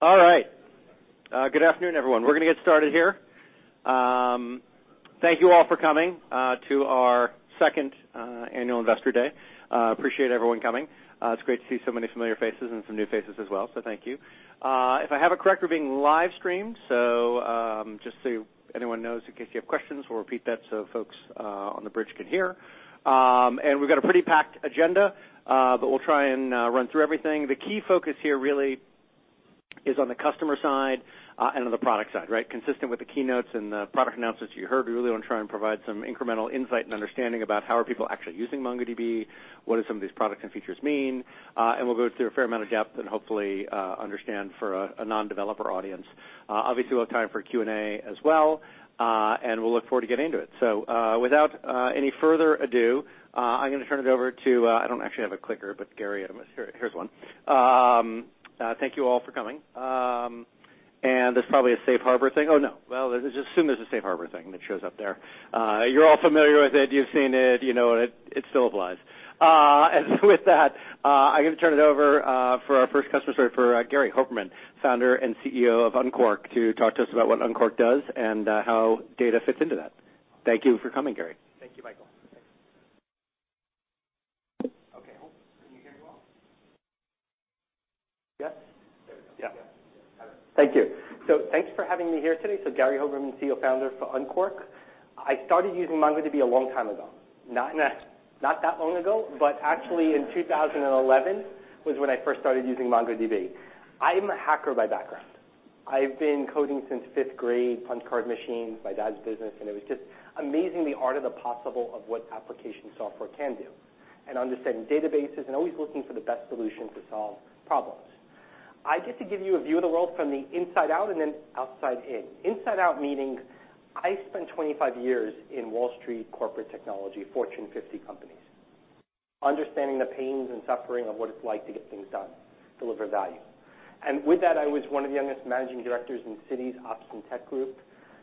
Good afternoon, everyone. We're going to get started here. Thank you all for coming to our second annual Investor Day. Appreciate everyone coming. It's great to see so many familiar faces and some new faces as well, so thank you. If I have it correct, we're being live-streamed, so just so anyone knows, in case you have questions, we'll repeat that so folks on the bridge can hear. We've got a pretty packed agenda, but we'll try and run through everything. The key focus here really is on the customer side and on the product side. Consistent with the keynotes and the product announcements you heard, we really want to try and provide some incremental insight and understanding about how are people actually using MongoDB, what do some of these products and features mean, and we'll go through a fair amount of depth and hopefully understand for a non-developer audience. Obviously, we'll have time for Q&A as well, and we'll look forward to getting into it. Without any further ado, I'm going to turn it over to I don't actually have a clicker, but Gary. Here's one. Thank you all for coming. This is probably a safe harbor thing. Oh, no. Well, just assume there's a safe harbor thing that shows up there. You're all familiar with it. You've seen it. You know it. It still applies. With that, I'm going to turn it over for our first customer story for Gary Hoberman, Founder and CEO of Unqork, to talk to us about what Unqork does and how data fits into that. Thank you for coming, Gary. Thank you, Michael. Okay. Can you hear me well? Yes? There we go. Yeah. Yeah. Got it. Thank you. Thanks for having me here today. Gary Hoberman, CEO, founder for Unqork. I started using MongoDB a long time ago. Not that long ago, but actually in 2011 was when I first started using MongoDB. I'm a hacker by background. I've been coding since fifth grade, punch card machines, my dad's business, and it was just amazing the art of the possible of what application software can do. Understanding databases and always looking for the best solution to solve problems. I get to give you a view of the world from the inside out and then outside in. Inside out meaning I spent 25 years in Wall Street corporate technology, Fortune 50 companies, understanding the pains and suffering of what it's like to get things done, deliver value. With that, I was one of the youngest managing directors in Citi's Ops and Tech group,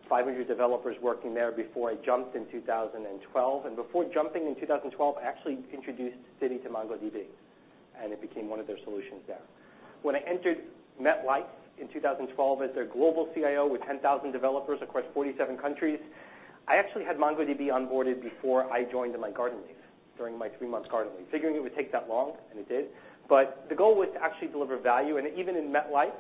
500 developers working there before I jumped in 2012. Before jumping in 2012, I actually introduced Citi to MongoDB, and it became one of their solutions there. When I entered MetLife in 2012 as their global CIO with 10,000 developers across 47 countries, I actually had MongoDB onboarded before I joined on my garden leave, during my three-month garden leave, figuring it would take that long, and it did. The goal was to actually deliver value. Even in MetLife,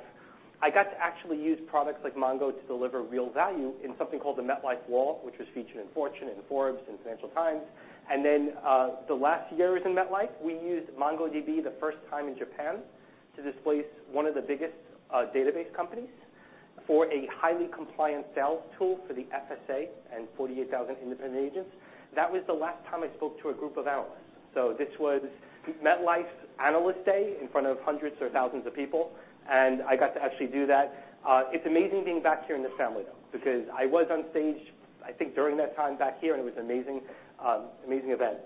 I got to actually use products like Mongo to deliver real value in something called The Wall, which was featured in Fortune and Forbes and Financial Times. The last years in MetLife, we used MongoDB the first time in Japan to displace one of the biggest database companies for a highly compliant sales tool for the FSA and 48,000 independent agents. That was the last time I spoke to a group of analysts. This was MetLife's Analyst Day in front of hundreds or thousands of people, and I got to actually do that. It's amazing being back here in this family though, because I was on stage, I think, during that time back here, and it was an amazing event.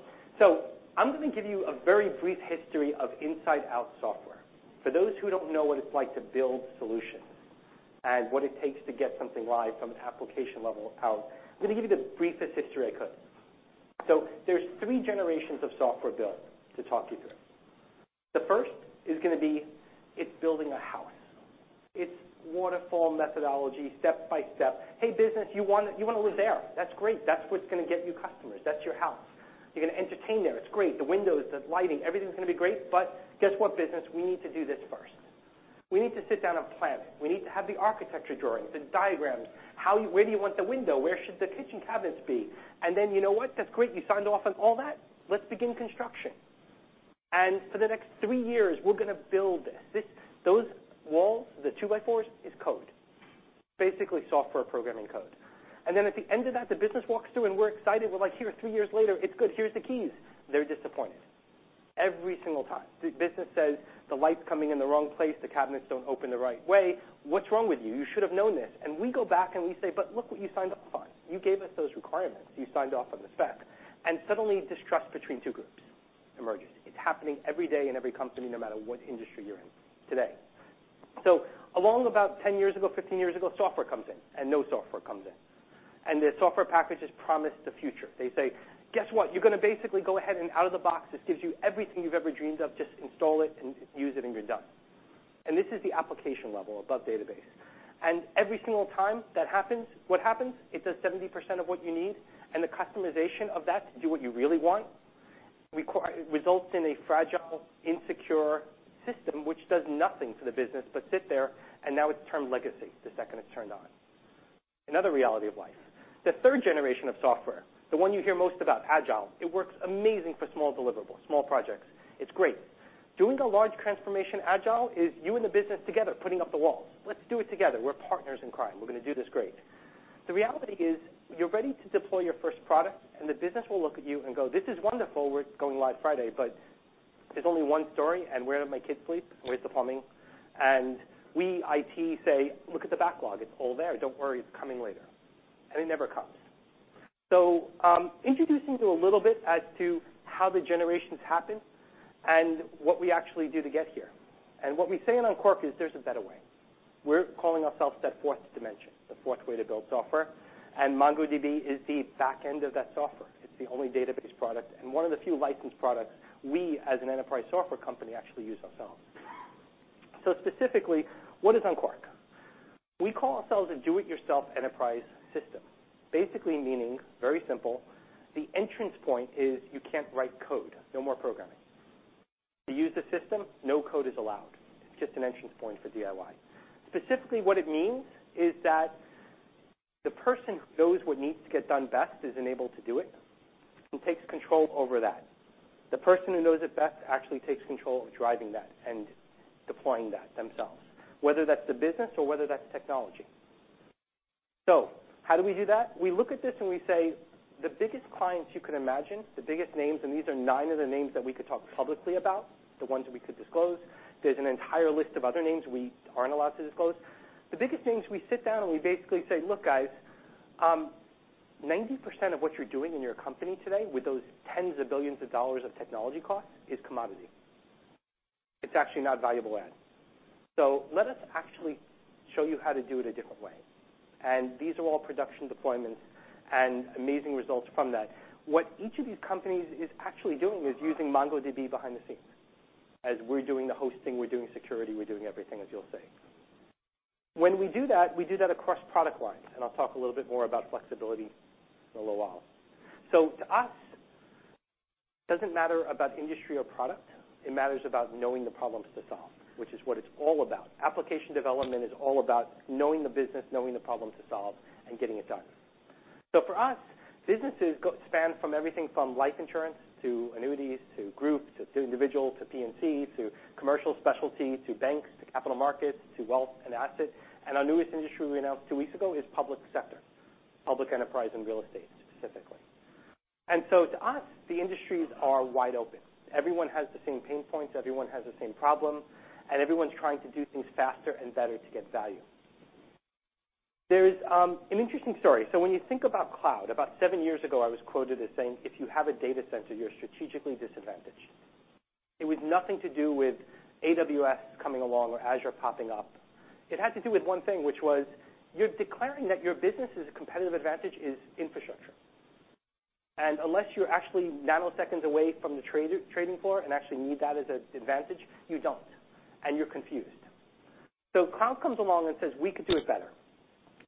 I'm going to give you a very brief history of inside out software. For those who don't know what it's like to build solutions and what it takes to get something live from an application level out, I'm going to give you the briefest history I could. There's three generations of software build to talk you through. The first is going to be, it's building a house. It's waterfall methodology, step by step. "Hey, business, you want to live there. That's great. That's what's going to get you customers. That's your house. You're going to entertain there. It's great. The windows, the lighting, everything's going to be great. Guess what, business? We need to do this first. We need to sit down and plan. We need to have the architecture drawings, the diagrams. Where do you want the window? Where should the kitchen cabinets be? You know what? That's great. You signed off on all that. Let's begin construction." For the next three years, we're going to build this. Those walls, the two-by-fours, is code. Basically, software programming code. At the end of that, the business walks through, and we're excited. We're like, "Here, three years later. It's good. Here's the keys." They're disappointed every single time. The business says, "The light's coming in the wrong place. The cabinets don't open the right way. What's wrong with you? You should have known this." We go back and we say, "Look what you signed off on. You gave us those requirements. You signed off on the spec." Suddenly, distrust between two groups emerges. It's happening every day in every company, no matter what industry you're in today. Along about 10 years ago, 15 years ago, software comes in, and NoSQL software comes in. The software packages promise the future. They say, "Guess what? You're going to basically go ahead and out of the box, this gives you everything you've ever dreamed of. Just install it and use it, you're done." This is the application level above database. Every single time that happens, what happens? It does 70% of what you need, and the customization of that to do what you really want, results in a fragile, insecure system which does nothing for the business but sit there, and now it's termed legacy the second it's turned on. Another reality of life. The third generation of software, the one you hear most about, agile. It works amazing for small deliverables, small projects. It's great. Doing a large transformation agile is you and the business together putting up the walls. Let's do it together. We're partners in crime. We're going to do this great. The reality is, you're ready to deploy your first product, the business will look at you and go, "This is wonderful. We're going live Friday, but there's only one story, and where do my kids sleep? Where's the plumbing?" We, IT, say, "Look at the backlog. It's all there. Don't worry. It's coming later." It never comes. Introducing to a little bit as to how the generations happen and what we actually do to get here. What we say in Unqork is there's a better way. We're calling ourselves that fourth dimension, the fourth way to build software, and MongoDB is the back end of that software. It's the only database product and one of the few licensed products we, as an enterprise software company, actually use ourselves. Specifically, what is Unqork? We call ourselves a do-it-yourself enterprise system, basically meaning, very simple, the entrance point is you can't write code. No more programming. To use the system, no code is allowed. It's just an entrance point for DIY. Specifically, what it means is that the person who knows what needs to get done best is enabled to do it and takes control over that. The person who knows it best actually takes control of driving that and deploying that themselves, whether that's the business or whether that's technology. How do we do that? We look at this and we say the biggest clients you could imagine, the biggest names, and these are nine of the names that we could talk publicly about, the ones that we could disclose. There's an entire list of other names we aren't allowed to disclose. The biggest names, we sit down and we basically say, "Look, guys, 90% of what you're doing in your company today with those tens of billions of dollars of technology costs is commodity. It's actually not valuable add. Let us actually show you how to do it a different way." These are all production deployments and amazing results from that. What each of these companies is actually doing is using MongoDB behind the scenes as we're doing the hosting, we're doing security, we're doing everything, as you'll see. When we do that, we do that across product lines, and I'll talk a little bit more about flexibility in a little while. To us, it doesn't matter about industry or product. It matters about knowing the problems to solve, which is what it's all about. Application development is all about knowing the business, knowing the problem to solve, and getting it done. For us, businesses span from everything from life insurance to annuities to groups, to individuals, to P&C, to commercial specialty, to banks, to capital markets, to wealth and assets. Our newest industry we announced two weeks ago is public sector, public enterprise and real estate specifically. To us, the industries are wide open. Everyone has the same pain points, everyone has the same problem, and everyone's trying to do things faster and better to get value. There's an interesting story. When you think about cloud, about seven years ago, I was quoted as saying, "If you have a data center, you're strategically disadvantaged." It was nothing to do with AWS coming along or Azure popping up. It had to do with one thing, which was you're declaring that your business's competitive advantage is infrastructure. Unless you're actually nanoseconds away from the trading floor and actually need that as an advantage, you don't, and you're confused. Cloud comes along and says, "We could do it better.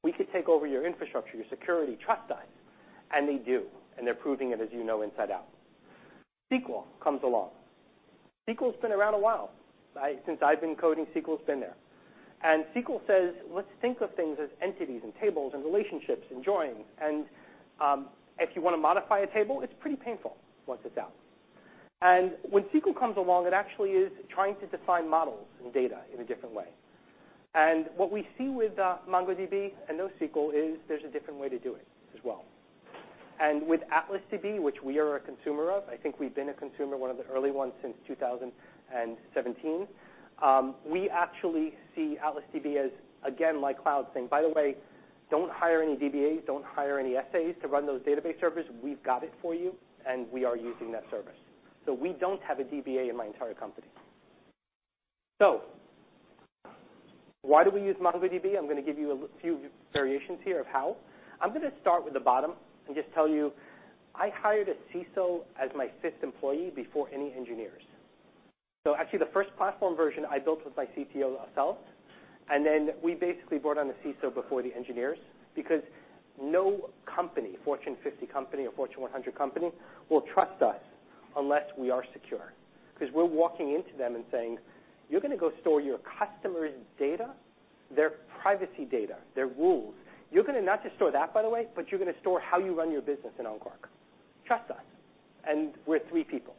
We could take over your infrastructure, your security, trust us." They do, and they're proving it as you know, inside out. SQL comes along. SQL's been around a while. Since I've been coding, SQL's been there. SQL says, let's think of things as entities and tables and relationships and joins. If you want to modify a table, it's pretty painful once it's out. When SQL comes along, it actually is trying to define models and data in a different way. What we see with MongoDB and NoSQL is there's a different way to do it as well. With Atlas DB, which we are a consumer of, I think we've been a consumer, one of the early ones since 2017, we actually see Atlas DB as, again, like cloud saying, "By the way, don't hire any DBAs, don't hire any SAs to run those database servers. We've got it for you," and we are using that service. We don't have a DBA in my entire company. Why do we use MongoDB? I'm going to give you a few variations here of how. I'm going to start with the bottom and just tell you, I hired a CISO as my fifth employee before any engineers. Actually, the first platform version I built with my CTO ourselves, and then we basically brought on a CISO before the engineers, because no company, Fortune 50 company or Fortune 100 company, will trust us unless we are secure. We're walking into them and saying, "You're going to go store your customers' data, their privacy data, their rules. You're going to not just store that, by the way, but you're going to store how you run your business in Unqork. Trust us." We're three people.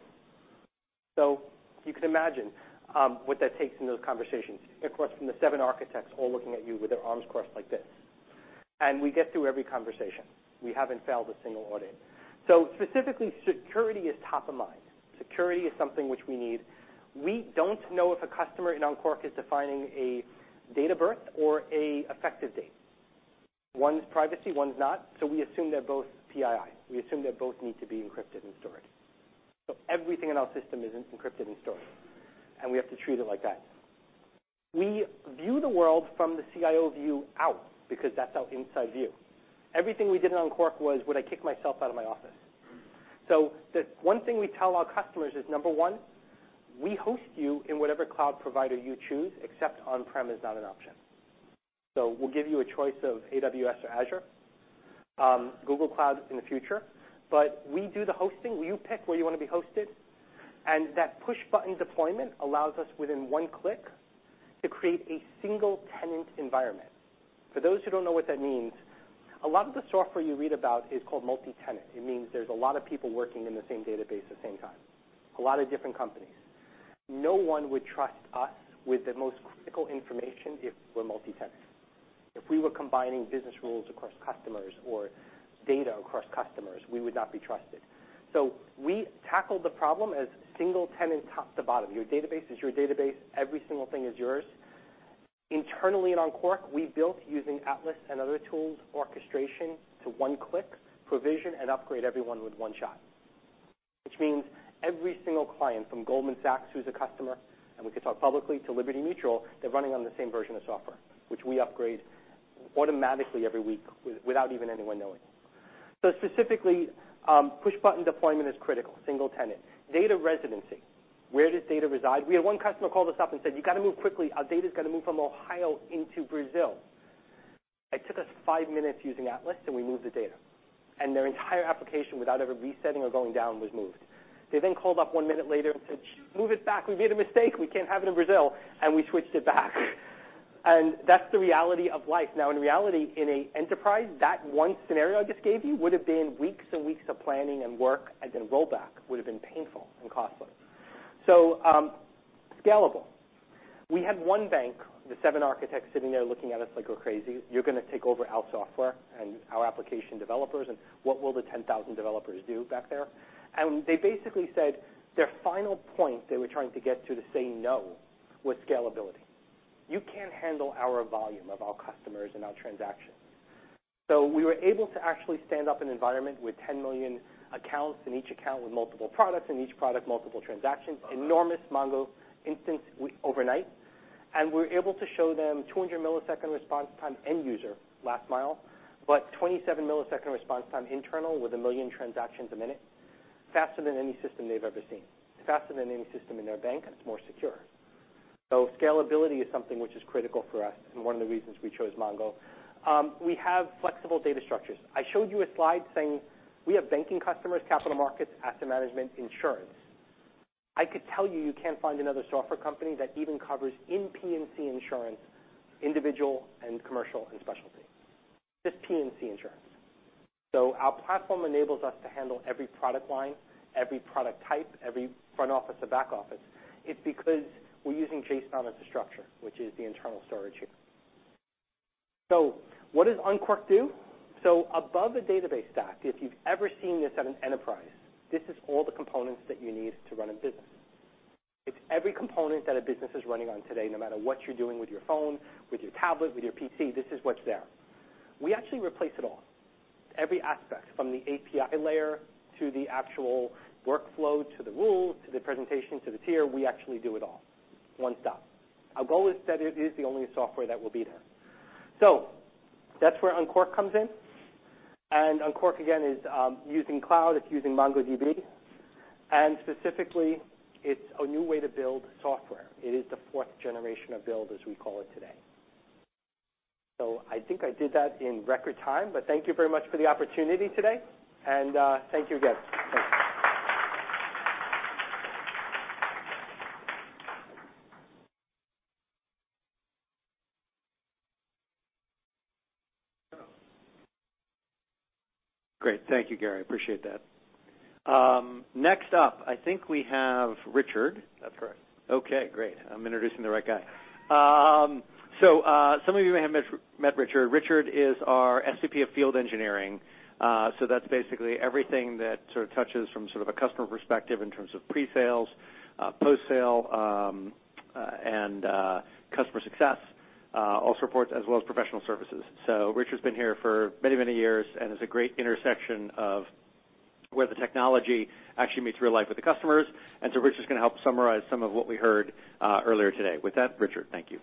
You can imagine what that takes in those conversations. Of course, from the seven architects all looking at you with their arms crossed like this. We get through every conversation. We haven't failed a single audit. Specifically, security is top of mind. Security is something which we need. We don't know if a customer in Unqork is defining a date of birth or a effective date. One's privacy, one's not, so we assume they're both PII. We assume they both need to be encrypted and stored. Everything in our system is encrypted and stored, and we have to treat it like that. We view the world from the CIO view out because that's our inside view. Everything we did in Unqork was, would I kick myself out of my office? The one thing we tell our customers is, number one, we host you in whatever cloud provider you choose, except on-prem is not an option. We'll give you a choice of AWS or Azure, Google Cloud in the future, but we do the hosting. You pick where you want to be hosted, and that push-button deployment allows us within one click to create a single-tenant environment. For those who don't know what that means, a lot of the software you read about is called multi-tenant. It means there's a lot of people working in the same database at the same time, a lot of different companies. No one would trust us with their most critical information if we're multi-tenant. If we were combining business rules across customers or data across customers, we would not be trusted. We tackled the problem as single-tenant, top to bottom. Your database is your database. Every single thing is yours. Internally in Unqork, we built using Atlas and other tools, orchestration to one-click provision and upgrade everyone with one shot. Every single client from Goldman Sachs, who's a customer, and we could talk publicly to Liberty Mutual, they're running on the same version of software, which we upgrade automatically every week without even anyone knowing. Specifically, push-button deployment is critical, single-tenant. Data residency, where does data reside? We had one customer call us up and said, "You got to move quickly. Our data's got to move from Ohio into Brazil." It took us five minutes using Atlas, we moved the data. Their entire application, without ever resetting or going down, was moved. They then called up one minute later and said, "Move it back. We made a mistake. We can't have it in Brazil," we switched it back. That's the reality of life. Now, in reality, in an enterprise, that one scenario I just gave you would've been weeks and weeks of planning and work, rollback would've been painful and costly. Scalable. We had one bank with seven architects sitting there looking at us like we're crazy. You're going to take over our software and our application developers, what will the 10,000 developers do back there?" They basically said their final point they were trying to get to say no was scalability. "You can't handle our volume of our customers and our transactions." We were able to actually stand up an environment with 10 million accounts in each account with multiple products, in each product, multiple transactions- Wow. enormous Mongo instance overnight, we were able to show them 200-millisecond response time end user last mile, 27-millisecond response time internal with a million transactions a minute, faster than any system they've ever seen. Faster than any system in their bank, it's more secure. Scalability is something which is critical for us and one of the reasons we chose Mongo. We have flexible data structures. I showed you a slide saying we have banking customers, capital markets, asset management, insurance. I could tell you can't find another software company that even covers in P&C insurance, individual and commercial and specialty. Just P&C insurance. Our platform enables us to handle every product line, every product type, every front office to back office. It's because we're using JSON as a structure, which is the internal storage here. What does Unqork do? Above a database stack, if you've ever seen this at an enterprise, this is all the components that you need to run a business. It's every component that a business is running on today, no matter what you're doing with your phone, with your tablet, with your PC, this is what's there. We actually replace it all. Every aspect from the API layer to the actual workflow, to the rules, to the presentation, to the tier, we actually do it all. One stop. Our goal is that it is the only software that will be there. That's where Unqork comes in. Unqork, again, is using cloud. It's using MongoDB, and specifically, it's a new way to build software. It is the fourth generation of build, as we call it today. I think I did that in record time, but thank you very much for the opportunity today, and thank you again. Great. Thank you, Gary. Appreciate that. Next up, I think we have Richard. That's correct. Okay, great. I'm introducing the right guy. Some of you may have met Richard. Richard is our SVP of field engineering. That's basically everything that sort of touches from sort of a customer perspective in terms of pre-sales, post-sale, and customer success, all support as well as professional services. Richard's been here for many, many years and is a great intersection of where the technology actually meets real life with the customers. Richard's going to help summarize some of what we heard earlier today. With that, Richard, thank you.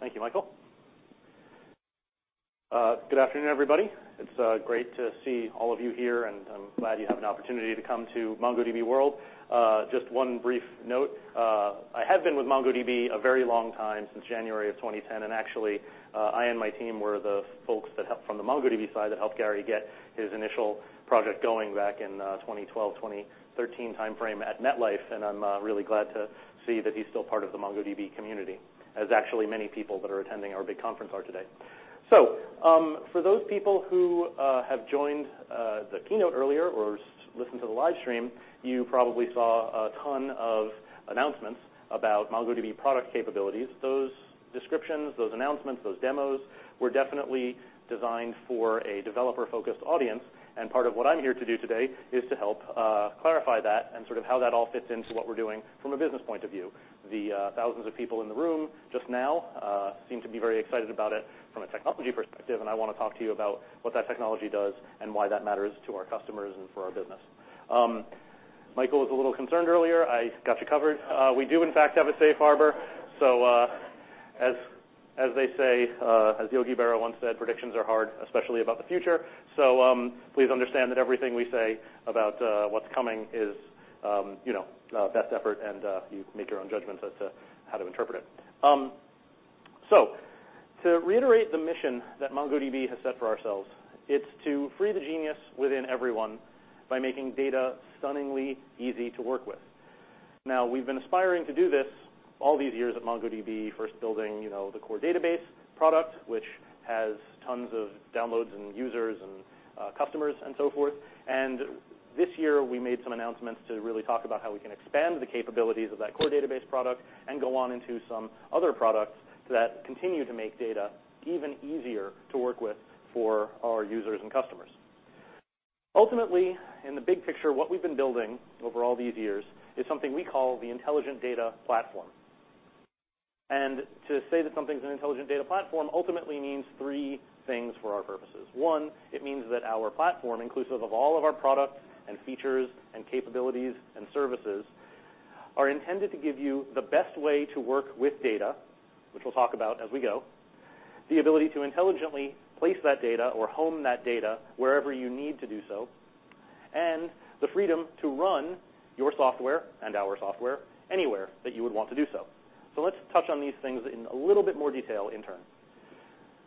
Thank you, Michael. Good afternoon, everybody. It's great to see all of you here, and I'm glad you have an opportunity to come to MongoDB World. Just one brief note. I have been with MongoDB a very long time, since January of 2010, and actually, I and my team were the folks from the MongoDB side that helped Gary get his initial project going back in 2012, 2013 timeframe at MetLife, and I'm really glad to see that he's still part of the MongoDB community, as actually many people that are attending our big conference are today. For those people who have joined the keynote earlier or listened to the live stream, you probably saw a ton of announcements about MongoDB product capabilities. Those descriptions, those announcements, those demos were definitely designed for a developer-focused audience, and part of what I'm here to do today is to help clarify that and sort of how that all fits into what we're doing from a business point of view. The thousands of people in the room just now seem to be very excited about it from a technology perspective, and I want to talk to you about what that technology does and why that matters to our customers and for our business. Michael was a little concerned earlier. I got you covered. We do in fact have a safe harbor. As they say, as Yogi Berra once said, "Predictions are hard, especially about the future." Please understand that everything we say about what's coming is best effort and you make your own judgment as to how to interpret it. To reiterate the mission that MongoDB has set for ourselves, it's to free the genius within everyone by making data stunningly easy to work with. Now, we've been aspiring to do this all these years at MongoDB. First building the core database product, which has tons of downloads and users and customers and so forth. This year, we made some announcements to really talk about how we can expand the capabilities of that core database product and go on into some other products that continue to make data even easier to work with for our users and customers. Ultimately, in the big picture, what we've been building over all these years is something we call the intelligent data platform. To say that something's an intelligent data platform ultimately means three things for our purposes. It means that our platform, inclusive of all of our products and features and capabilities and services, are intended to give you the best way to work with data, which we'll talk about as we go, the ability to intelligently place that data or home that data wherever you need to do so, and the freedom to run your software and our software anywhere that you would want to do so. Let's touch on these things in a little bit more detail in turn.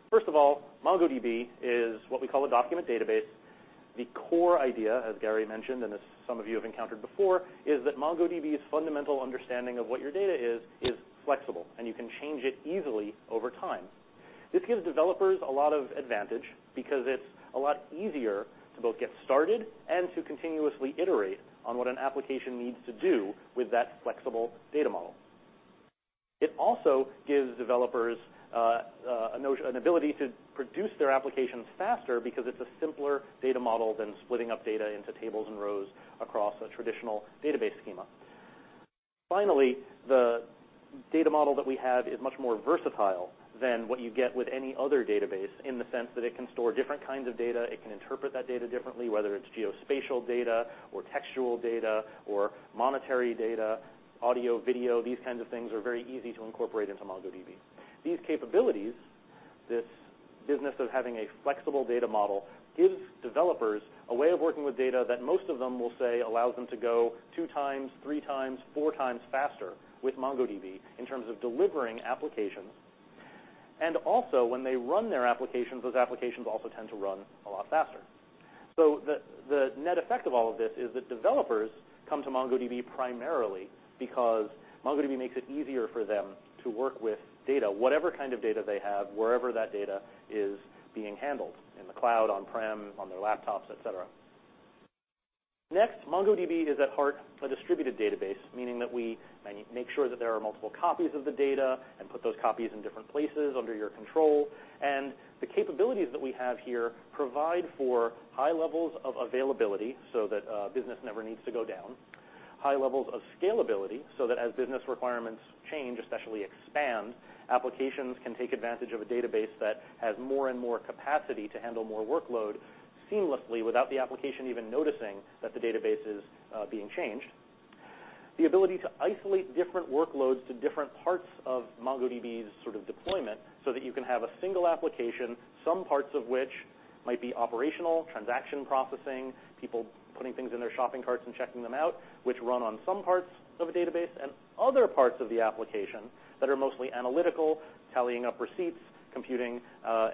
First of all, MongoDB is what we call a document database. The core idea, as Gary mentioned, and as some of you have encountered before, is that MongoDB's fundamental understanding of what your data is flexible, and you can change it easily over time. This gives developers a lot of advantage because it's a lot easier to both get started and to continuously iterate on what an application needs to do with that flexible data model. It also gives developers an ability to produce their applications faster because it's a simpler data model than splitting up data into tables and rows across a traditional database schema. Finally, the data model that we have is much more versatile than what you get with any other database in the sense that it can store different kinds of data, it can interpret that data differently, whether it's geospatial data or textual data or monetary data, audio, video. These kinds of things are very easy to incorporate into MongoDB. These capabilities, this business of having a flexible data model, gives developers a way of working with data that most of them will say allows them to go two times, three times, four times faster with MongoDB in terms of delivering applications. Also, when they run their applications, those applications also tend to run a lot faster. The net effect of all of this is that developers come to MongoDB primarily because MongoDB makes it easier for them to work with data, whatever kind of data they have, wherever that data is being handled, in the cloud, on-prem, on their laptops, et cetera. Next, MongoDB is at heart a distributed database, meaning that we make sure that there are multiple copies of the data and put those copies in different places under your control. The capabilities that we have here provide for high levels of availability so that a business never needs to go down. High levels of scalability so that as business requirements change, especially expand, applications can take advantage of a database that has more and more capacity to handle more workload seamlessly without the application even noticing that the database is being changed. The ability to isolate different workloads to different parts of MongoDB's sort of deployment so that you can have a single application, some parts of which might be operational, transaction processing, people putting things in their shopping carts and checking them out, which run on some parts of a database. Other parts of the application that are mostly analytical, tallying up receipts, computing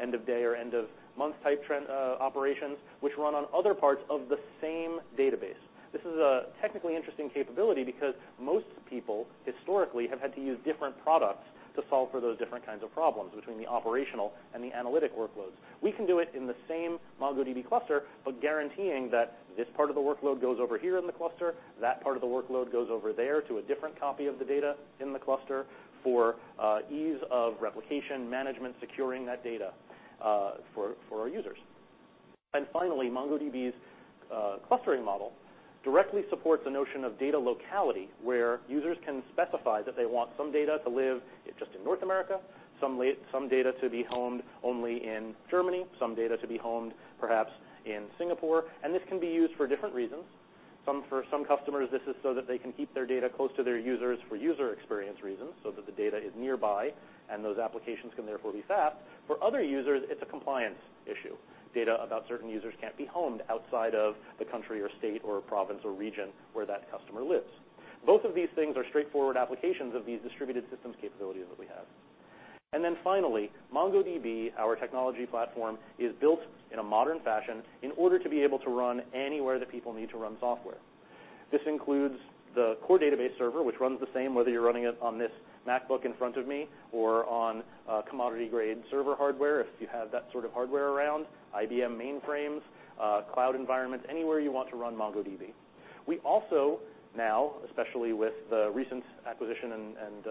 end-of-day or end-of-month type trend operations, which run on other parts of the same database. This is a technically interesting capability because most people historically have had to use different products to solve for those different kinds of problems between the operational and the analytic workloads. We can do it in the same MongoDB cluster, but guaranteeing that this part of the workload goes over here in the cluster, that part of the workload goes over there to a different copy of the data in the cluster for ease of replication, management, securing that data, for our users. Finally, MongoDB's clustering model directly supports the notion of data locality, where users can specify that they want some data to live just in North America, some data to be homed only in Germany, some data to be homed, perhaps, in Singapore. This can be used for different reasons. For some customers, this is so that they can keep their data close to their users for user experience reasons, so that the data is nearby and those applications can therefore be fast. For other users, it's a compliance issue. Data about certain users can't be homed outside of the country or state or province or region where that customer lives. Both of these things are straightforward applications of these distributed systems capabilities that we have. Finally, MongoDB, our technology platform, is built in a modern fashion in order to be able to run anywhere that people need to run software. This includes the core database server, which runs the same whether you're running it on this MacBook in front of me or on commodity-grade server hardware, if you have that sort of hardware around, IBM mainframes, cloud environments, anywhere you want to run MongoDB. We also now, especially with the recent acquisition and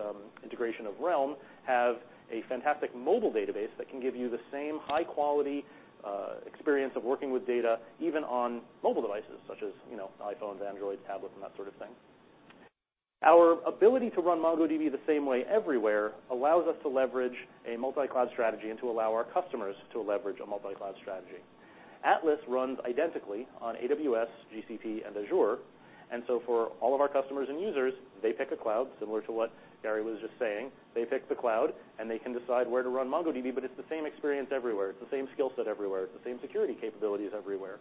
integration of Realm, have a fantastic mobile database that can give you the same high-quality experience of working with data even on mobile devices such as iPhones, Androids, tablets, and that sort of thing. Our ability to run MongoDB the same way everywhere allows us to leverage a multi-cloud strategy and to allow our customers to leverage a multi-cloud strategy. Atlas runs identically on AWS, GCP, and Azure. For all of our customers and users, they pick a cloud, similar to what Gary was just saying. They pick the cloud and they can decide where to run MongoDB, but it's the same experience everywhere. It's the same skill set everywhere. It's the same security capabilities everywhere.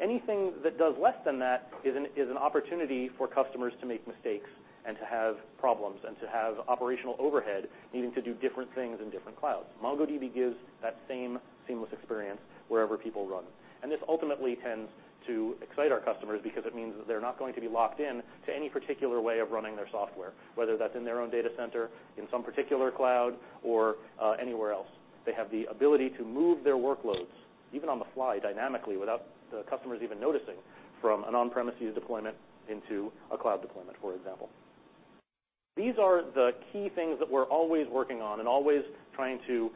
Anything that does less than that is an opportunity for customers to make mistakes and to have problems and to have operational overhead needing to do different things in different clouds. MongoDB gives that same seamless experience wherever people run. This ultimately tends to excite our customers because it means that they're not going to be locked in to any particular way of running their software, whether that's in their own data center, in some particular cloud, or anywhere else. They have the ability to move their workloads, even on the fly, dynamically, without the customers even noticing, from an on-premises deployment into a cloud deployment, for example. These are the key things that we're always working on and always trying to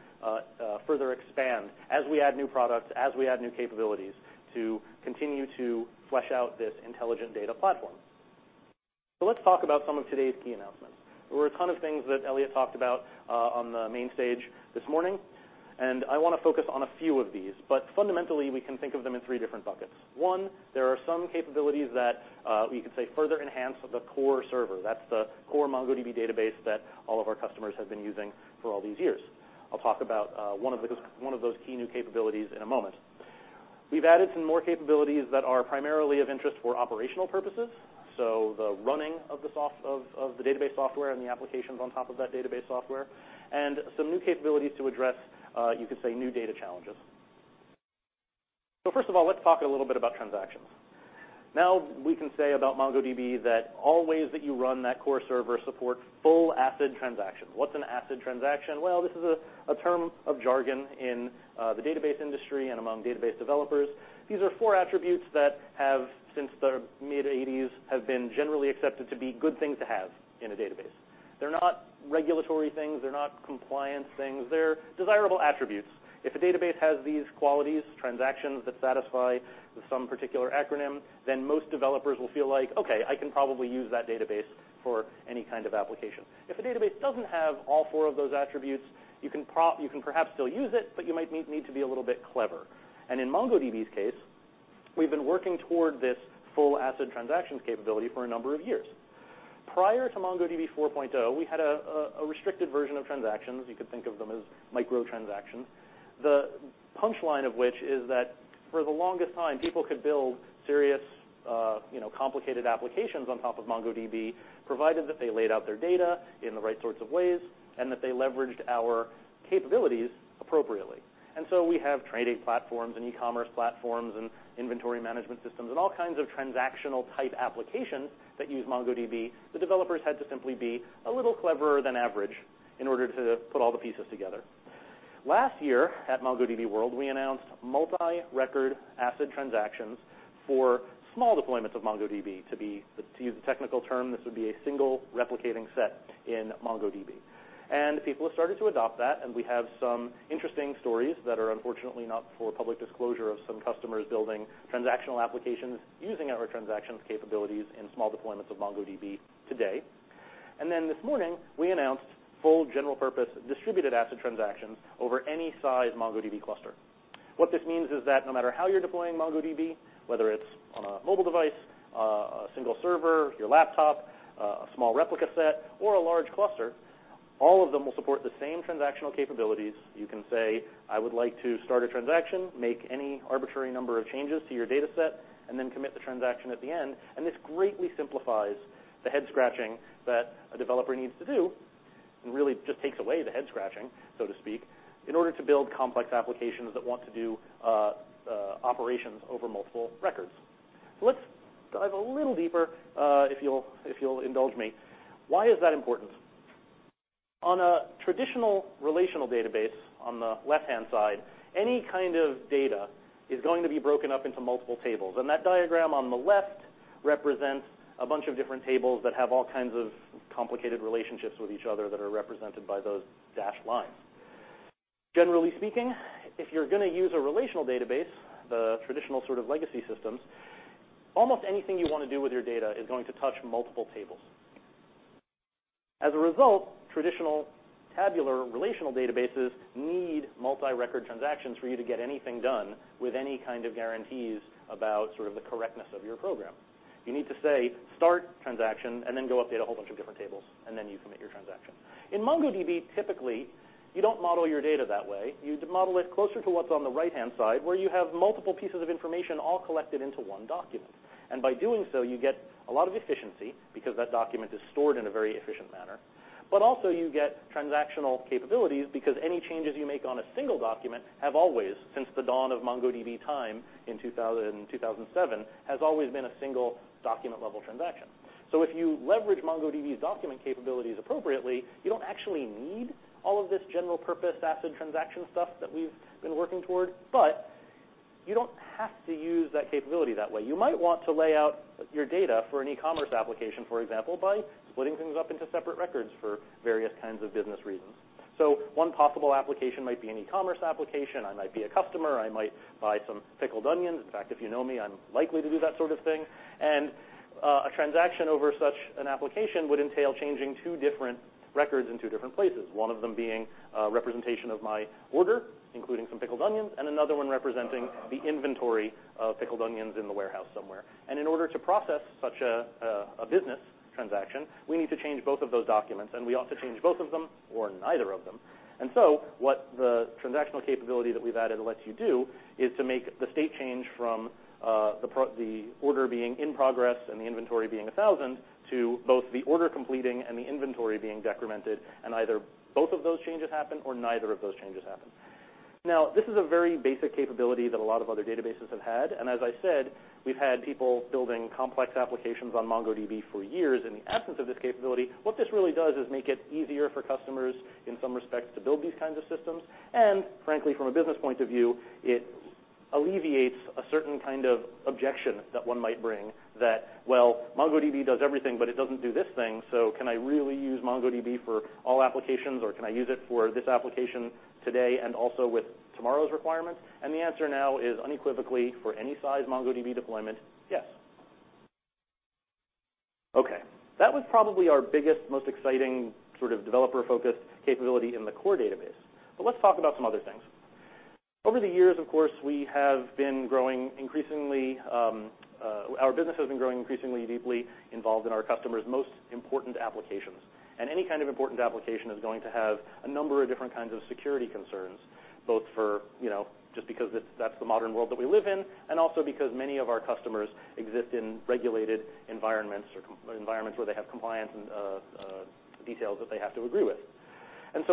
further expand as we add new products, as we add new capabilities to continue to flesh out this intelligent data platform. Let's talk about some of today's key announcements. There were a ton of things that Eliot talked about on the main stage this morning, and I want to focus on a few of these, but fundamentally, we can think of them in three different buckets. One, there are some capabilities that we could say further enhance the core server. That's the core MongoDB database that all of our customers have been using for all these years. I'll talk about one of those key new capabilities in a moment. We've added some more capabilities that are primarily of interest for operational purposes, so the running of the database software and the applications on top of that database software, and some new capabilities to address, you could say, new data challenges. First of all, let's talk a little bit about transactions. Now, we can say about MongoDB that all ways that you run that core server support full ACID transactions. What's an ACID transaction? Well, this is a term of jargon in the database industry and among database developers. These are four attributes that, since the mid-'80s, have been generally accepted to be good things to have in a database. They're not regulatory things. They're not compliance things. They're desirable attributes. If a database has these qualities, transactions that satisfy some particular acronym, then most developers will feel like, "Okay, I can probably use that database for any kind of application." If a database doesn't have all four of those attributes, you can perhaps still use it, but you might need to be a little bit clever. In MongoDB's case, we've been working toward this full ACID transactions capability for a number of years. Prior to MongoDB 4.0, we had a restricted version of transactions. You could think of them as micro-transactions. The punchline of which is that for the longest time, people could build serious, complicated applications on top of MongoDB, provided that they laid out their data in the right sorts of ways and that they leveraged our capabilities appropriately. We have trading platforms and e-commerce platforms and inventory management systems and all kinds of transactional-type applications that use MongoDB. The developers had to simply be a little cleverer than average in order to put all the pieces together. Last year at MongoDB World, we announced multi-record ACID transactions for small deployments of MongoDB. To use the technical term, this would be a single replicating set in MongoDB. People have started to adopt that, and we have some interesting stories that are unfortunately not for public disclosure of some customers building transactional applications using our transactions capabilities in small deployments of MongoDB today. This morning, we announced full general purpose distributed ACID transactions over any size MongoDB cluster. What this means is that no matter how you're deploying MongoDB, whether it's on a mobile device, a single server, your laptop, a small replica set, or a large cluster, all of them will support the same transactional capabilities. You can say, I would like to start a transaction, make any arbitrary number of changes to your data set, then commit the transaction at the end. This greatly simplifies the head-scratching that a developer needs to do and really just takes away the head-scratching, so to speak, in order to build complex applications that want to do operations over multiple records. Let's dive a little deeper, if you'll indulge me. Why is that important? On a traditional relational database on the left-hand side, any kind of data is going to be broken up into multiple tables, that diagram on the left represents a bunch of different tables that have all kinds of complicated relationships with each other that are represented by those dashed lines. Generally speaking, if you're going to use a relational database, the traditional sort of legacy systems, almost anything you want to do with your data is going to touch multiple tables. As a result, traditional tabular relational databases need multi-record transactions for you to get anything done with any kind of guarantees about sort of the correctness of your program. You need to say, "Start transaction," then go update a whole bunch of different tables, then you commit your transaction. In MongoDB, typically, you don't model your data that way. You model it closer to what's on the right-hand side, where you have multiple pieces of information all collected into one document. By doing so, you get a lot of efficiency because that document is stored in a very efficient manner. Also you get transactional capabilities because any changes you make on a single document have always, since the dawn of MongoDB time in 2007, has always been a single document-level transaction. If you leverage MongoDB's document capabilities appropriately, you don't actually need all of this general purpose ACID transaction stuff that we've been working toward, you don't have to use that capability that way. You might want to lay out your data for an e-commerce application, for example, by splitting things up into separate records for various kinds of business reasons. One possible application might be an e-commerce application. I might be a customer. I might buy some pickled onions. In fact, if you know me, I'm likely to do that sort of thing. A transaction over such an application would entail changing two different records in two different places. One of them being a representation of my order, including some pickled onions, another one representing the inventory of pickled onions in the warehouse somewhere. In order to process such a business transaction, we need to change both of those documents, we ought to change both of them or neither of them. What the transactional capability that we've added lets you do is to make the state change from the order being in progress and the inventory being 1,000 to both the order completing and the inventory being decremented, either both of those changes happen or neither of those changes happen. This is a very basic capability that a lot of other databases have had. As I said, we've had people building complex applications on MongoDB for years in the absence of this capability. What this really does is make it easier for customers, in some respects, to build these kinds of systems. Frankly, from a business point of view, it alleviates a certain kind of objection that one might bring that, "Well, MongoDB does everything, but it doesn't do this thing, so can I really use MongoDB for all applications, or can I use it for this application today and also with tomorrow's requirements?" The answer now is unequivocally, for any size MongoDB deployment, yes. That was probably our biggest, most exciting sort of developer-focused capability in the core database. Let's talk about some other things. Over the years, of course, our business has been growing increasingly deeply involved in our customers' most important applications. Any kind of important application is going to have a number of different kinds of security concerns, both for just because that's the modern world that we live in, also because many of our customers exist in regulated environments or environments where they have compliance and details that they have to agree with.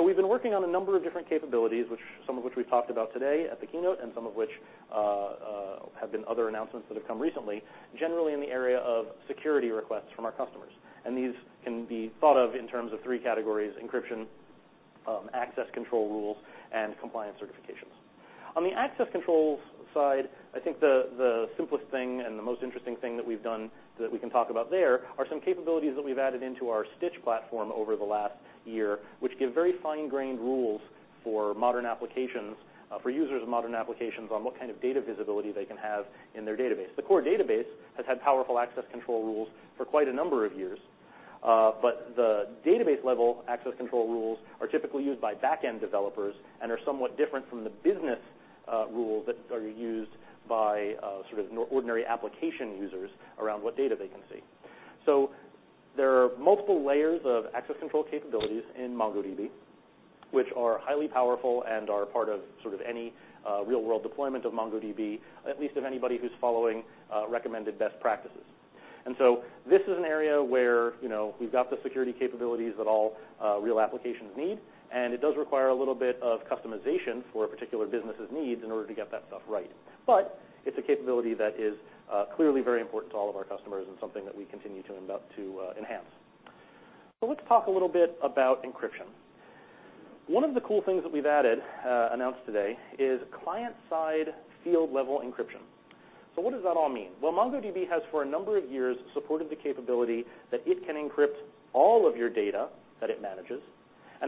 We've been working on a number of different capabilities, some of which we've talked about today at the keynote and some of which have been other announcements that have come recently, generally in the area of security requests from our customers. These can be thought of in terms of 3 categories, encryption, access control rules, and compliance certifications. On the access control side, I think the simplest thing and the most interesting thing that we've done that we can talk about there are some capabilities that we've added into our Stitch platform over the last year, which give very fine-grained rules for users of modern applications on what kind of data visibility they can have in their database. The core database has had powerful access control rules for quite a number of years. The database-level access control rules are typically used by back-end developers and are somewhat different from the business rules that are used by sort of ordinary application users around what data they can see. There are multiple layers of access control capabilities in MongoDB, which are highly powerful and are part of any real-world deployment of MongoDB, at least of anybody who's following recommended best practices. This is an area where we've got the security capabilities that all real applications need, and it does require a little bit of customization for a particular business's needs in order to get that stuff right. It's a capability that is clearly very important to all of our customers and something that we continue to enhance. Let's talk a little bit about encryption. One of the cool things that we've added, announced today, is client-side field-level encryption. What does that all mean? Well, MongoDB has, for a number of years, supported the capability that it can encrypt all of your data that it manages.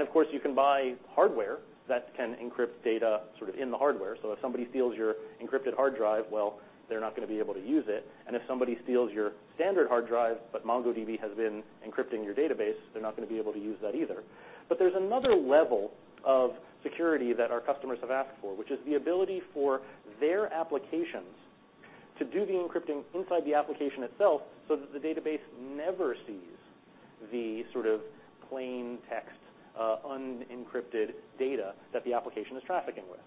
Of course, you can buy hardware that can encrypt data sort of in the hardware. If somebody steals your encrypted hard drive, well, they're not going to be able to use it. If somebody steals your standard hard drive, but MongoDB has been encrypting your database, they're not going to be able to use that either. There's another level of security that our customers have asked for, which is the ability for their applications to do the encrypting inside the application itself so that the database never sees the sort of plain text, unencrypted data that the application is trafficking with.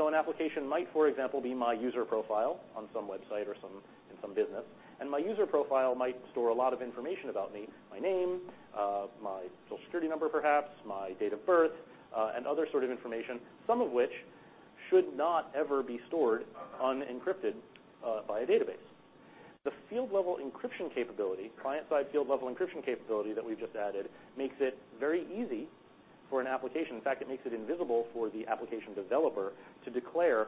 An application might, for example, be my user profile on some website or in some business, and my user profile might store a lot of information about me, my name, my social security number perhaps, my date of birth, and other sort of information, some of which should not ever be stored unencrypted by a database. The field-level encryption capability, client-side field-level encryption capability that we've just added makes it very easy for an application. In fact, it makes it invisible for the application developer to declare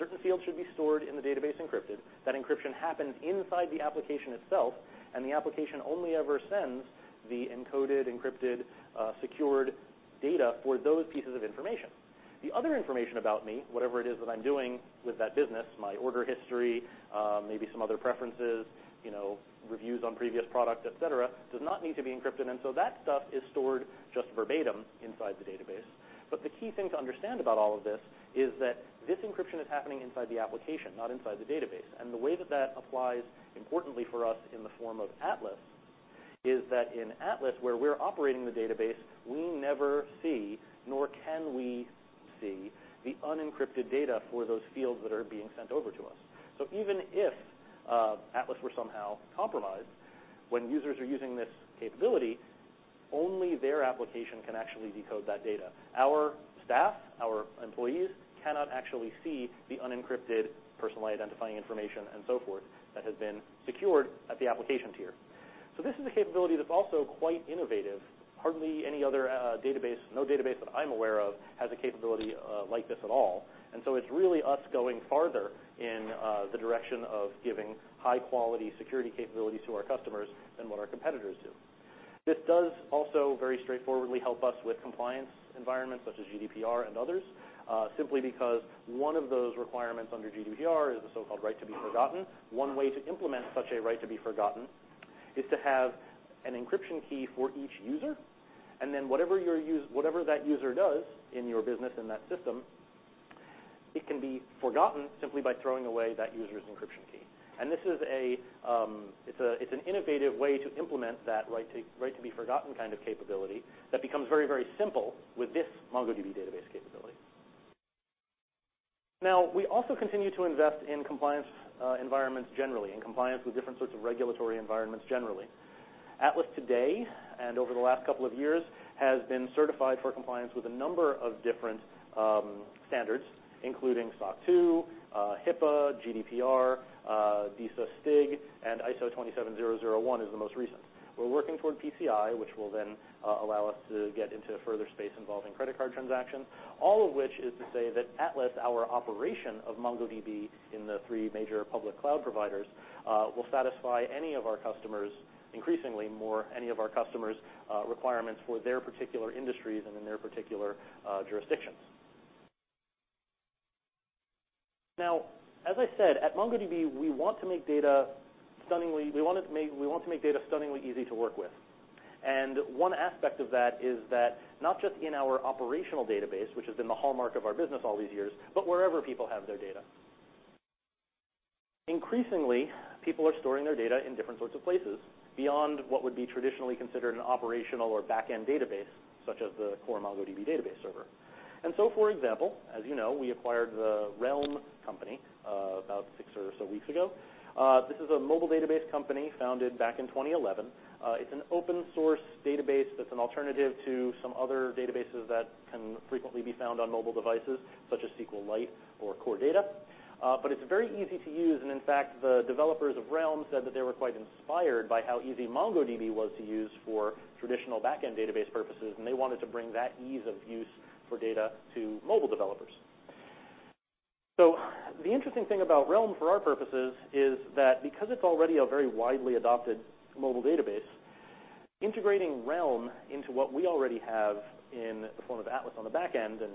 certain fields should be stored in the database encrypted. That encryption happens inside the application itself, and the application only ever sends the encoded, encrypted, secured data for those pieces of information. The other information about me, whatever it is that I'm doing with that business, my order history, maybe some other preferences, reviews on previous product, et cetera, does not need to be encrypted. That stuff is stored just verbatim inside the database. The key thing to understand about all of this is that this encryption is happening inside the application, not inside the database. The way that that applies importantly for us in the form of Atlas is that in Atlas, where we're operating the database, we never see, nor can we see, the unencrypted data for those fields that are being sent over to us. Even if Atlas were somehow compromised, when users are using this capability, only their application can actually decode that data. Our staff, our employees cannot actually see the unencrypted personally identifying information and so forth that has been secured at the application tier. This is a capability that's also quite innovative. Hardly any other database, no database that I'm aware of, has a capability like this at all. It's really us going farther in the direction of giving high-quality security capabilities to our customers than what our competitors do. This does also very straightforwardly help us with compliance environments such as GDPR and others, simply because one of those requirements under GDPR is the so-called right to be forgotten. One way to implement such a right to be forgotten is to have an encryption key for each user, and then whatever that user does in your business in that system, it can be forgotten simply by throwing away that user's encryption key. It's an innovative way to implement that right to be forgotten kind of capability that becomes very, very simple with this MongoDB database capability. Now, we also continue to invest in compliance environments generally, in compliance with different sorts of regulatory environments generally. Atlas today, and over the last couple of years, has been certified for compliance with a number of different standards, including SOC 2, HIPAA, GDPR, DISA STIG, and ISO 27001 is the most recent. We're working toward PCI, which will allow us to get into further space involving credit card transactions. All of which is to say that Atlas, our operation of MongoDB in the three major public cloud providers, will satisfy any of our customers, increasingly more any of our customers' requirements for their particular industries and in their particular jurisdictions. As I said, at MongoDB, we want to make data stunningly easy to work with. One aspect of that is that not just in our operational database, which has been the hallmark of our business all these years, but wherever people have their data. Increasingly, people are storing their data in different sorts of places beyond what would be traditionally considered an operational or back-end database, such as the core MongoDB database server. For example, as you know, we acquired the Realm company about six or so weeks ago. This is a mobile database company founded back in 2011. It's an open-source database that's an alternative to some other databases that can frequently be found on mobile devices, such as SQLite or Core Data. It's very easy to use, and in fact, the developers of Realm said that they were quite inspired by how easy MongoDB was to use for traditional back-end database purposes, and they wanted to bring that ease of use for data to mobile developers. The interesting thing about Realm, for our purposes, is that because it's already a very widely adopted mobile database, integrating Realm into what we already have in the form of Atlas on the back end and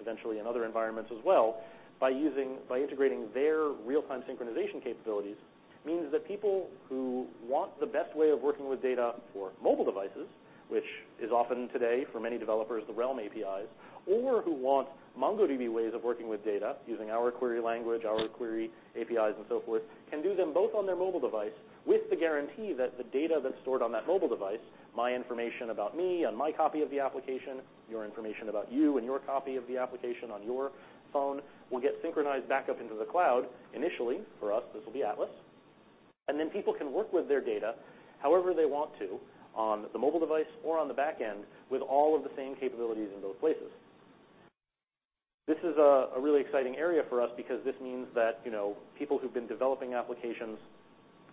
eventually in other environments as well by integrating their real-time synchronization capabilities, means that people who want the best way of working with data for mobile devices, which is often today, for many developers, the Realm APIs, or who want MongoDB ways of working with data using our query language, our query APIs, and so forth, can do them both on their mobile device with the guarantee that the data that's stored on that mobile device, my information about me on my copy of the application, your information about you and your copy of the application on your phone, will get synchronized back up into the cloud. Initially, for us, this will be Atlas. People can work with their data however they want to on the mobile device or on the back end with all of the same capabilities in both places. This is a really exciting area for us because this means that people who've been developing applications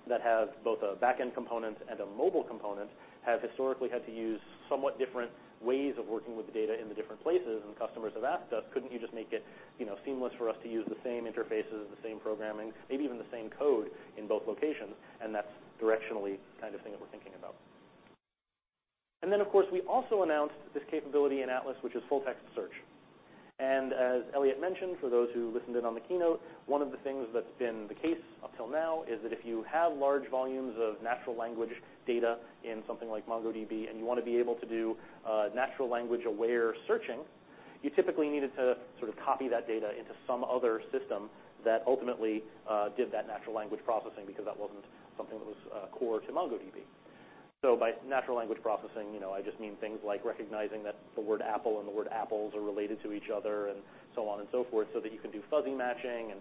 that have both a back-end component and a mobile component have historically had to use somewhat different ways of working with the data in the different places. Customers have asked us, "Couldn't you just make it seamless for us to use the same interfaces, the same programming, maybe even the same code in both locations?" That's directionally the kind of thing that we're thinking about. Of course, we also announced this capability in Atlas, which is full-text search. As Eliot mentioned, for those who listened in on the keynote, one of the things that's been the case until now is that if you have large volumes of natural language data in something like MongoDB, and you want to be able to do natural language-aware searching, you typically needed to sort of copy that data into some other system that ultimately did that natural language processing because that wasn't something that was core to MongoDB. By natural language processing, I just mean things like recognizing that the word apple and the word apples are related to each other and so on and so forth, so that you can do fuzzy matching and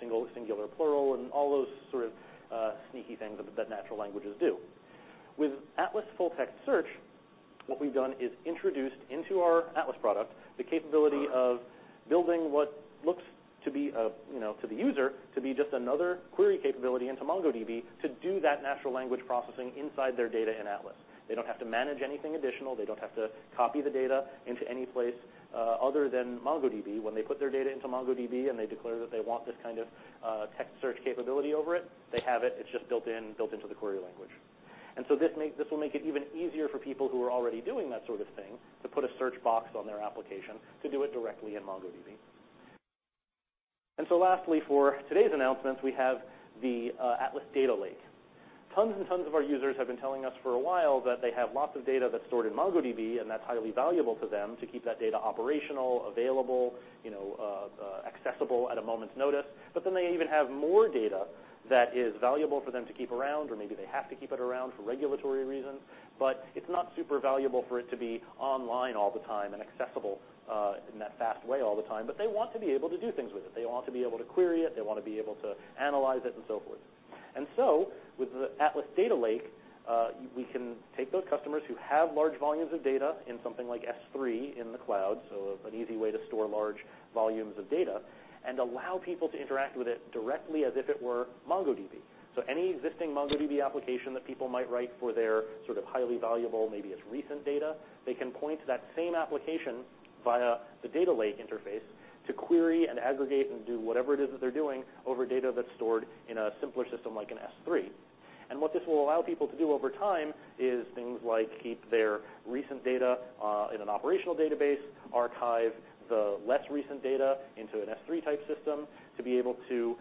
singular, plural, and all those sort of sneaky things that natural languages do. With Atlas full-text search, what we've done is introduced into our Atlas product the capability of building what looks, to the user, to be just another query capability into MongoDB to do that natural language processing inside their data in Atlas. They don't have to manage anything additional. They don't have to copy the data into any place other than MongoDB. When they put their data into MongoDB and they declare that they want this kind of text search capability over it, they have it. It's just built into the query language. This will make it even easier for people who are already doing that sort of thing to put a search box on their application to do it directly in MongoDB. Lastly, for today's announcements, we have the Atlas Data Lake. Tons and tons of our users have been telling us for a while that they have lots of data that's stored in MongoDB, and that's highly valuable to them to keep that data operational, available, accessible at a moment's notice. They even have more data that is valuable for them to keep around, or maybe they have to keep it around for regulatory reasons. It's not super valuable for it to be online all the time and accessible in that fast way all the time. They want to be able to do things with it. They want to be able to query it. They want to be able to analyze it, and so forth. With the Atlas Data Lake, we can take those customers who have large volumes of data in something like S3 in the cloud, an easy way to store large volumes of data, and allow people to interact with it directly as if it were MongoDB. Any existing MongoDB application that people might write for their sort of highly valuable, maybe it's recent data, they can point to that same application via the Data Lake interface to query and aggregate and do whatever it is that they're doing over data that's stored in a simpler system like an S3. What this will allow people to do over time is things like keep their recent data in an operational database, archive the less recent data into an Amazon S3-type system, to be able to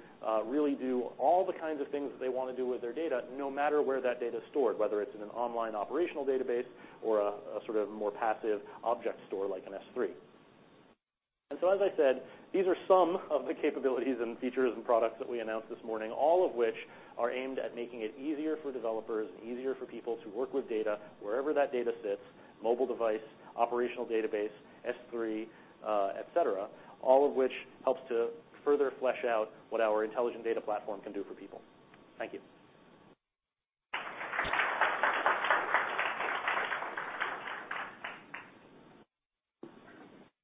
really do all the kinds of things that they want to do with their data, no matter where that data's stored, whether it's in an online operational database or a sort of more passive object store like an Amazon S3. As I said, these are some of the capabilities and features and products that we announced this morning, all of which are aimed at making it easier for developers and easier for people to work with data wherever that data sits, mobile device, operational database, Amazon S3, et cetera. All of which helps to further flesh out what our intelligent data platform can do for people. Thank you.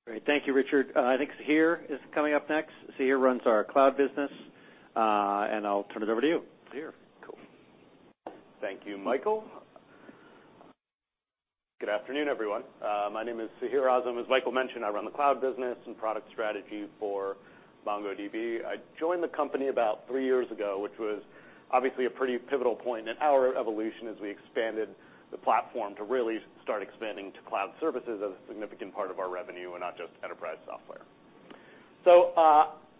Great. Thank you, Richard. I think Sahir is coming up next. Sahir runs our cloud business. I'll turn it over to you, Sahir. Cool. Thank you, Michael. Good afternoon, everyone. My name is Sahir Azam. As Michael mentioned, I run the cloud business and product strategy for MongoDB. I joined the company about three years ago, which was obviously a pretty pivotal point in our evolution as we expanded the platform to really start expanding to cloud services as a significant part of our revenue and not just enterprise software.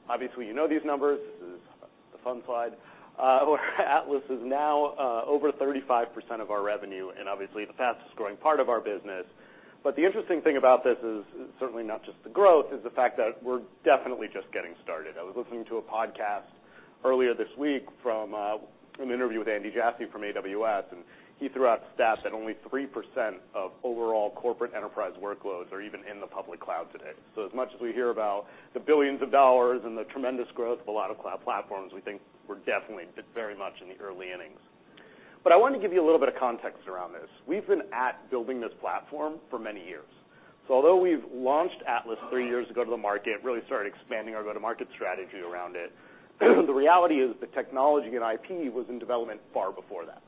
Obviously you know these numbers. This is the fun slide. Atlas is now over 35% of our revenue, and obviously the fastest-growing part of our business. The interesting thing about this is certainly not just the growth, is the fact that we're definitely just getting started. I was listening to a podcast earlier this week from an interview with Andy Jassy from AWS, and he threw out stats that only 3% of overall corporate enterprise workloads are even in the public cloud today. As much as we hear about the $billions and the tremendous growth of a lot of cloud platforms, we think we're definitely very much in the early innings. I want to give you a little bit of context around this. We've been at building this platform for many years. Although we've launched Atlas 3 years ago to the market, really started expanding our go-to-market strategy around it, the reality is the technology and IP was in development far before that.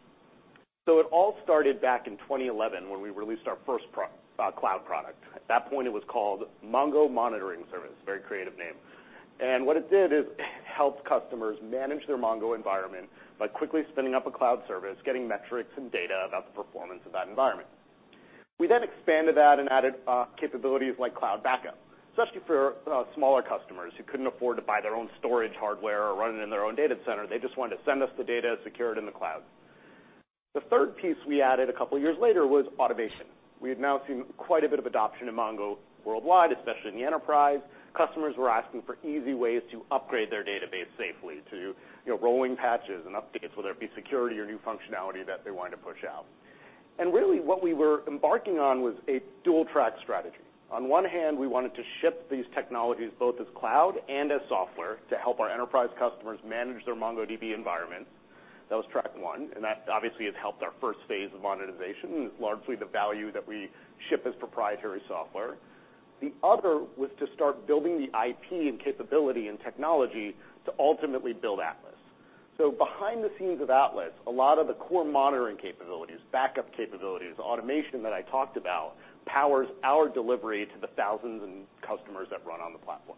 It all started back in 2011 when we released our first cloud product. At that point, it was called Mongo Monitoring Service, very creative name. What it did is helped customers manage their MongoDB environment by quickly spinning up a cloud service, getting metrics and data about the performance of that environment. We expanded that and added capabilities like cloud backup, especially for smaller customers who couldn't afford to buy their own storage hardware or run it in their own data center. They just wanted to send us the data, secure it in the cloud. The third piece we added a couple of years later was automation. We had now seen quite a bit of adoption in MongoDB worldwide, especially in the enterprise. Customers were asking for easy ways to upgrade their database safely to rolling patches and updates, whether it be security or new functionality that they wanted to push out. Really what we were embarking on was a dual-track strategy. On one hand, we wanted to ship these technologies both as cloud and as software to help our enterprise customers manage their MongoDB environment. That was track 1, that obviously has helped our first phase of monetization and is largely the value that we ship as proprietary software. The other was to start building the IP and capability and technology to ultimately build Atlas. Behind the scenes of Atlas, a lot of the core monitoring capabilities, backup capabilities, automation that I talked about, powers our delivery to the thousands of customers that run on the platform.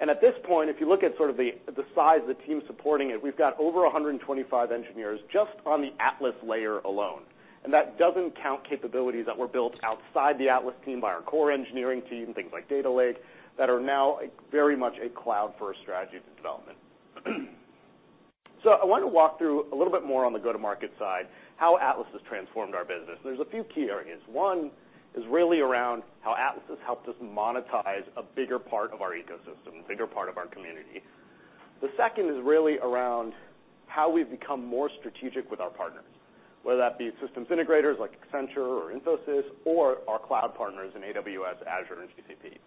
At this point, if you look at sort of the size of the team supporting it, we've got over 125 engineers just on the Atlas layer alone, that doesn't count capabilities that were built outside the Atlas team by our core engineering team, things like Data Lake, that are now very much a cloud-first strategy for development. I want to walk through a little bit more on the go-to-market side, how Atlas has transformed our business. There's a few key areas. One is really around how Atlas has helped us monetize a bigger part of our ecosystem, bigger part of our community. The second is really around how we've become more strategic with our partners, whether that be systems integrators like Accenture or Infosys or our cloud partners in AWS, Azure and GCP.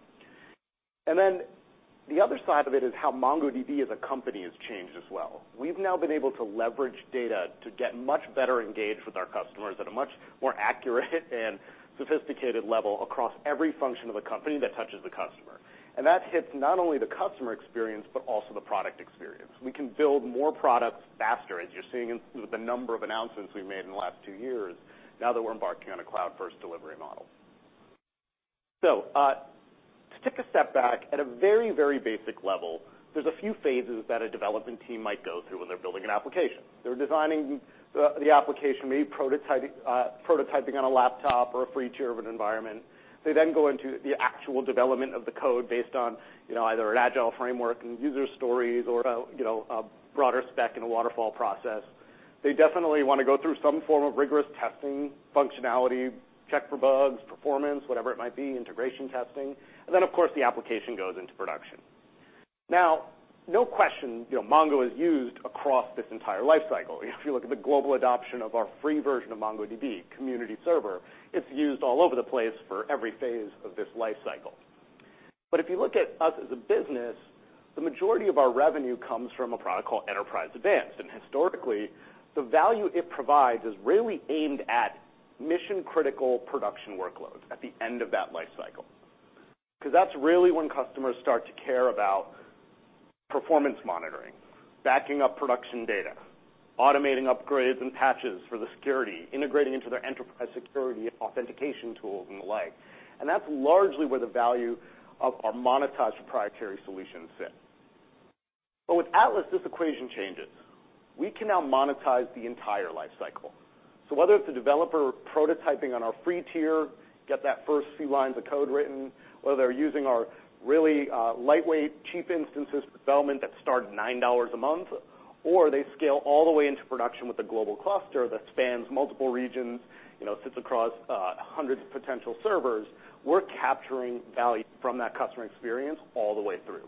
The other side of it is how MongoDB as a company has changed as well. We've now been able to leverage data to get much better engaged with our customers at a much more accurate and sophisticated level across every function of the company that touches the customer. That hits not only the customer experience, but also the product experience. We can build more products faster, as you're seeing in the number of announcements we've made in the last two years, now that we're embarking on a cloud-first delivery model. To take a step back at a very basic level, there's a few phases that a development team might go through when they're building an application. They're designing the application, maybe prototyping on a laptop or a free tier of an environment. They then go into the actual development of the code based on either an agile framework and user stories or a broader spec in a waterfall process. They definitely want to go through some form of rigorous testing, functionality, check for bugs, performance, whatever it might be, integration testing. Then, of course, the application goes into production. No question, Mongo is used across this entire life cycle. If you look at the global adoption of our free version of MongoDB Community Server, it's used all over the place for every phase of this life cycle. If you look at us as a business, the majority of our revenue comes from a product called Enterprise Advanced. Historically, the value it provides is really aimed at mission-critical production workloads at the end of that life cycle. That's really when customers start to care about performance monitoring, backing up production data, automating upgrades and patches for the security, integrating into their enterprise security authentication tools and the like. That's largely where the value of our monetized proprietary solutions sit. With Atlas, this equation changes. We can now monetize the entire life cycle. Whether it's a developer prototyping on our free tier, get that first few lines of code written, whether they're using our really lightweight, cheap instances for development that start at $9 a month, or they scale all the way into production with a Global Cluster that spans multiple regions, sits across hundreds of potential servers, we're capturing value from that customer experience all the way through.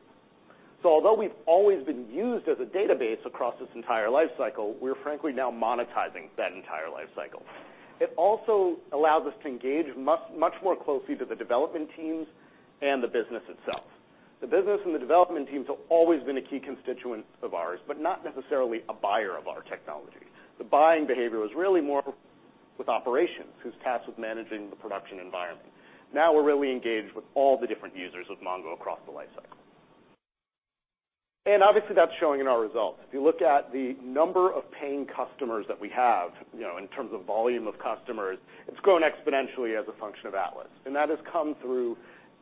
Although we've always been used as a database across this entire life cycle, we're frankly now monetizing that entire life cycle. It also allows us to engage much more closely to the development teams and the business itself. The business and the development teams have always been a key constituent of ours, but not necessarily a buyer of our technology. The buying behavior was really more with operations, who's tasked with managing the production environment. We're really engaged with all the different users of Mongo across the life cycle. Obviously, that's showing in our results. If you look at the number of paying customers that we have, in terms of volume of customers, it's grown exponentially as a function of Atlas. That has come through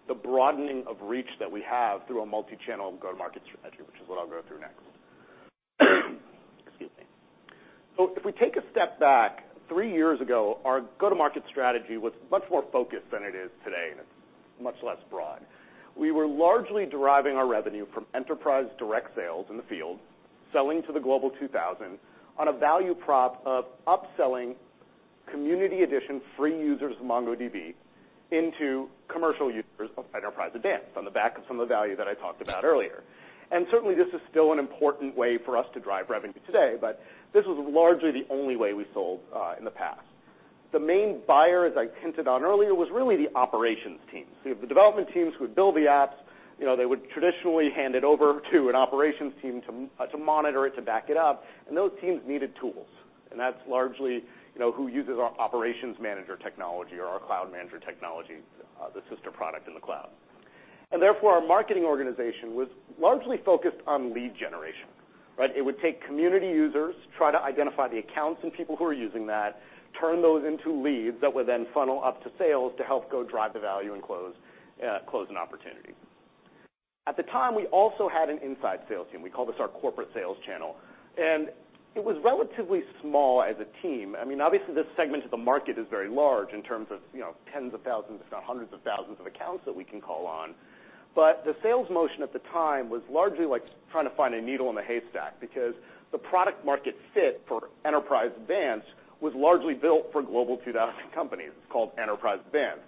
the broadening of reach that we have through a multi-channel go-to-market strategy, which is what I'll go through next. If we take a step back, three years ago, our go-to-market strategy was much more focused than it is today, and it's much less broad. We were largely deriving our revenue from enterprise direct sales in the field, selling to the Global 2000 on a value prop of upselling Community Edition free users of MongoDB into commercial users of Enterprise Advanced on the back of some of the value that I talked about earlier. Certainly, this is still an important way for us to drive revenue today, this was largely the only way we sold in the past. The main buyer, as I hinted on earlier, was really the operations teams. You have the development teams who would build the apps, they would traditionally hand it over to an operations team to monitor it, to back it up, and those teams needed tools. That's largely who uses our Operations Manager technology or our Cloud Manager technology, the sister product in the cloud. Therefore, our marketing organization was largely focused on lead generation. It would take community users, try to identify the accounts and people who are using that, turn those into leads that would then funnel up to sales to help go drive the value and close an opportunity. At the time, we also had an inside sales team. We call this our corporate sales channel, it was relatively small as a team. Obviously, this segment of the market is very large in terms of tens of thousands, if not hundreds of thousands of accounts that we can call on. The sales motion at the time was largely like trying to find a needle in a haystack because the product market fit for Enterprise Advanced was largely built for Global 2000 companies. It's called Enterprise Advanced.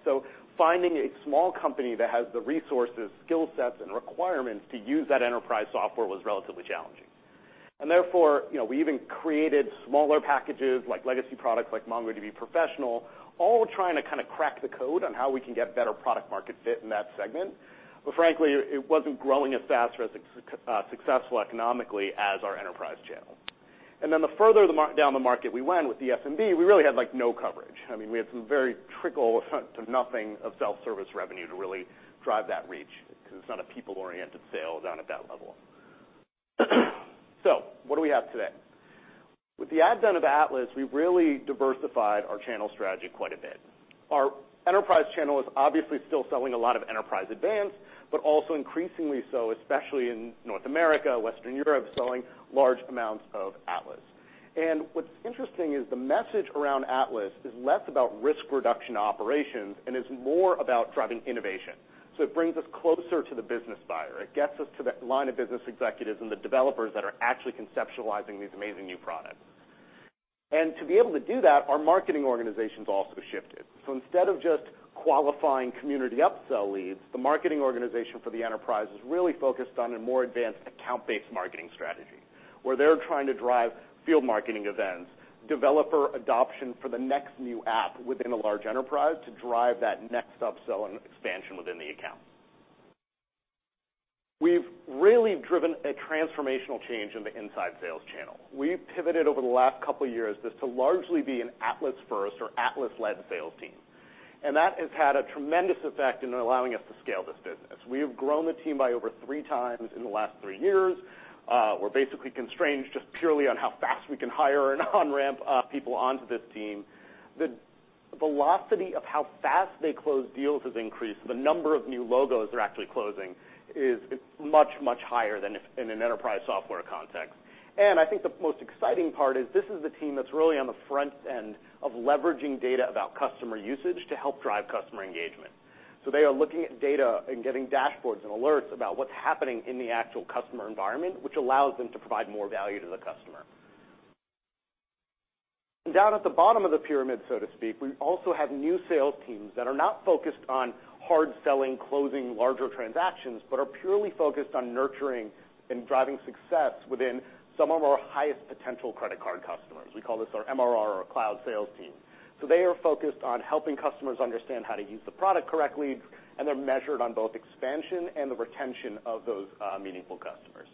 Finding a small company that has the resources, skill sets, and requirements to use that enterprise software was relatively challenging. Therefore, we even created smaller packages like legacy products like MongoDB Professional, all trying to kind of crack the code on how we can get better product market fit in that segment. Frankly, it wasn't growing as fast or as successful economically as our enterprise channel. Then the further down the market we went with the SMB, we really had no coverage. We had some very trickle to nothing of self-service revenue to really drive that reach because it's not a people-oriented sale down at that level. What do we have today? With the advent of Atlas, we really diversified our channel strategy quite a bit. Our enterprise channel is obviously still selling a lot of Enterprise Advanced, but also increasingly so, especially in North America, Western Europe, selling large amounts of Atlas. What's interesting is the message around Atlas is less about risk reduction operations and is more about driving innovation. It brings us closer to the business buyer. It gets us to the line of business executives and the developers that are actually conceptualizing these amazing new products. To be able to do that, our marketing organization's also shifted. Instead of just qualifying community upsell leads, the marketing organization for the enterprise is really focused on a more advanced account-based marketing strategy, where they're trying to drive field marketing events, developer adoption for the next new app within a large enterprise to drive that next upsell and expansion within the account. We've really driven a transformational change in the inside sales channel. We've pivoted over the last couple of years this to largely be an Atlas first or Atlas-led sales team, that has had a tremendous effect in allowing us to scale this business. We have grown the team by over three times in the last three years. We're basically constrained just purely on how fast we can hire and on-ramp people onto this team. The velocity of how fast they close deals has increased. The number of new logos they're actually closing is much, much higher than in an enterprise software context. I think the most exciting part is this is the team that's really on the front end of leveraging data about customer usage to help drive customer engagement. They are looking at data and getting dashboards and alerts about what's happening in the actual customer environment, which allows them to provide more value to the customer. Down at the bottom of the pyramid, so to speak, we also have new sales teams that are not focused on hard selling, closing larger transactions, but are purely focused on nurturing and driving success within some of our highest potential credit card customers. We call this our MRR or our cloud sales team. They are focused on helping customers understand how to use the product correctly, and they're measured on both expansion and the retention of those meaningful customers.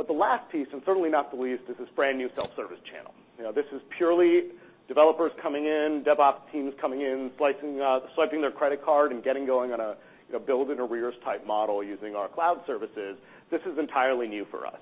The last piece, and certainly not the least, is this brand new self-service channel. This is purely developers coming in, DevOps teams coming in, swiping their credit card, and getting going on a build and arrears type model using our cloud services. This is entirely new for us.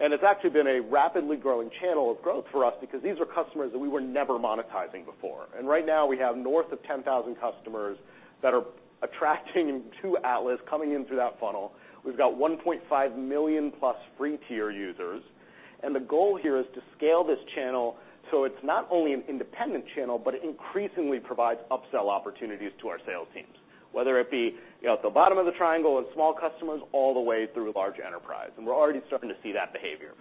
It's actually been a rapidly growing channel of growth for us because these are customers that we were never monetizing before. Right now, we have north of 10,000 customers that are attracting to Atlas, coming in through that funnel. We've got 1.5 million-plus free tier users, and the goal here is to scale this channel so it's not only an independent channel, but it increasingly provides upsell opportunities to our sales teams. Whether it be at the bottom of the triangle with small customers all the way through large enterprise, we're already starting to see that behavior.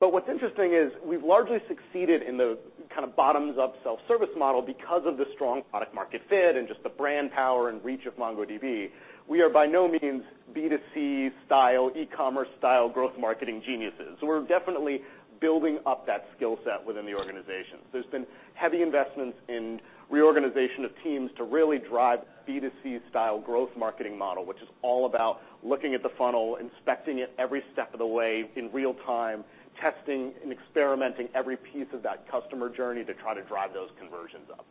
What's interesting is we've largely succeeded in the kind of bottoms-up self-service model because of the strong product market fit and just the brand power and reach of MongoDB. We are by no means B2C style, e-commerce style growth marketing geniuses. We're definitely building up that skill set within the organization. There's been heavy investments in reorganization of teams to really drive B2C style growth marketing model, which is all about looking at the funnel, inspecting it every step of the way in real time, testing and experimenting every piece of that customer journey to try to drive those conversions up.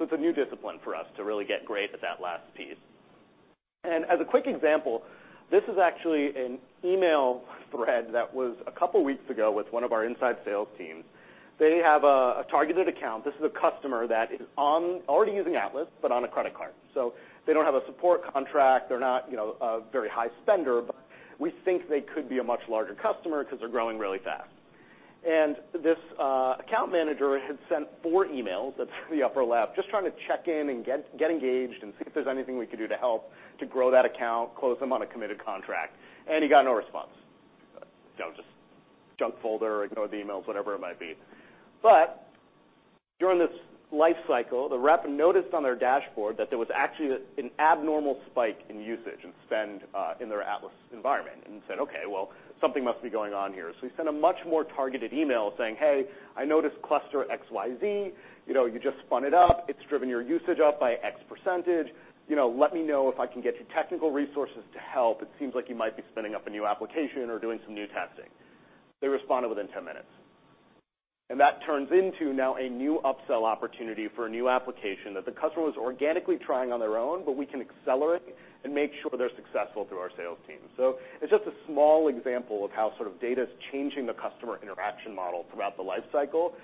It's a new discipline for us to really get great at that last piece. As a quick example, this is actually an email thread that was a couple of weeks ago with one of our inside sales teams. They have a targeted account. This is a customer that is already using Atlas, but on a credit card. They don't have a support contract, they're not a very high spender, but we think they could be a much larger customer because they're growing really fast. This account manager had sent four emails, that's the upper left, just trying to check in and get engaged and see if there's anything we could do to help to grow that account, close them on a committed contract. He got no response. Just junk folder, ignored the emails, whatever it might be. During this life cycle, the rep noticed on their dashboard that there was actually an abnormal spike in usage and spend in their Atlas environment and said, "Okay, well, something must be going on here." He sent a much more targeted email saying, "Hey, I noticed cluster XYZ. You just spun it up. It's driven your usage up by X%. Let me know if I can get you technical resources to help. It seems like you might be spinning up a new application or doing some new testing." They responded within 10 minutes. That turns into now a new upsell opportunity for a new application that the customer was organically trying on their own, but we can accelerate and make sure they're successful through our sales team. It's just a small example of how sort of data's changing the customer interaction model throughout the life cycle.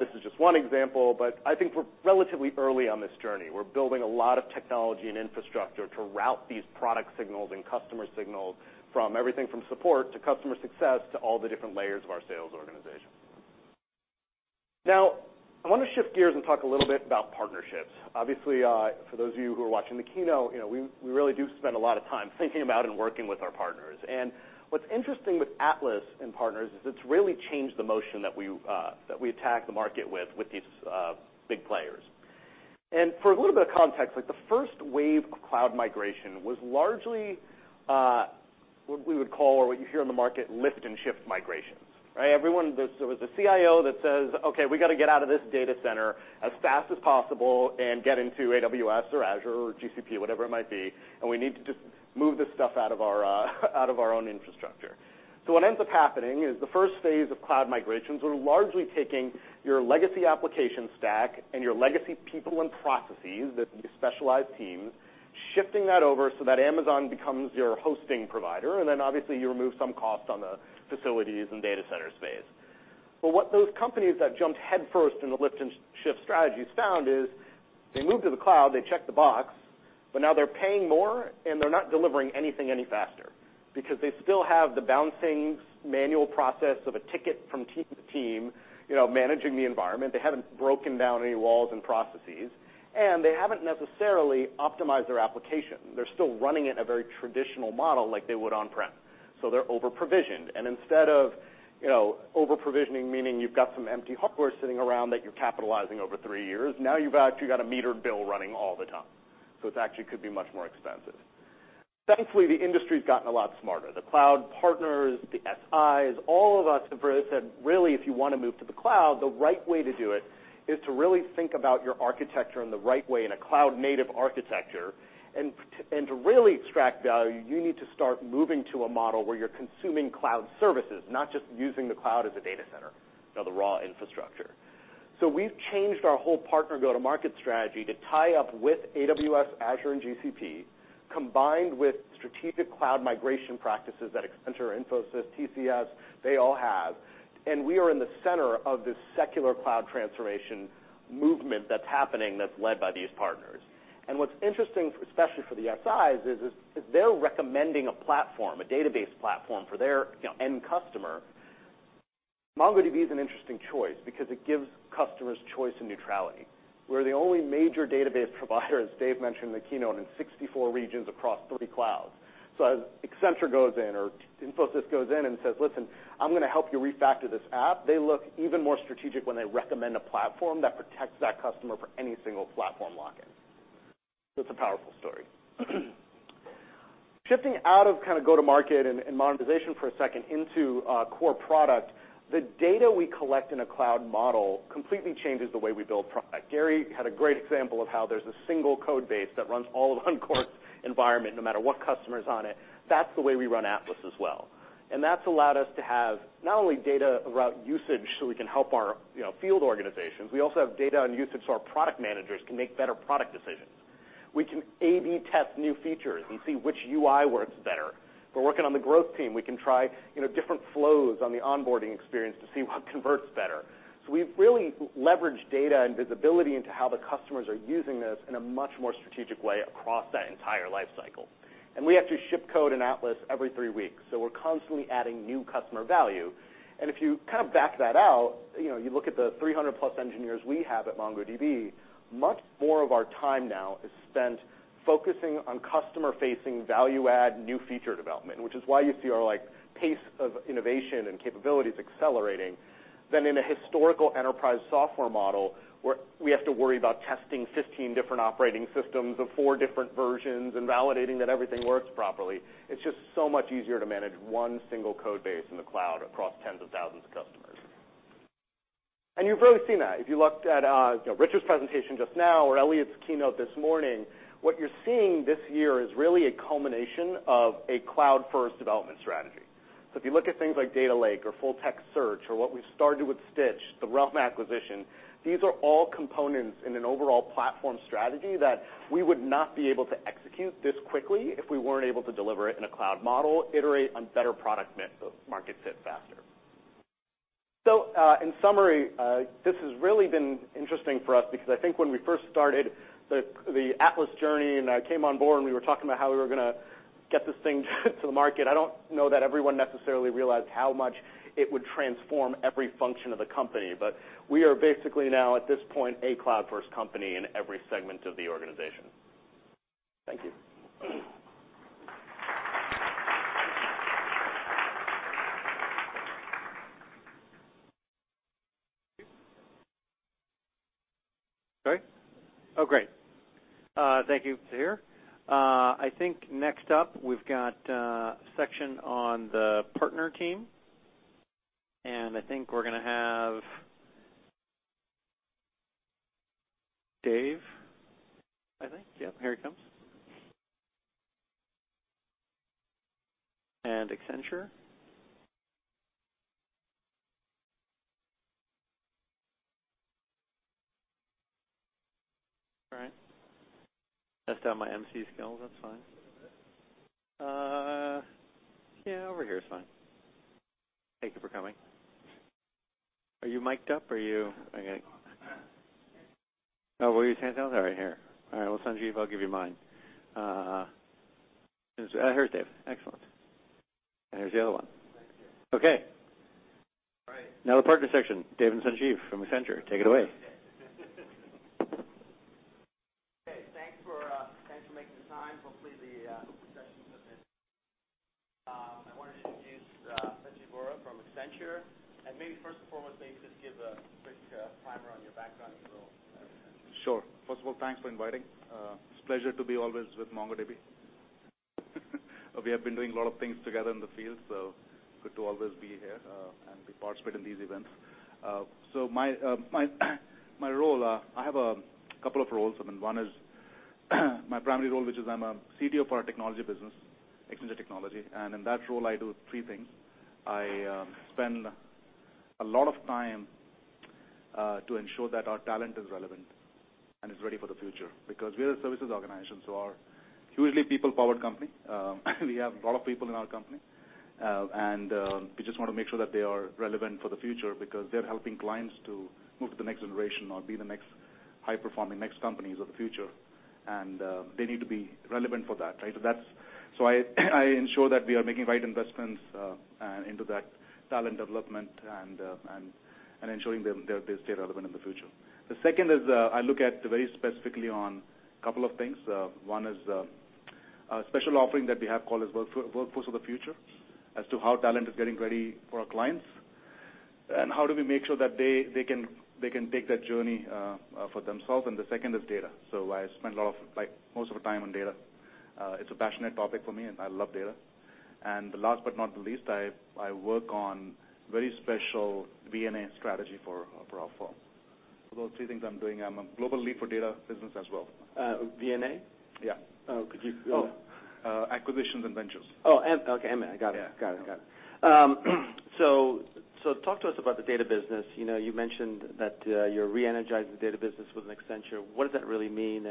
This is just one example, but I think we're relatively early on this journey. We're building a lot of technology and infrastructure to route these product signals and customer signals from everything from support to customer success to all the different layers of our sales organization. Now, I want to shift gears and talk a little bit about partnerships. Obviously, for those of you who are watching the keynote, we really do spend a lot of time thinking about and working with our partners. What's interesting with Atlas and partners is it's really changed the motion that we attack the market with these big players. For a little bit of context, the first wave of cloud migration was largely what we would call or what you hear in the market, lift and shift migrations, right. There was a CIO that says, "Okay, we got to get out of this data center as fast as possible and get into AWS or Azure or GCP, whatever it might be, and we need to just move this stuff out of our own infrastructure." What ends up happening is the first phase of cloud migrations are largely taking your legacy application stack and your legacy people and processes, the specialized teams, shifting that over so that Amazon becomes your hosting provider, and then obviously you remove some cost on the facilities and data center space. What those companies that jumped head first in the lift and shift strategy found is they moved to the cloud, they checked the box, but now they're paying more and they're not delivering anything any faster because they still have the bouncing manual process of a ticket from team to team managing the environment. They haven't broken down any walls and processes, and they haven't necessarily optimized their application. They're still running it in a very traditional model like they would on-prem, so they're over-provisioned. Instead of over-provisioning, meaning you've got some empty hardware sitting around that you're capitalizing over three years, now you've actually got a metered bill running all the time. This actually could be much more expensive. Thankfully, the industry's gotten a lot smarter. The cloud partners, the SIs, all of us have really said, really, if you want to move to the cloud, the right way to do it is to really think about your architecture in the right way in a cloud-native architecture. To really extract value, you need to start moving to a model where you're consuming cloud services, not just using the cloud as a data center, the raw infrastructure. We've changed our whole partner go-to-market strategy to tie up with AWS, Azure, and GCP, combined with strategic cloud migration practices that Accenture, Infosys, TCS, they all have. We are in the center of this secular cloud transformation movement that's happening, that's led by these partners. What's interesting, especially for the SIs, is if they're recommending a platform, a database platform for their end customer, MongoDB is an interesting choice because it gives customers choice and neutrality. We're the only major database provider, as Dev mentioned in the keynote, in 64 regions across three clouds. As Accenture goes in or Infosys goes in and says, "Listen, I'm going to help you refactor this app," they look even more strategic when they recommend a platform that protects that customer for any single platform lock-in. It's a powerful story. Shifting out of go to market and monetization for a second into core product, the data we collect in a cloud model completely changes the way we build product. Gary had a great example of how there's a single code base that runs all of Unqork's environment, no matter what customer's on it. That's the way we run Atlas as well. That's allowed us to have not only data about usage so we can help our field organizations, we also have data on usage so our product managers can make better product decisions. We can A/B test new features and see which UI works better. If we're working on the growth team, we can try different flows on the onboarding experience to see what converts better. We've really leveraged data and visibility into how the customers are using this in a much more strategic way across that entire life cycle. We actually ship code in Atlas every three weeks, so we're constantly adding new customer value. If you kind of back that out, you look at the 300-plus engineers we have at MongoDB, much more of our time now is spent focusing on customer-facing value add, new feature development, which is why you see our pace of innovation and capabilities accelerating than in a historical enterprise software model where we have to worry about testing 15 different operating systems of four different versions and validating that everything works properly. It's just so much easier to manage one single code base in the cloud across tens of thousands of customers. You've really seen that. If you looked at Richard's presentation just now or Eliot's keynote this morning, what you're seeing this year is really a culmination of a cloud-first development strategy. If you look at things like Data Lake or full-text search or what we've started with Stitch, the Realm acquisition, these are all components in an overall platform strategy that we would not be able to execute this quickly if we weren't able to deliver it in a cloud model, iterate on better product mix, so market fit faster. In summary, this has really been interesting for us because I think when we first started the Atlas journey and I came on board, and we were talking about how we were going to get this thing to the market, I don't know that everyone necessarily realized how much it would transform every function of the company. We are basically now, at this point, a cloud-first company in every segment of the organization. Thank you. Sorry? Oh, great. Thank you, Sahir. I think next up, we've got a section on the partner team. I think we're going to have Dev, I think. Yep, here he comes. Accenture. All right. Test out my emcee skills, that's fine. Yeah, over here is fine. Thank you for coming. Are you mic'd up? Are you Okay. Oh, well, you're standing right here. All right, well, Sanjeev, I'll give you mine. Here's Dev, excellent. Here's the other one. Thank you. Okay. All right. Now the partner section, Dev and Sanjeev from Accenture, take it away. Okay, thanks for making the time. Hopefully the session's worth it. I wanted to introduce Sanjeev Vohra from Accenture. Maybe first and foremost, maybe just give a quick primer on your background at Accenture. Sure. First of all, thanks for inviting. It's a pleasure to be always with MongoDB. We have been doing a lot of things together in the field, so good to always be here and to participate in these events. My role, I have a couple of roles. One is my primary role, which is I'm a CTO for our technology business, Accenture Technology. In that role, I do three things. I spend a lot of time to ensure that our talent is relevant and is ready for the future because we are a services organization, so are hugely people-powered company. We have a lot of people in our company, and we just want to make sure that they are relevant for the future because they're helping clients to move to the next generation or be the next high-performing next companies of the future. They need to be relevant for that, right? I ensure that we are making right investments into that talent development and ensuring they stay relevant in the future. The second is I look at very specifically on a couple of things. One is a special offering that we have called Workforce of the Future as to how talent is getting ready for our clients and how do we make sure that they can take that journey for themselves. The second is data. I spend most of the time on data. It's a passionate topic for me, and I love data. The last but not the least, I work on very special V&A strategy for our firm. Those are three things I'm doing. I'm a global lead for data business as well. V&A? Yeah. Oh, could you. Oh. Yeah. Acquisitions and ventures. Oh, okay, M&A. Got it. Yeah. Got it. Talk to us about the data business. You mentioned that you're re-energizing the data business within Accenture. What does that really mean?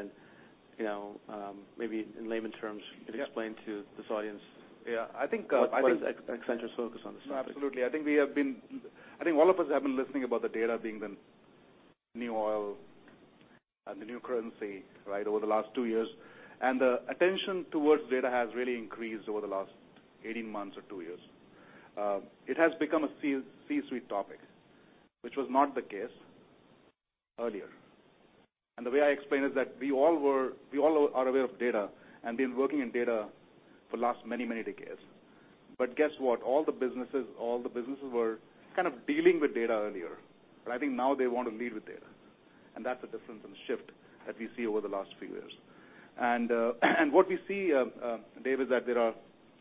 Maybe in layman terms. Yeah you could explain to this audience Yeah, I think what is Accenture's focus on this topic? Absolutely. I think all of us have been listening about the data being the new oil and the new currency over the last two years. The attention towards data has really increased over the last 18 months or two years. It has become a C-suite topic, which was not the case earlier. The way I explain is that we all are aware of data and been working in data for the last many decades. Guess what? All the businesses were kind of dealing with data earlier. I think now they want to lead with data. That's the difference and the shift that we see over the last few years. We see, Dev, is that there are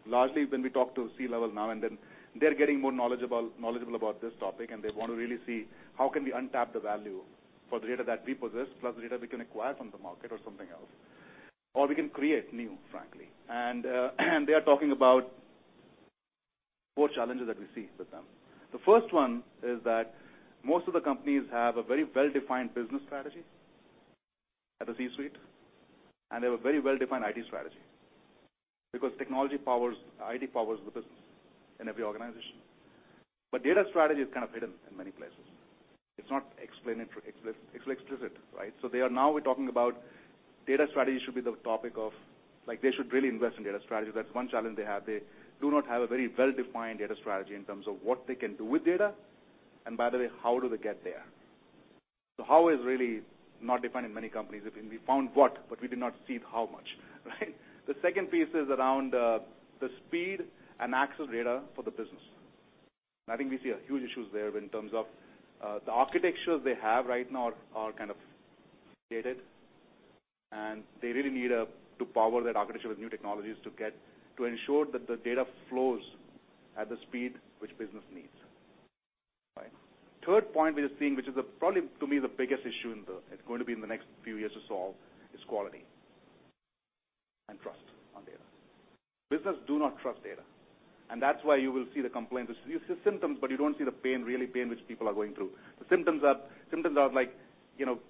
largely when we talk to C-level now and then they're getting more knowledgeable about this topic, and they want to really see how can we untap the value for the data that we possess, plus the data we can acquire from the market or something else. We can create new, frankly. They are talking about more challenges that we see with them. The first one is that most of the companies have a very well-defined business strategy at the C-suite, and they have a very well-defined IT strategy because technology powers, IT powers the business in every organization. Data strategy is kind of hidden in many places. It's not explicit, right? They are now we're talking about data strategy should be the topic of like they should really invest in data strategy. That's one challenge they have. They do not have a very well-defined data strategy in terms of what they can do with data, and by the way, how do they get there. How is really not defined in many companies. We found what, but we did not see how much, right? The second piece is around the speed and access data for the business. I think we see huge issues there in terms of the architectures they have right now are kind of dated, and they really need to power that architecture with new technologies to ensure that the data flows at the speed which business needs. Right? Third point we are seeing, which is probably to me the biggest issue and going to be in the next few years to solve, is quality and trust on data. Business do not trust data, and that's why you will see the complaint. You see symptoms, you don't see the pain which people are going through. The symptoms are like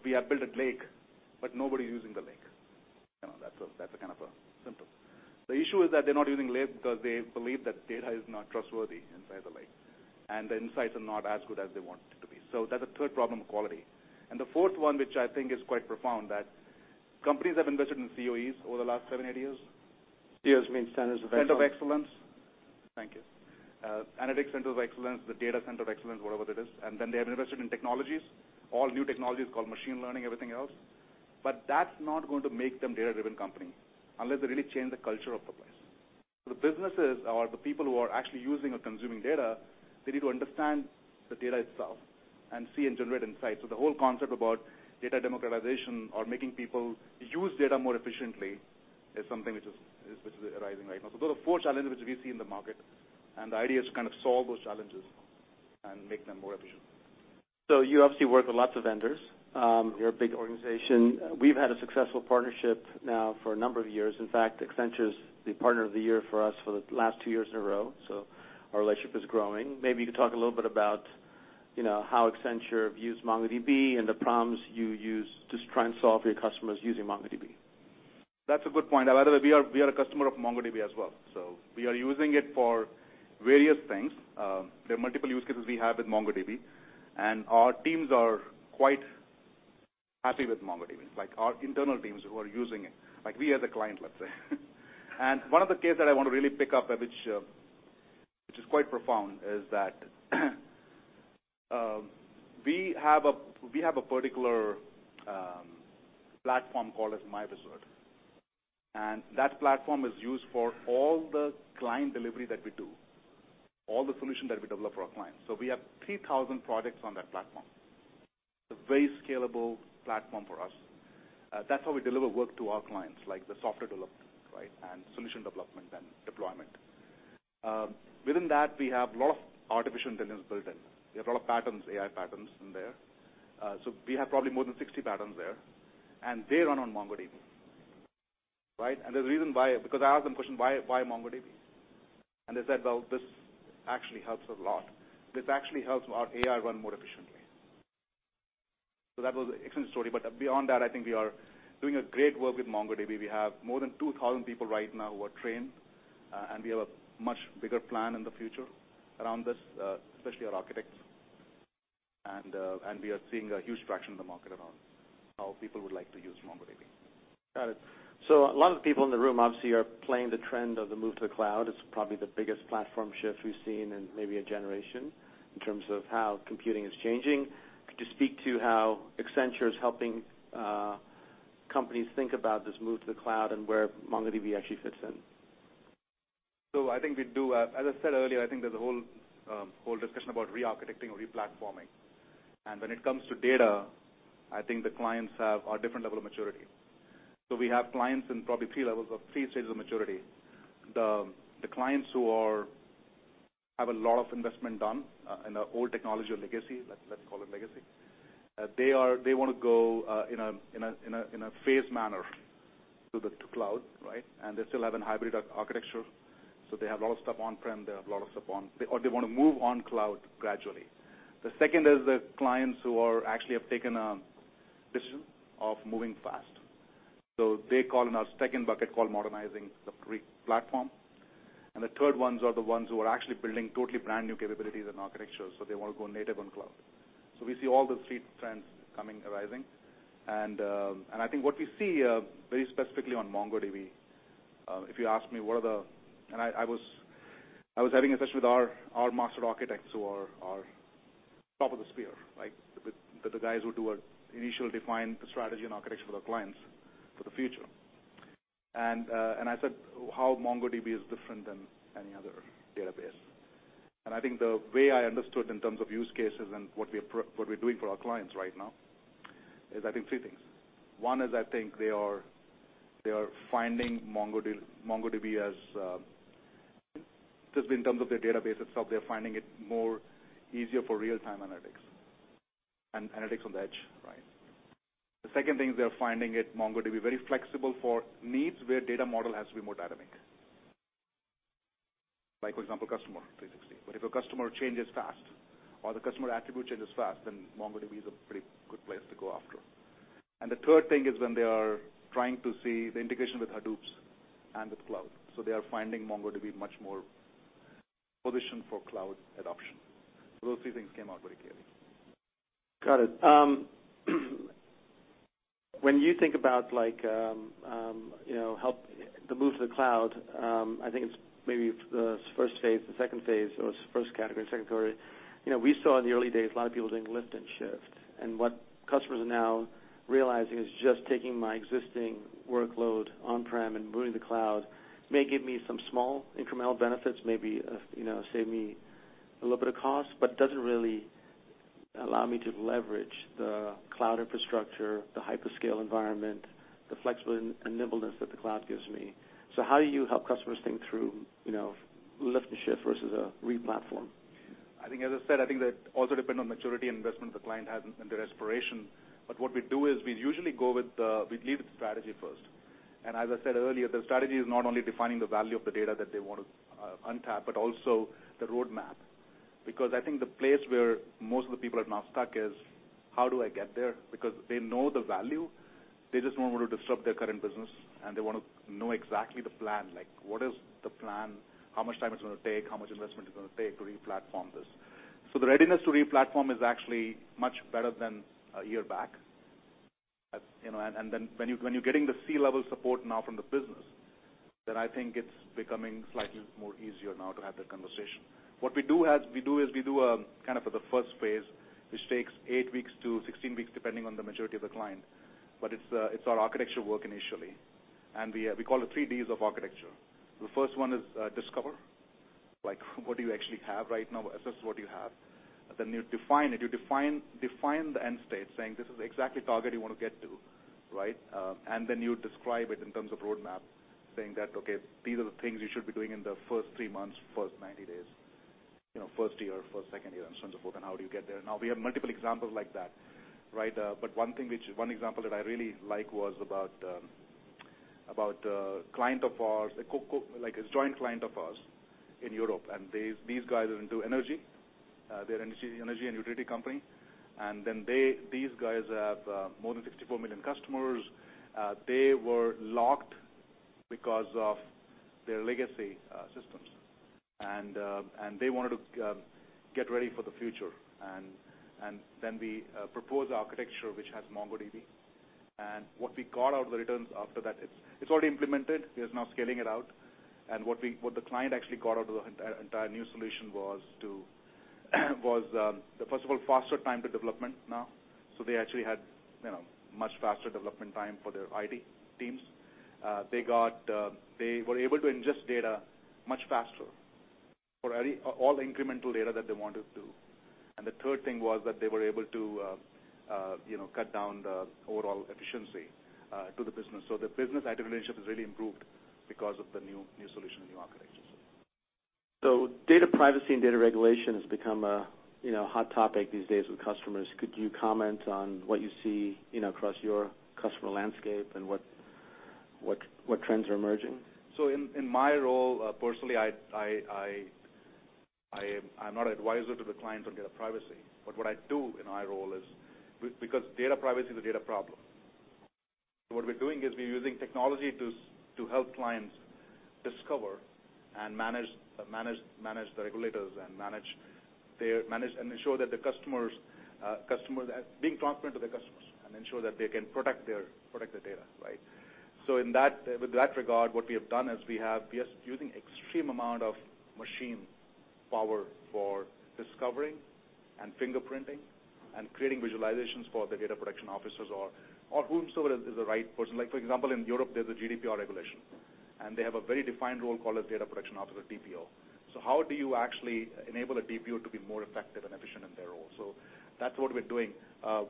we have built a lake, but nobody's using the lake. That's a kind of a symptom. The issue is that they're not using lake because they believe that data is not trustworthy inside the lake, and the insights are not as good as they want it to be. That's the third problem, quality. The fourth one, which I think is quite profound, that companies have invested in COEs over the last seven, eight years. COEs mean centers of excellence. Center of excellence. Thank you. Analytics center of excellence, the data center of excellence, whatever it is. They have invested in technologies, all new technologies called machine learning, everything else. That's not going to make them data-driven company, unless they really change the culture of the place. The businesses or the people who are actually using or consuming data, they need to understand the data itself and see and generate insights. The whole concept about data democratization or making people use data more efficiently is something which is arising right now. Those are the four challenges which we see in the market, and the idea is to solve those challenges and make them more efficient. You obviously work with lots of vendors. You're a big organization. We've had a successful partnership now for a number of years. In fact, Accenture's the partner of the year for us for the last two years in a row, our relationship is growing. Maybe you could talk a little bit about how Accenture views MongoDB and the problems you use to try and solve your customers using MongoDB. That's a good point. By the way, we are a customer of MongoDB as well, we are using it for various things. There are multiple use cases we have with MongoDB, our teams are quite happy with MongoDB, our internal teams who are using it, we as a client, let's say. One of the cases that I want to really pick up, which is quite profound, is that we have a particular platform called myWizard, and that platform is used for all the client delivery that we do, all the solutions that we develop for our clients. We have 3,000 products on that platform. It's a very scalable platform for us. That's how we deliver work to our clients, like the software development and solution development and deployment. Within that, we have a lot of artificial intelligence built in. We have a lot of AI patterns in there. We have probably more than 60 patterns there, they run on MongoDB. Right? The reason why, because I asked them question, "Why MongoDB?" They said, "Well, this actually helps a lot. This actually helps our AI run more efficiently." That was an excellent story, beyond that, I think we are doing great work with MongoDB. We have more than 2,000 people right now who are trained, we have a much bigger plan in the future around this, especially our architects. We are seeing a huge traction in the market around how people would like to use MongoDB. Got it. A lot of the people in the room, obviously, are playing the trend of the move to the cloud. It's probably the biggest platform shift we've seen in maybe a generation in terms of how computing is changing. Could you speak to how Accenture is helping companies think about this move to the cloud and where MongoDB actually fits in? I think we do. As I said earlier, I think there's a whole discussion about re-architecting or re-platforming. When it comes to data, I think the clients have a different level of maturity. We have clients in probably 3 stages of maturity. The clients who have a lot of investment done in the old technology or legacy, let's call it legacy, they want to go in a phased manner to the cloud, right? They still have a hybrid architecture, so they have a lot of stuff on-prem, they have a lot of stuff or they want to move on cloud gradually. The second is the clients who actually have taken a decision of moving fast. They call in our second bucket called modernizing the platform. The third ones are the ones who are actually building totally brand-new capabilities and architectures, so they want to go native on cloud. We see all those three trends coming, arising. I think what we see very specifically on MongoDB, if you ask me, I was having a session with our master architects who are top of the spear, the guys who do initial define the strategy and architecture for the clients for the future. I said, "How MongoDB is different than any other database?" I think the way I understood in terms of use cases and what we're doing for our clients right now is, I think three things. One is, I think they are finding MongoDB as, just in terms of the database itself, they're finding it more easier for real-time analytics and analytics on the edge. Right? The second thing is they're finding MongoDB very flexible for needs where data model has to be more dynamic. Like, for example, customer 360. If a customer changes fast or the customer attribute changes fast, then MongoDB is a pretty good place to go after. The third thing is when they are trying to see the integration with Hadoop and with cloud. They are finding MongoDB much more positioned for cloud adoption. Those three things came out very clearly. Got it. When you think about the move to the cloud, I think it's maybe the first phase, the second phase, or it's first category, second category. We saw in the early days a lot of people doing lift and shift. What customers are now realizing is just taking my existing workload on-prem and moving to cloud may give me some small incremental benefits, maybe save me a little bit of cost, but doesn't really allow me to leverage the cloud infrastructure, the hyperscale environment, the flexibility and nimbleness that the cloud gives me. How do you help customers think through lift and shift versus a re-platform? I think, as I said, I think that also depend on maturity and investment the client has and their aspiration. What we do is we usually lead with strategy first. As I said earlier, the strategy is not only defining the value of the data that they want to untap, but also the roadmap. Because I think the place where most of the people are now stuck is how do I get there? Because they know the value, they just don't want to disrupt their current business, and they want to know exactly the plan. Like, what is the plan? How much time it's going to take, how much investment it's going to take to re-platform this. The readiness to re-platform is actually much better than a year back. When you're getting the C-level support now from the business, then I think it's becoming slightly more easier now to have that conversation. What we do is we do a kind of the first phase, which takes eight weeks to 16 weeks, depending on the maturity of the client. It's our architecture work initially, and we call it three Ds of architecture. The first one is discover. Like, what do you actually have right now? Assess what you have. You define it. You define the end state saying this is the exact target you want to get to, right? You describe it in terms of roadmap, saying that, okay, these are the things you should be doing in the first three months, first 90 days, first year, first, second year in terms of work, and how do you get there. We have multiple examples like that, right? One example that I really like was about a joint client of ours in Europe. These guys are into energy, they're energy and utility company. These guys have more than 64 million customers. They were locked because of their legacy systems, and they wanted to get ready for the future. We proposed the architecture, which has MongoDB and what we got out of the returns after that, it's already implemented. We are now scaling it out. What the client actually got out of the entire new solution was, first of all, faster time to development now. They actually had much faster development time for their IT teams. They were able to ingest data much faster for all incremental data that they wanted to. The third thing was that they were able to cut down the overall efficiency to the business. The business IT relationship has really improved because of the new solution and new architecture. Data privacy and data regulation has become a hot topic these days with customers. Could you comment on what you see across your customer landscape and what trends are emerging? In my role, personally, I'm not advisor to the client on data privacy. What I do in my role is because data privacy is a data problem. What we're doing is we're using technology to help clients discover and manage the regulators and ensure that being transparent to their customers and ensure that they can protect their data, right? With that regard, what we have done is we are using extreme amount of machine power for discovering and fingerprinting and creating visualizations for the data protection officers or whomsoever is the right person. Like, for example, in Europe, there's a GDPR regulation, and they have a very defined role called a data protection officer, DPO. How do you actually enable a DPO to be more effective and efficient in their role? That's what we're doing. A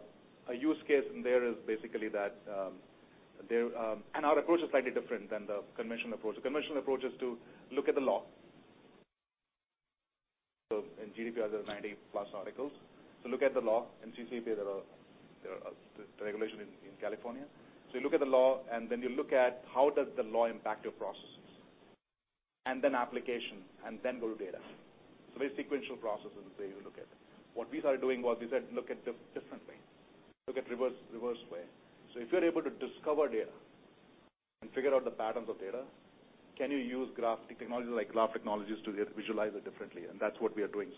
use case in there is basically that our approach is slightly different than the conventional approach. The conventional approach is to look at the law. In GDPR, there are 90 plus articles. Look at the law. In CCPA, there are regulation in California. You look at the law, and then you look at how does the law impact your processes, and then application, and then go to data. Very sequential processes the way you look at it. What we started doing was we said, look at this differently, look at reverse way. If you're able to discover data and figure out the patterns of data, can you use graphic technologies like graph technologies to visualize it differently? That's what we are doing.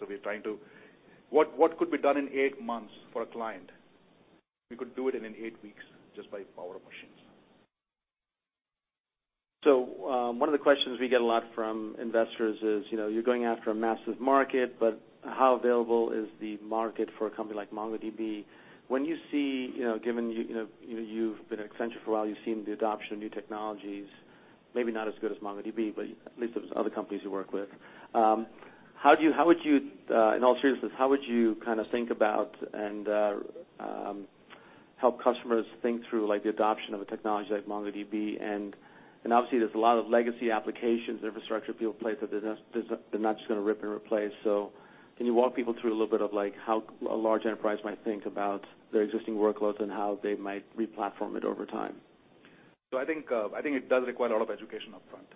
What could be done in eight months for a client, we could do it in eight weeks just by power of machines. One of the questions we get a lot from investors is, you're going after a massive market, but how available is the market for a company like MongoDB? Given you've been at Accenture for a while, you've seen the adoption of new technologies, maybe not as good as MongoDB, but at least with other companies you work with. In all seriousness, how would you kind of think about and help customers think through the adoption of a technology like MongoDB? Obviously there's a lot of legacy applications, infrastructure people place that they're not just going to rip and replace. Can you walk people through a little bit of how a large enterprise might think about their existing workloads and how they might re-platform it over time? I think it does require a lot of education upfront,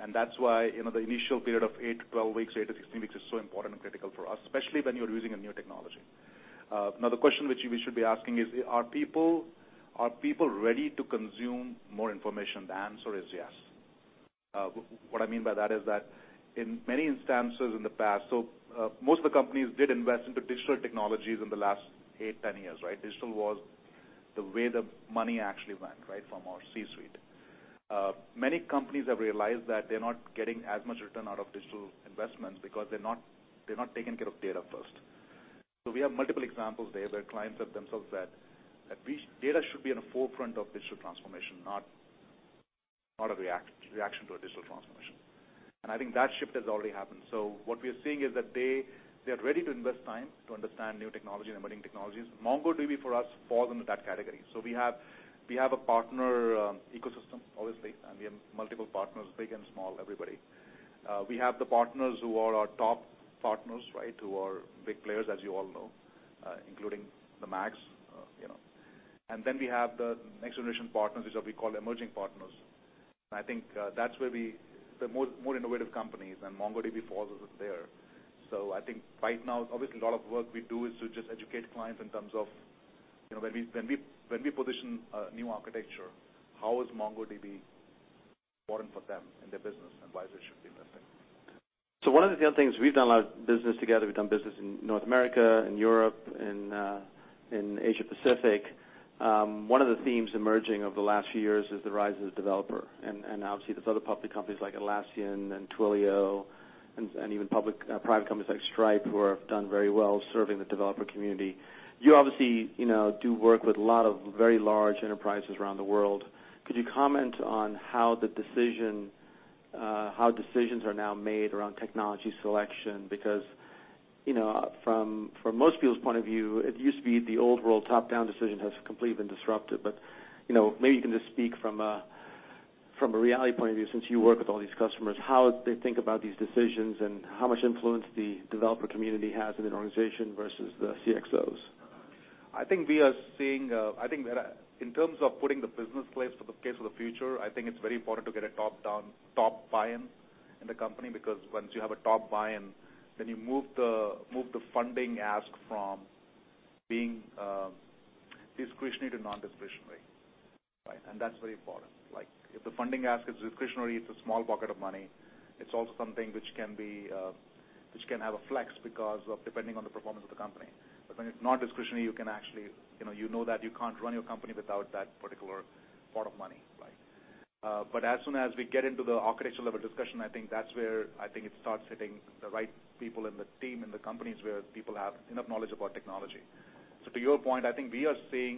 and that's why the initial period of 8-12 weeks, 8-16 weeks is so important and critical for us, especially when you're using a new technology. Now, the question which we should be asking is, are people ready to consume more information? The answer is yes. What I mean by that is that in many instances in the past, most of the companies did invest into digital technologies in the last 8, 10 years, right? Digital was the way the money actually went, right, from our C-suite. Many companies have realized that they're not getting as much return out of digital investments because they're not taking care of data first. We have multiple examples there where clients have themselves said that data should be in the forefront of digital transformation, not a reaction to a digital transformation. I think that shift has already happened. What we are seeing is that they are ready to invest time to understand new technology and emerging technologies. MongoDB for us falls into that category. We have a partner ecosystem, obviously, we have multiple partners, big and small, everybody. We have the partners who are our top partners, right, who are big players, as you all know including [the Max]. Then we have the next generation partners, which we call emerging partners. I think that's where the more innovative companies and MongoDB falls there. I think right now, obviously, a lot of work we do is to just educate clients in terms of when we position a new architecture, how is MongoDB important for them and their business, and why they should be investing. One of the other things, we've done a lot of business together. We've done business in North America, in Europe, and in Asia Pacific. One of the themes emerging over the last few years is the rise of the developer. Obviously, there's other public companies like Atlassian and Twilio and even private companies like Stripe who have done very well serving the developer community. You obviously do work with a lot of very large enterprises around the world. Could you comment on how decisions are now made around technology selection? Because, from most people's point of view, it used to be the old world top-down decision has completely been disrupted. Maybe you can just speak from a reality point of view, since you work with all these customers, how they think about these decisions and how much influence the developer community has in an organization versus the CXOs. I think in terms of putting the business place for the case of the future, I think it's very important to get a top-down, top buy-in in the company, because once you have a top buy-in, then you move the funding ask from being discretionary to non-discretionary. Right. That's very important. If the funding ask is discretionary, it's a small pocket of money. It's also something which can have a flex because of depending on the performance of the company. When it's not discretionary, you know that you can't run your company without that particular pot of money. Right. As soon as we get into the architectural level discussion, I think that's where I think it starts hitting the right people in the team, in the companies, where people have enough knowledge about technology. To your point, I think we are seeing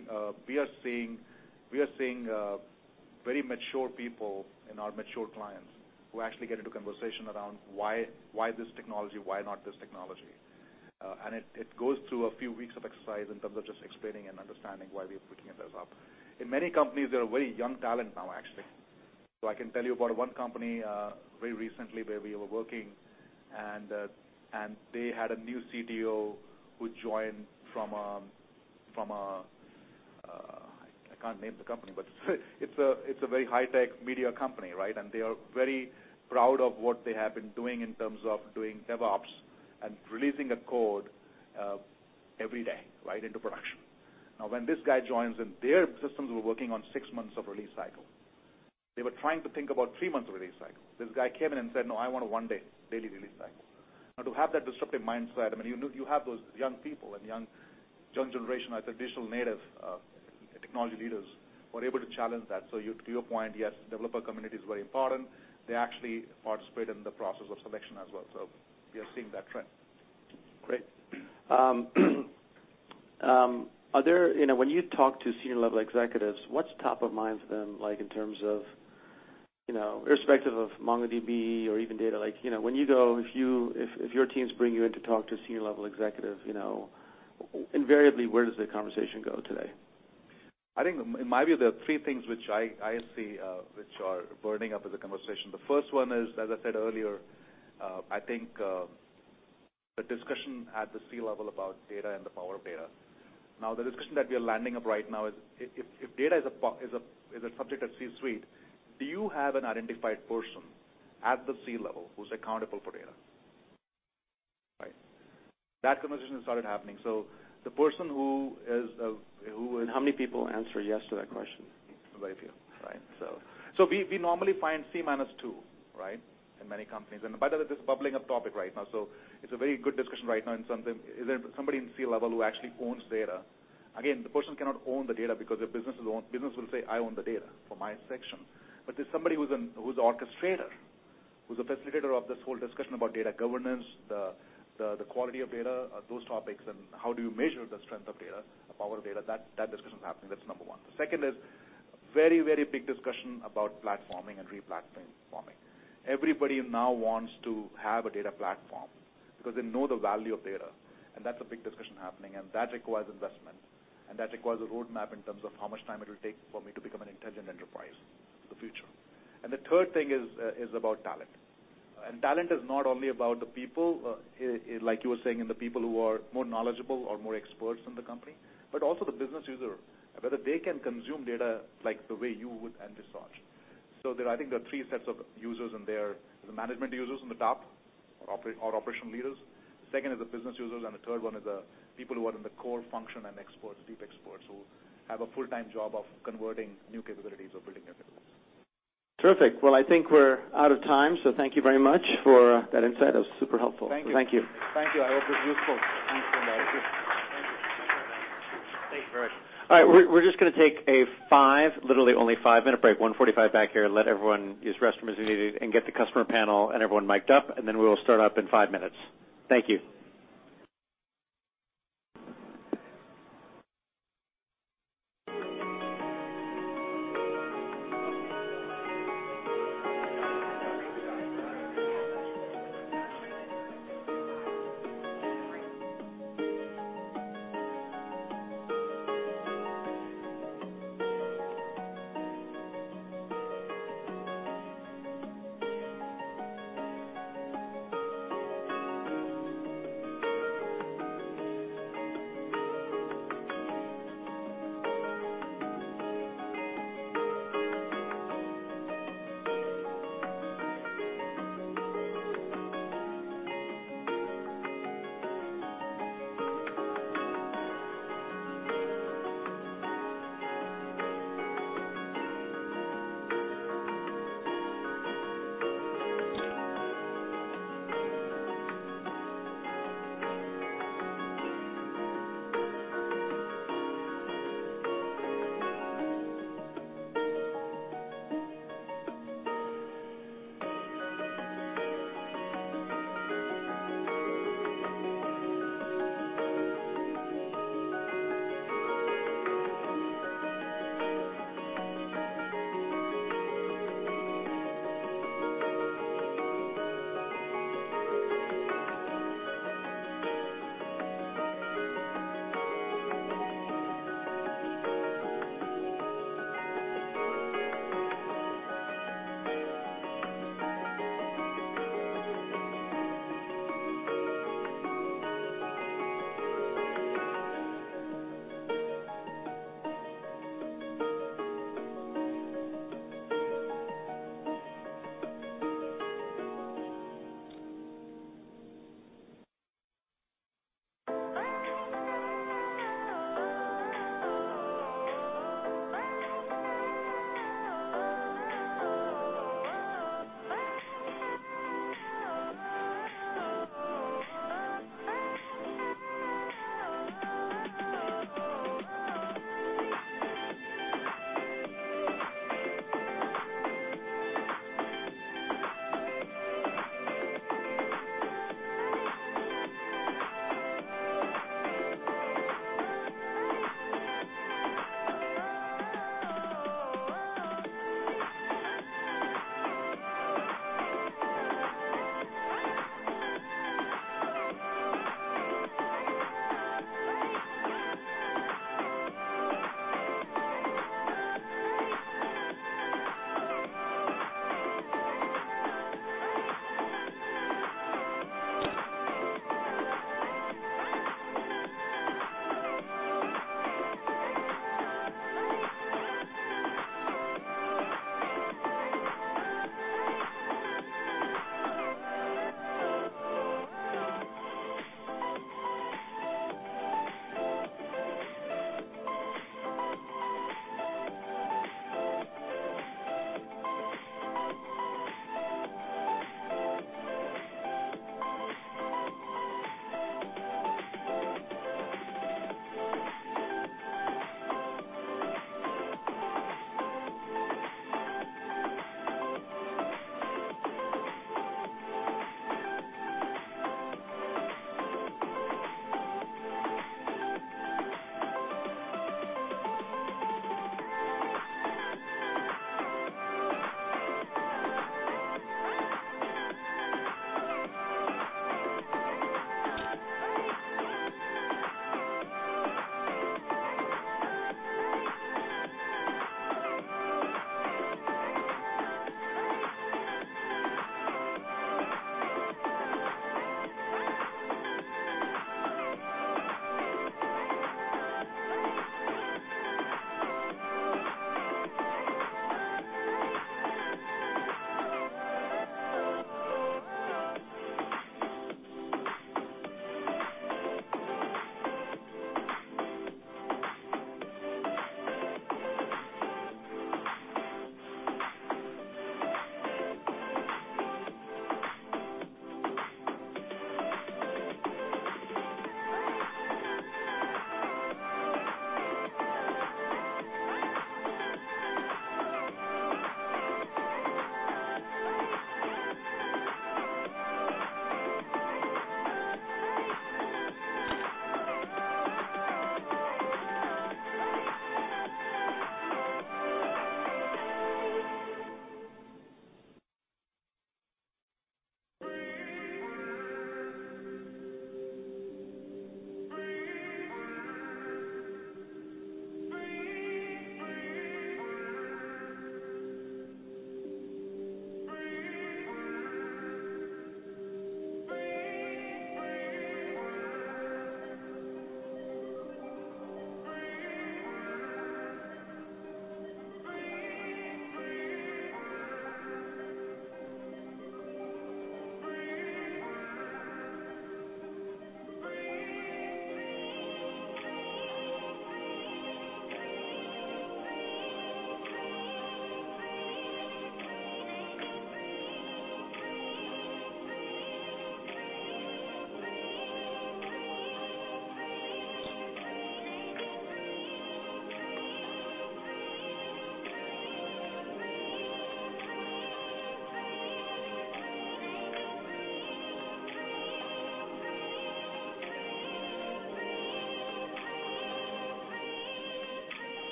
very mature people in our mature clients who actually get into conversation around why this technology, why not this technology. It goes through a few weeks of exercise in terms of just explaining and understanding why we are putting it as up. In many companies, there are very young talent now, actually. I can tell you about one company, very recently, where we were working, and they had a new CDO who joined from a. I can't name the company, but it's a very high-tech media company, right? They are very proud of what they have been doing in terms of doing DevOps and releasing a code every day right into production. When this guy joins in, their systems were working on 6 months of release cycle. They were trying to think about three months of release cycle. This guy came in and said, "No, I want a one-day daily release cycle." To have that disruptive mindset, you have those young people and young generation, I'd say digital native technology leaders, who are able to challenge that. To your point, yes, developer community is very important. They actually participate in the process of selection as well. We are seeing that trend. Great. When you talk to senior-level executives, what's top of mind for them, irrespective of MongoDB or even data? If your teams bring you in to talk to a senior-level executive, invariably, where does the conversation go today? I think, in my view, there are three things which I see which are burning up as a conversation. The first one is, as I said earlier, I think the discussion at the C-level about data and the power of data. The discussion that we are landing up right now is, if data is a subject at C-suite, do you have an identified person at the C-level who's accountable for data? Right. That conversation started happening. How many people answer yes to that question? Very few. Right. We normally find C minus two, right, in many companies. By the way, this is a bubbling up topic right now. It's a very good discussion right now. Is there somebody in C-level who actually owns data? Again, the person cannot own the data because the business will say, "I own the data for my section." There's somebody who's an orchestrator, who's a facilitator of this whole discussion about data governance, the quality of data, those topics, and how do you measure the strength of data, the power of data. That discussion is happening. That's number 1. The second is a very big discussion about platforming and re-platforming. Everybody now wants to have a data platform because they know the value of data. That's a big discussion happening, and that requires investment, and that requires a roadmap in terms of how much time it will take for me to become an intelligent enterprise in the future. The third thing is about talent. Talent is not only about the people, like you were saying, and the people who are more knowledgeable or more experts in the company, but also the business user, whether they can consume data like the way you would and decide. I think there are three sets of users in there. The management users on the top or operation leaders. The second is the business users, and the third one is the people who are in the core function and experts, deep experts, who have a full-time job of converting new capabilities or building new capabilities. Terrific. I think we're out of time, thank you very much for that insight. That was super helpful. Thank you. Thank you. Thank you. I hope it's useful. Thank you. Thank you. All right, we're just going to take a five, literally only five-minute break, 1:45 P.M. back here. Let everyone use the restroom as needed and get the customer panel and everyone mic'd up, and then we will start up in five minutes. Thank you.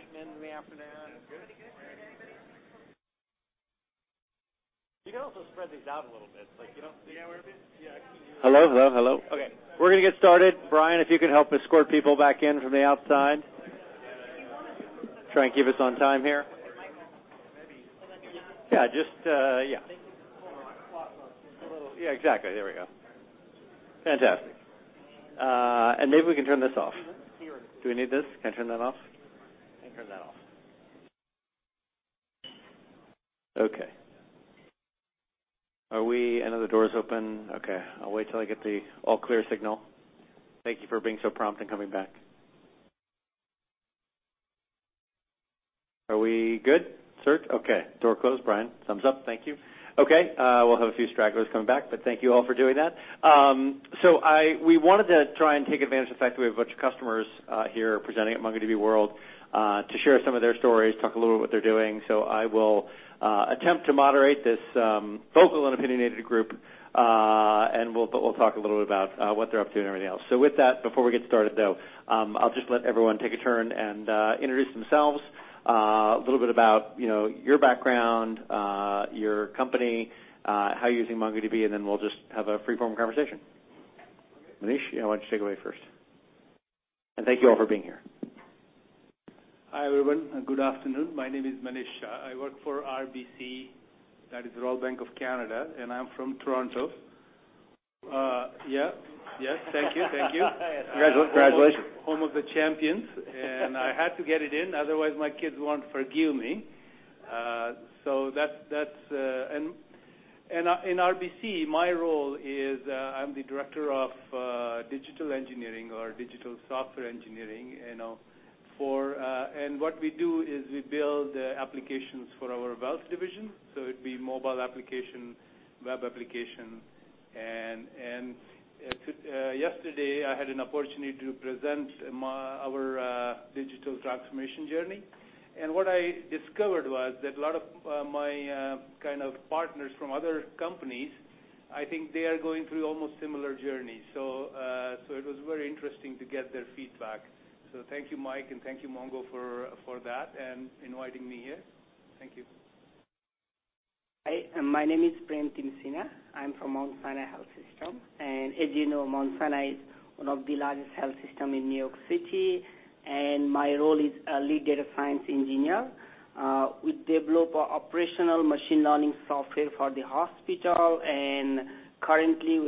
Actual dialogue going on. Maybe a little excitement in the afternoon. That's good. You can also spread these out a little bit. Yeah. Hello. Okay. We're going to get started. Brian, if you could help escort people back in from the outside. Try and keep us on time here. Yeah, exactly. There we go. Fantastic. Maybe we can turn this off. Sure. Do we need this? Can I turn that off? can turn that off. Okay. I know the door's open. Okay, I'll wait till I get the all clear signal. Thank you for being so prompt in coming back. Are we good, Bertie? Okay, door closed. Brian, thumbs up. Thank you. We'll have a few stragglers coming back, thank you all for doing that. We wanted to try and take advantage of the fact that we have a bunch of customers here presenting at MongoDB World, to share some of their stories, talk a little bit what they're doing. I will attempt to moderate this vocal and opinionated group, we'll talk a little bit about what they're up to and everything else. With that, before we get started, though, I'll just let everyone take a turn and introduce themselves. A little bit about your background, your company, how you're using MongoDB, we'll just have a free-form conversation. Manish, why don't you take it away first? Thank you all for being here. Hi, everyone. Good afternoon. My name is Manish. I work for RBC, that is Royal Bank of Canada, I'm from Toronto. Yeah. Thank you. Congratulations. Home of the champions. I had to get it in, otherwise my kids won't forgive me. In RBC, my role is I'm the director of digital engineering or digital software engineering. What we do is we build applications for our wealth division. It'd be mobile application, web application. Yesterday, I had an opportunity to present our digital transformation journey, what I discovered was that a lot of my partners from other companies, I think they are going through almost similar journeys. It was very interesting to get their feedback. Thank you, Mike, thank you MongoDB for that and inviting me here. Thank you. Hi, my name is Prem Timsina. I am from Mount Sinai Health System. As you know, Mount Sinai is one of the largest health system in New York City. My role is lead data science engineer. We develop operational machine learning software for the hospital. Currently,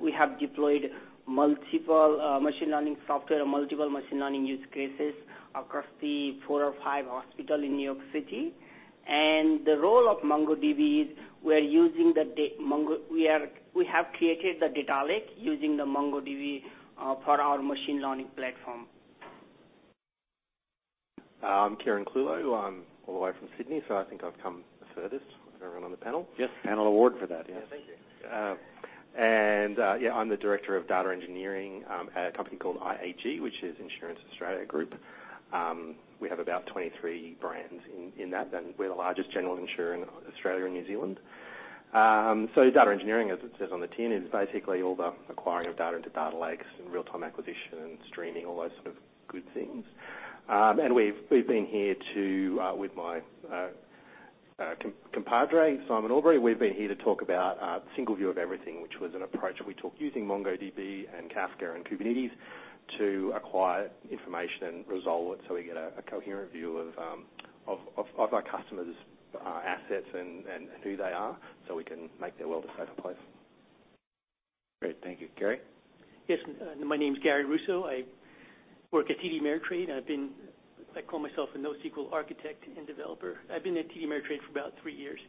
we have deployed multiple machine learning software, multiple machine learning use cases across the four or five hospital in New York City. The role of MongoDB is we have created the Data Lake using the MongoDB for our machine learning platform. I am Kieran Clewlow. I am all the way from Sydney. I think I have come the furthest out of everyone on the panel. Yes. Panel award for that. Yes. Yeah, thank you. Yeah, I am the Director of Data Engineering at a company called IAG, which is Insurance Australia Group. We have about 23 brands in that. We are the largest general insurer in Australia and New Zealand. Data engineering, as it says on the tin, is basically all the acquiring of data into Data Lakes and real-time acquisition and streaming, all those sort of good things. We have been here with my compadre, Simon Aubrey. We have been here to talk about single view of everything, which was an approach that we took using MongoDB and Kafka and Kubernetes to acquire information and resolve it we get a coherent view of our customers' assets and who they are, we can make their world a safer place. Great. Thank you. Gary? Yes, my name's Gary Russo. I work at TD Ameritrade. I call myself a NoSQL architect and developer. I've been at TD Ameritrade for about three years.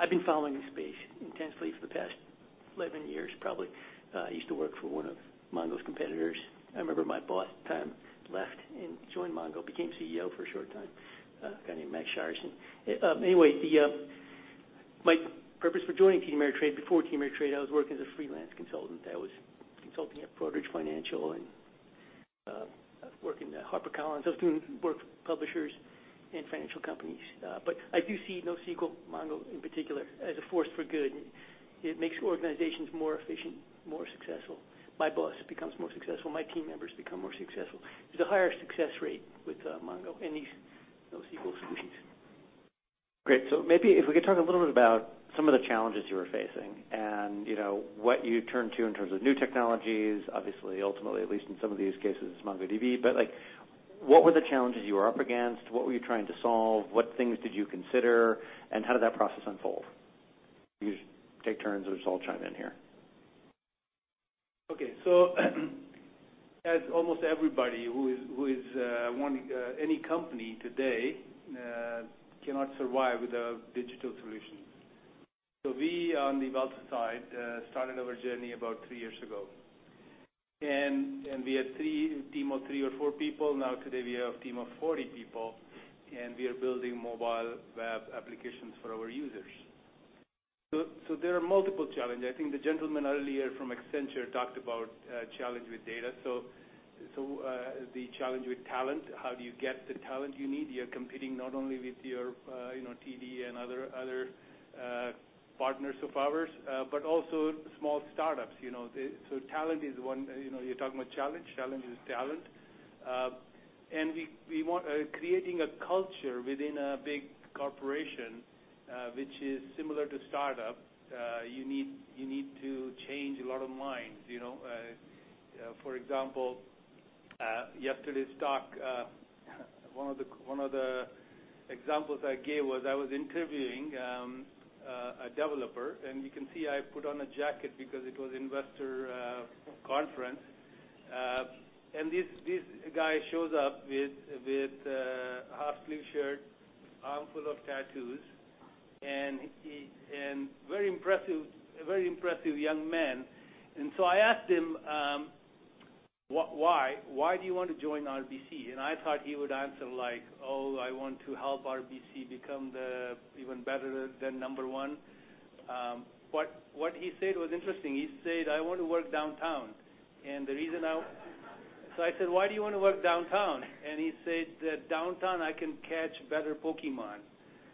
I've been following this space intensely for the past 11 years, probably. I used to work for one of Mongo's competitors. I remember my boss at the time left and joined Mongo, became CEO for a short time, a guy named Max Schireson. My purpose for joining TD Ameritrade, before TD Ameritrade, I was working as a freelance consultant. I was consulting at Broadridge Financial and working at HarperCollins. I was doing work for publishers and financial companies. I do see NoSQL, Mongo in particular, as a force for good. It makes organizations more efficient, more successful. My boss becomes more successful. My team members become more successful. There's a higher success rate with Mongo and these NoSQL solutions. Great. Maybe if we could talk a little bit about some of the challenges you were facing and what you turned to in terms of new technologies. Obviously, ultimately, at least in some of these cases, it's MongoDB. What were the challenges you were up against? What were you trying to solve? What things did you consider, and how did that process unfold? You just take turns or just all chime in here. Okay. As almost everybody who is running any company today cannot survive without digital solutions. We, on the Veltas side, started our journey about three years ago. We had a team of three or four people. Now, today, we have a team of 40 people, and we are building mobile web applications for our users. There are multiple challenges. I think the gentleman earlier from Accenture talked about challenge with data. The challenge with talent, how do you get the talent you need? You're competing not only with your TD and other partners of ours, but also small startups. Talent is one. You're talking about challenge. Challenge is talent. Creating a culture within a big corporation, which is similar to startup, you need to change a lot of minds. For example, yesterday's talk, one of the examples I gave was I was interviewing a developer, and you can see I put on a jacket because it was investor conference. This guy shows up with a half-sleeve shirt, arm full of tattoos, and very impressive young man. I asked him, "Why do you want to join RBC?" I thought he would answer like, "Oh, I want to help RBC become even better than number one." What he said was interesting. He said, "I want to work downtown." The reason I said, "Why do you want to work downtown?" He said, "Downtown, I can catch better Pokémon."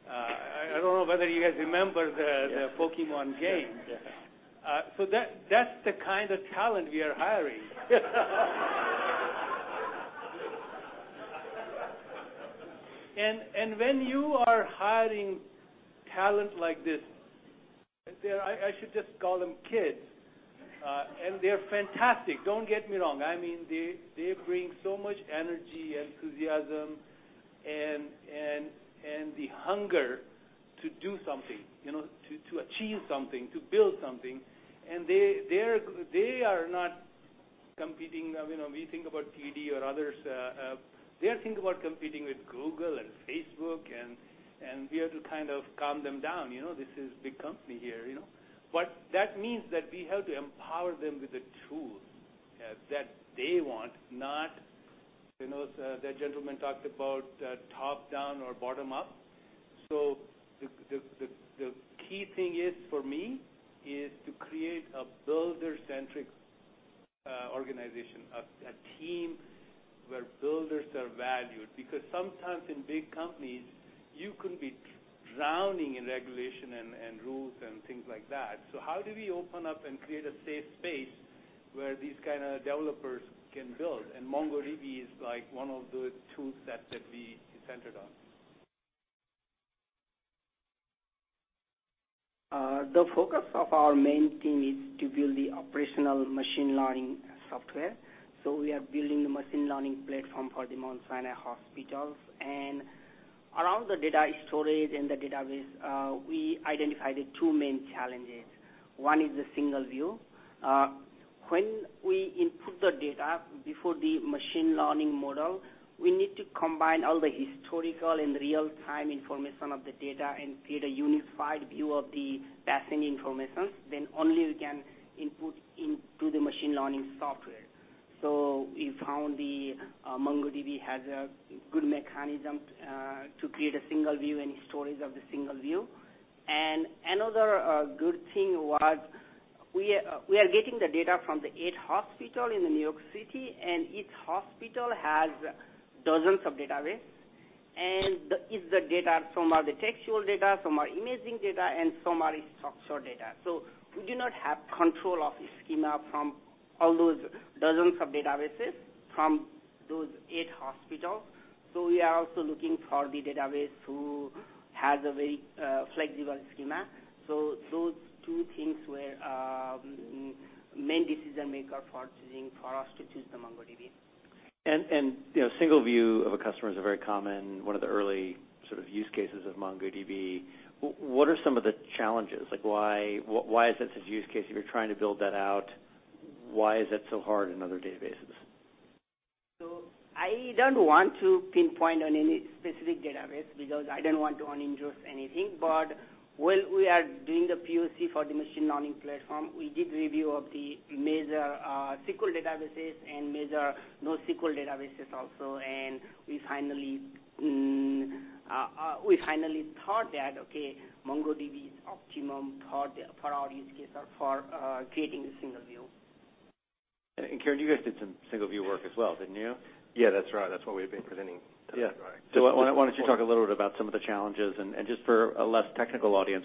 I don't know whether you guys remember the Pokémon game. Yeah. That's the kind of talent we are hiring. When you are hiring talent like this, I should just call them kids. They're fantastic. Don't get me wrong. They bring so much energy, enthusiasm, and the hunger to do something, to achieve something, to build something. They are not competing. We think about TD or others. They are thinking about competing with Google and Facebook, and we have to calm them down. This is big company here. That means that we have to empower them with the tools that they want, not That gentleman talked about top-down or bottom-up. The key thing is, for me, is to create a builder-centric organization, a team where builders are valued, because sometimes in big companies, you can be drowning in regulation and rules and things like that. How do we open up and create a safe space where these kind of developers can build? MongoDB is one of the tools that could be centered on. The focus of our main team is to build the operational machine learning software. We are building the machine learning platform for The Mount Sinai Hospital. Around the data storage and the database, we identified the two main challenges. One is the single view. When we input the data before the machine learning model, we need to combine all the historical and real-time information of the data and create a unified view of the passing information. Only we can input into the machine learning software. We found the MongoDB has a good mechanism to create a single view and storage of the single view. Another good thing was we are getting the data from the eight hospital in New York City, and each hospital has dozens of database. Is the data, some are the textual data, some are imaging data, and some are structural data. We do not have control of the schema from all those dozens of databases from those eight hospitals. We are also looking for the database who has a very flexible schema. Those two things were main decision-maker for us to choose the MongoDB. Single view of a customer is a very common, one of the early sort of use cases of MongoDB. What are some of the challenges? Why is this a use case if you're trying to build that out? Why is that so hard in other databases? I don't want to pinpoint on any specific database because I don't want to injure anything. While we are doing the POC for the machine learning platform, we did review of the major SQL databases and major NoSQL databases also. We finally thought that, okay, MongoDB is optimum for our use case or for creating a single view. Kieran, you guys did some single view work as well, didn't you? Yeah, that's right. That's what we've been presenting today. Yeah. Why don't you talk a little bit about some of the challenges and just for a less technical audience,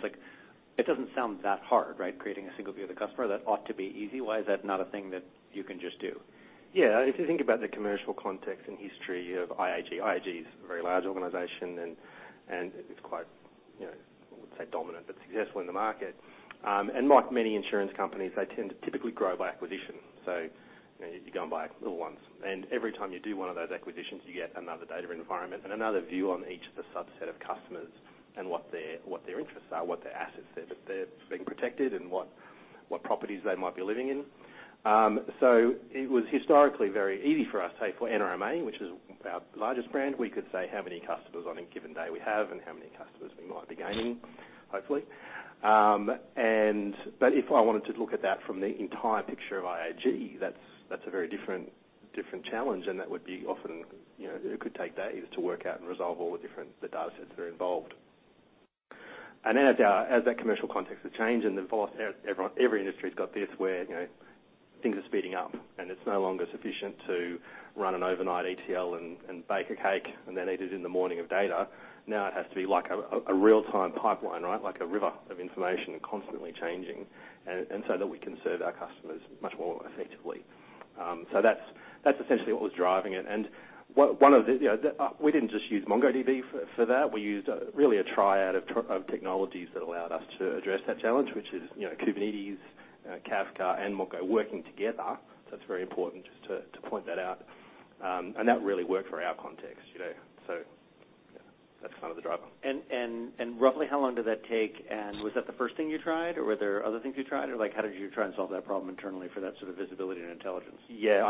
it doesn't sound that hard, right? Creating a single view of the customer. That ought to be easy. Why is that not a thing that you can just do? Yeah. If you think about the commercial context and history of IAG. IAG is a very large organization, and it's quite, I wouldn't say dominant, but successful in the market. Like many insurance companies, they tend to typically grow by acquisition. You go and buy little ones. Every time you do one of those acquisitions, you get another data environment and another view on each of the subset of customers and what their interests are, what their assets are, that they're being protected, and what properties they might be living in. It was historically very easy for us, say, for NRMA, which is our largest brand, we could say how many customers on any given day we have and how many customers we might be gaining, hopefully. If I wanted to look at that from the entire picture of IAG, that's a very different challenge. It could take days to work out and resolve all the different datasets that are involved. As our commercial context has changed, and every industry's got this, where things are speeding up and it's no longer sufficient to run an overnight ETL and bake a cake and then eat it in the morning of data. Now it has to be like a real-time pipeline, right? Like a river of information constantly changing, so that we can serve our customers much more effectively. That's essentially what was driving it. We didn't just use MongoDB for that, we used really a triad of technologies that allowed us to address that challenge, which is Kubernetes, Kafka, and Mongo working together. It's very important just to point that out. That really worked for our context. Yeah, that's kind of the driver. Roughly how long did that take? Was that the first thing you tried or were there other things you tried? How did you try and solve that problem internally for that sort of visibility and intelligence? Yeah,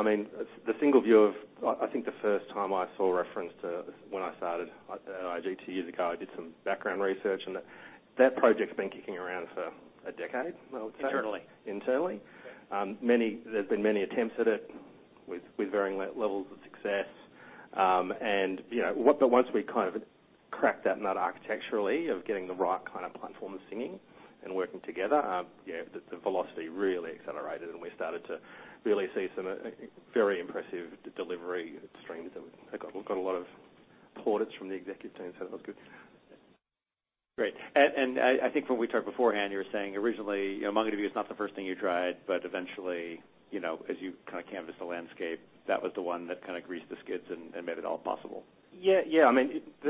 the single view of, I think the first time I saw a reference to when I started at IAG two years ago, I did some background research and that project's been kicking around for a decade, I would say. Internally? Internally. There's been many attempts at it with varying levels of success. Once we cracked that nut architecturally of getting the right kind of platform singing and working together, the velocity really accelerated and we started to really see some very impressive delivery streams. We got a lot of plaudits from the executive team, so that was good. Great. I think when we talked beforehand, you were saying originally MongoDB was not the first thing you tried. Eventually, as you canvassed the landscape, that was the one that greased the skids and made it all possible. Yeah.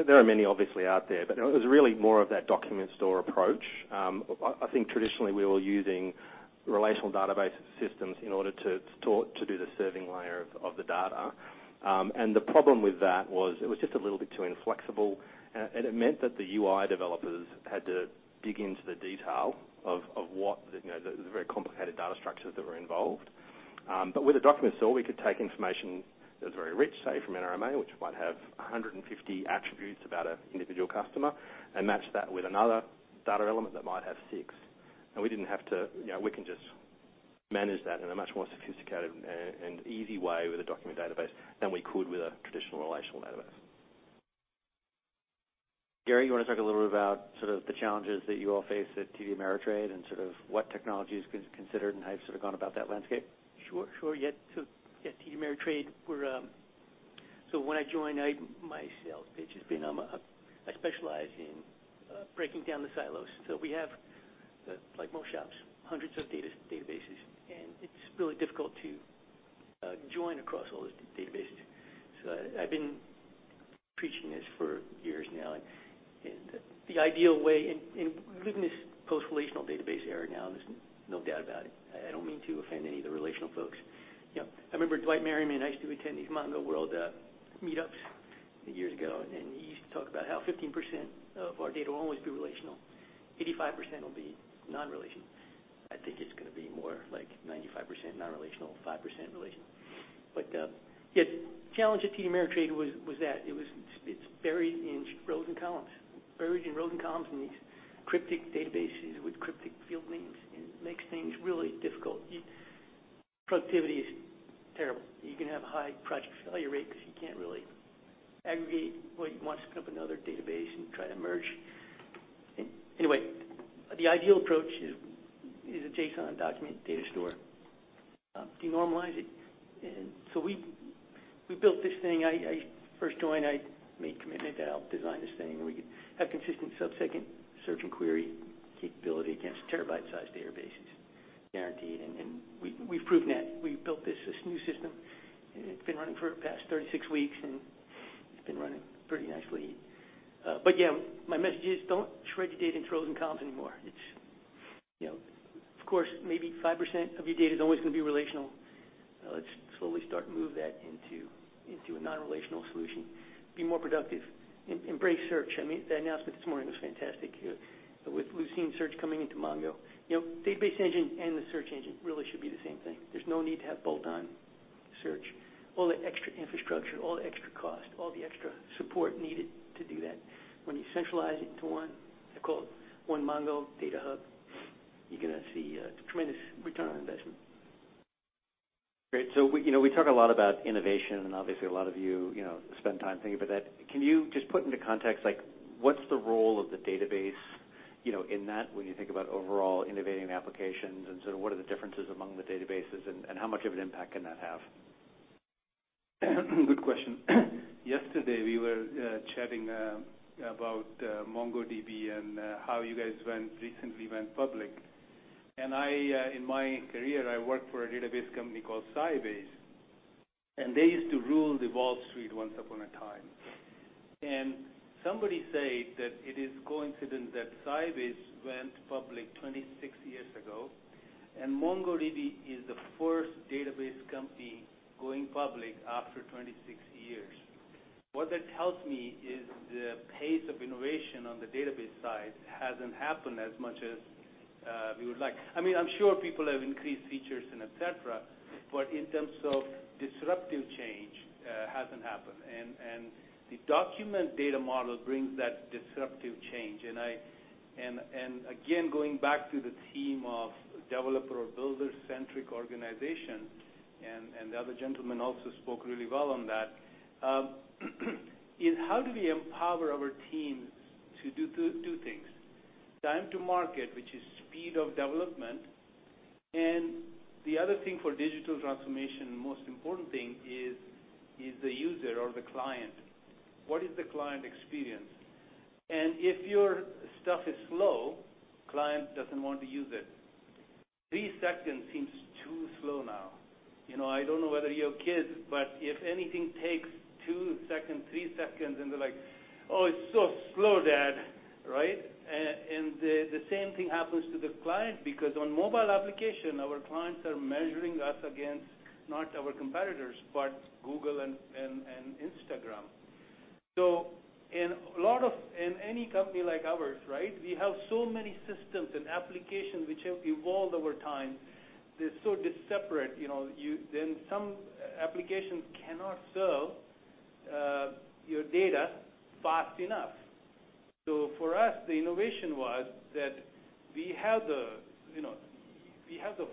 There are many obviously out there, but it was really more of that document store approach. I think traditionally we were using relational database systems in order to do the serving layer of the data. The problem with that was it was just a little bit too inflexible, and it meant that the UI developers had to dig into the detail of the very complicated data structures that were involved. With a document store, we could take information that was very rich, say from NRMA, which might have 150 attributes about an individual customer, and match that with another data element that might have six. We can just manage that in a much more sophisticated and easy way with a document database than we could with a traditional relational database. Gary, you want to talk a little bit about the challenges that you all face at TD Ameritrade and what technologies you considered and how you've gone about that landscape? Sure. At TD Ameritrade, when I joined, my sales pitch has been I specialize in breaking down the silos. We have, like most shops, hundreds of databases. It's really difficult to join across all those databases. I've been preaching this for years now. The ideal way, we're in this post-relational database era now, there's no doubt about it. I don't mean to offend any of the relational folks. I remember Dwight Merriman and I used to attend these Mongo World meetups years ago. He used to talk about how 15% of our data will always be relational, 85% will be non-relational. I think it's going to be more like 95% non-relational, 5% relational. The challenge at TD Ameritrade was that it's buried in rows and columns, buried in rows and columns in these cryptic databases with cryptic field names, and it makes things really difficult. Productivity is terrible. You can have a high project failure rate because you can't really aggregate what you want to scoop another database and try to merge. Anyway, the ideal approach is a JSON document data store. Denormalize it. We built this thing. I first joined, I made a commitment that I'll design this thing, and we could have consistent sub-second search and query capability against terabyte-sized databases, guaranteed. We've proven that. We've built this new system. It's been running for the past 36 weeks, and it's been running pretty nicely. Yeah, my message is, don't shred your data into rows and columns anymore. Of course, maybe 5% of your data is always going to be relational. Let's slowly start to move that into a non-relational solution. Be more productive. Embrace search. The announcement this morning was fantastic, with Lucene search coming into Mongo. Database engine and the search engine really should be the same thing. There's no need to have bolt-on search. All the extra infrastructure, all the extra cost, all the extra support needed to do that. When you centralize it into one, I call it one MongoDB data hub, you're going to see a tremendous return on investment. Great. We talk a lot about innovation, and obviously a lot of you spend time thinking about that. Can you just put into context, what's the role of the database in that when you think about overall innovating applications? What are the differences among the databases, and how much of an impact can that have? Good question. Yesterday, we were chatting about MongoDB and how you guys recently went public. In my career, I worked for a database company called Sybase. They used to rule Wall Street once upon a time. Somebody said that it is a coincidence that Sybase went public 26 years ago, and MongoDB is the first database company going public after 26 years. What that tells me is the pace of innovation on the database side hasn't happened as much as we would like. I'm sure people have increased features and et cetera, but in terms of disruptive change, it hasn't happened. The document data model brings that disruptive change. Again, going back to the theme of developer or builder-centric organization, and the other gentleman also spoke really well on that, is how do we empower our teams to do two things? Time to market, which is speed of development, the other thing for digital transformation, most important thing, is the user or the client. What is the client experience? If your stuff is slow, client doesn't want to use it. three seconds seems too slow now. I don't know whether you have kids, but if anything takes two seconds, three seconds, and they're like, "Oh, it's so slow, Dad." Right. The same thing happens to the client because on mobile application, our clients are measuring us against not our competitors, but Google and Instagram. In any company like ours, right, we have so many systems and applications which have evolved over time. They're so separate. Some applications cannot serve your data fast enough. For us, the innovation was that we have the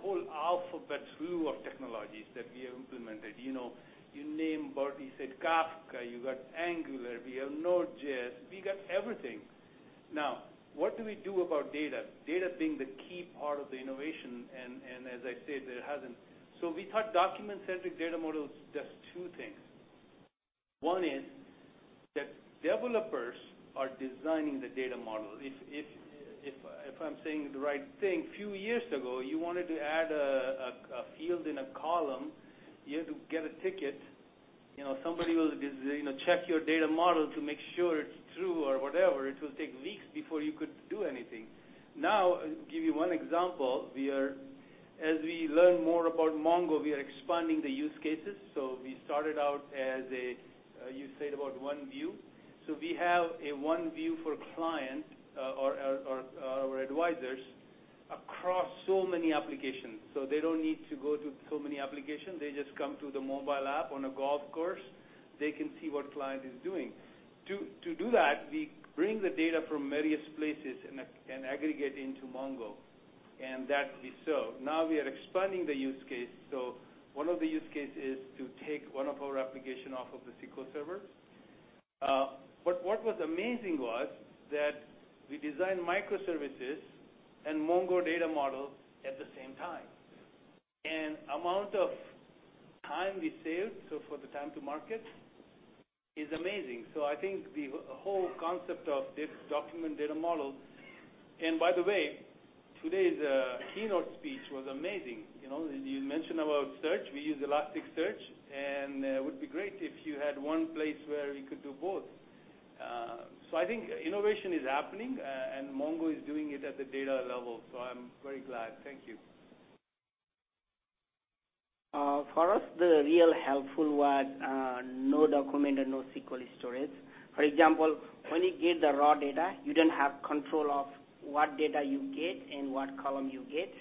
whole alphabet through of technologies that we have implemented. You name, Bertie said Kafka, you got Angular, we have Node.js, we got everything. What do we do about data? Data being the key part of the innovation, as I said, it hasn't. We thought document-centric data models does two things. One is that developers are designing the data model. If I'm saying the right thing, few years ago, you wanted to add a field in a column, you had to get a ticket. Somebody will check your data model to make sure it's true or whatever. It will take weeks before you could do anything. Give you one example. As we learn more about Mongo, we are expanding the use cases. We started out as a, you said about OneView. We have a OneView for client or our advisors across so many applications. They don't need to go through so many applications. They just come to the mobile app on a golf course. They can see what client is doing. To do that, we bring the data from various places and aggregate into Mongo, that we serve. We are expanding the use case. One of the use case is to take one of our application off of the SQL Server. What was amazing was that we designed microservices and Mongo data model at the same time. Amount of time we saved, for the time to market, is amazing. I think the whole concept of this document data model. By the way, today's keynote speech was amazing. You mentioned about search. We use Elasticsearch, would be great if you had one place where we could do both. I think innovation is happening, and Mongo is doing it at the data level. I'm very glad. Thank you. For us, the real helpful was document and NoSQL storage. For example, when you get the raw data, you don't have control of what data you get and what column you get.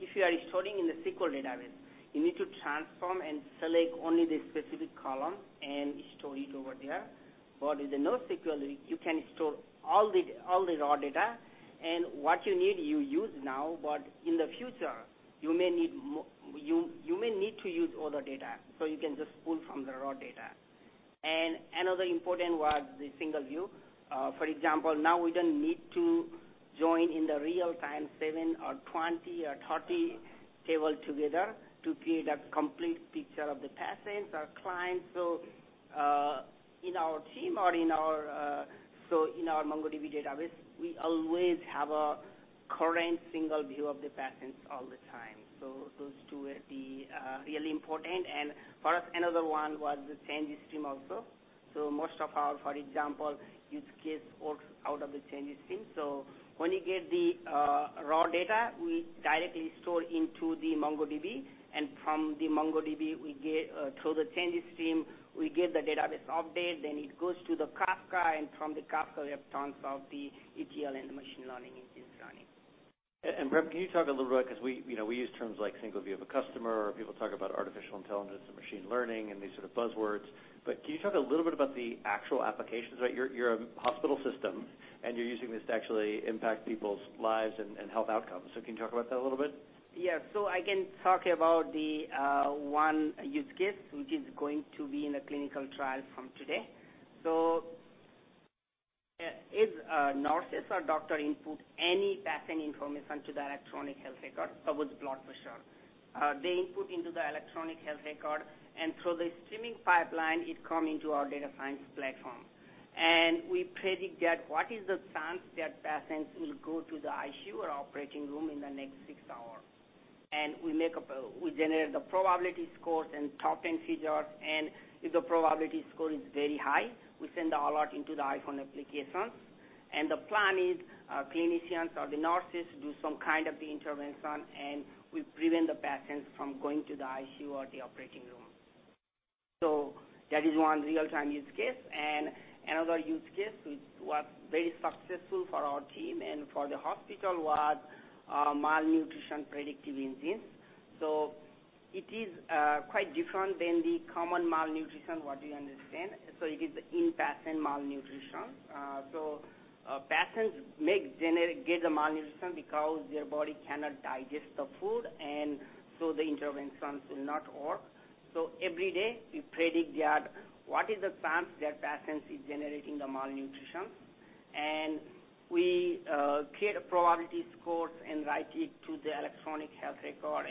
If you are storing in the SQL database, you need to transform and select only the specific column and store it over there. With the NoSQL, you can store all the raw data, and what you need, you use now, but in the future, you may need to use other data. You can just pull from the raw data. Another important was the single view. For example, now we don't need to join in the real time seven or 20 or 30 tables together to create a complete picture of the patients or clients. In our team or in our MongoDB database, we always have a current single view of the patients all the time. Those two were the really important. For us, another one was the change stream also. Most of our, for example, use case works out of the change stream. When you get the raw data, we directly store into the MongoDB. From the MongoDB, through the change stream, we get the database update, then it goes to the Kafka, from the Kafka, we have tons of the ETL and machine learning engines running. Prem, can you talk a little bit, because we use terms like single view of a customer or people talk about artificial intelligence and machine learning and these sort of buzzwords. Can you talk a little bit about the actual applications, right? You're a hospital system, and you're using this to actually impact people's lives and health outcomes. Can you talk about that a little bit? Yeah. I can talk about the one use case, which is going to be in a clinical trial from today. If a nurses or doctor input any patient information to the electronic health record, suppose blood pressure, they input into the electronic health record, and through this pipeline is coming to our data science platform, we predict what is the chance that patients will go to the ICU or operating room in the next six hours. We generate the probability scores and top procedures, if the probability score is very high, we send the alert into the iPhone application. The plan is, our clinicians or the nurses do some kind of the intervention, and we prevent the patients from going to the ICU or the operating room. That is one real-time use case. Another use case, which was very successful for our team and for the hospital, was malnutrition predictive engines. It is quite different than the common malnutrition, what we understand. It is in-patient malnutrition. Patients may get the malnutrition because their body cannot digest the food, and so the interventions will not work. Every day we predict what is the chance that patient is generating the malnutrition. We create a probability score and write it to the electronic health record.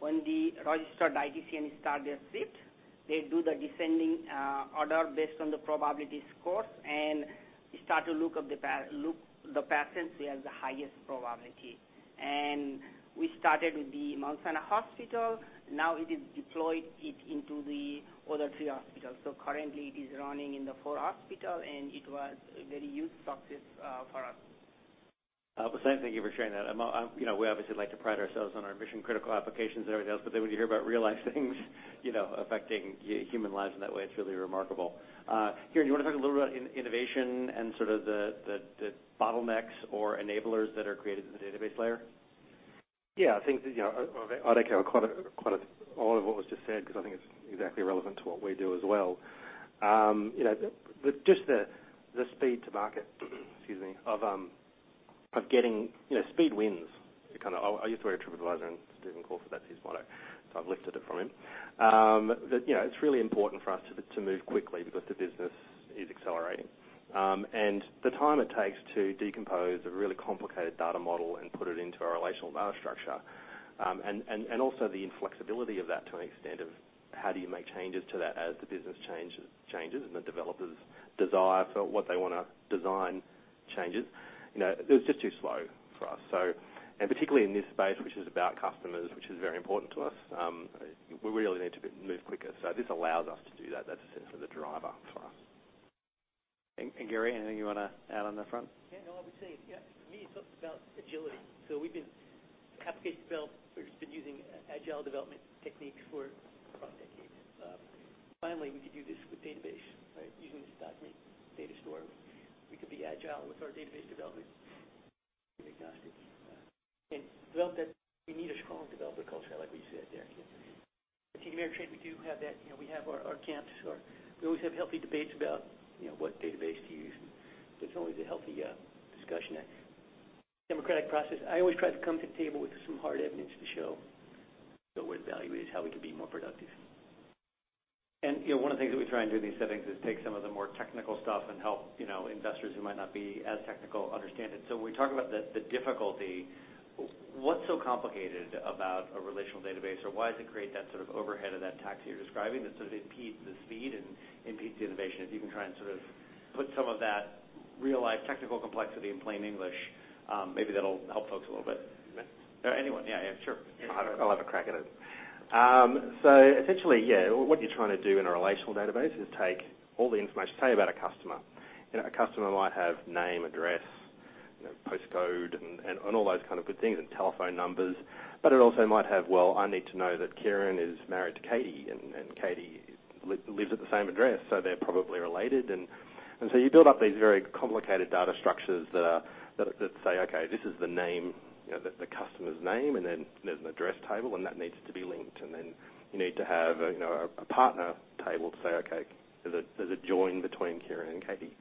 When the registered dietitian start their shift, they do the descending order based on the probability scores and start to look at the patients who have the highest probability. We started with The Mount Sinai Hospital. It is deployed into the other three hospitals. Currently it is running in the four hospitals and it was very huge success for us. [Basant], thank you for sharing that. We obviously like to pride ourselves on our mission-critical applications and everything else, but then when you hear about real life things affecting human lives in that way, it's really remarkable. Kieran, do you want to talk a little about innovation and the bottlenecks or enablers that are created in the database layer? Yeah. I think all of what was just said, because I think it's exactly relevant to what we do as well. Just the speed to market, excuse me. Speed wins. I used to work at TripAdvisor, and Stephen Kaufer, that's his motto, so I've lifted it from him. It's really important for us to move quickly because the business is accelerating. The time it takes to decompose a really complicated data model and put it into our relational data structure, and also the inflexibility of that to an extent of how do you make changes to that as the business changes and the developers' desire for what they want to design changes. It was just too slow for us. Particularly in this space, which is about customers, which is very important to us, we really need to move quicker. This allows us to do that. That's essentially the driver for us. Gary, anything you want to add on that front? For me, it's also about agility. Application developers have been using agile development techniques for across decades. Finally, we could do this with database, right, using this document data store. We could be agile with our database development and develop that. We need a strong developer culture, like what you said there, Kieran. At Ameritrade, we do have that. We have our camps. We always have healthy debates about what database to use, it's always a healthy discussion, a democratic process. I always try to come to the table with some hard evidence to show where the value is, how we can be more productive. One of the things that we try and do in these settings is take some of the more technical stuff and help investors who might not be as technical understand it. When we talk about the difficulty, what's so complicated about a relational database, or why does it create that overhead of that tax you're describing that sort of impedes the speed and impedes the innovation? If you can try and put some of that real-life technical complexity in plain English, maybe that'll help folks a little bit. Anyone? Yeah, sure. I'll have a crack at it. Essentially, what you're trying to do in a relational database is take all the information, say, about a customer. A customer might have name, address, postcode and all those kind of good things and telephone numbers. It also might have, well, I need to know that Kieran is married to Katie, and Katie lives at the same address, so they're probably related. You build up these very complicated data structures that say, okay, this is the name, the customer's name, and then there's an address table, and that needs to be linked. Then you need to have a partner table to say, okay, there's a join between Kieran and Katie.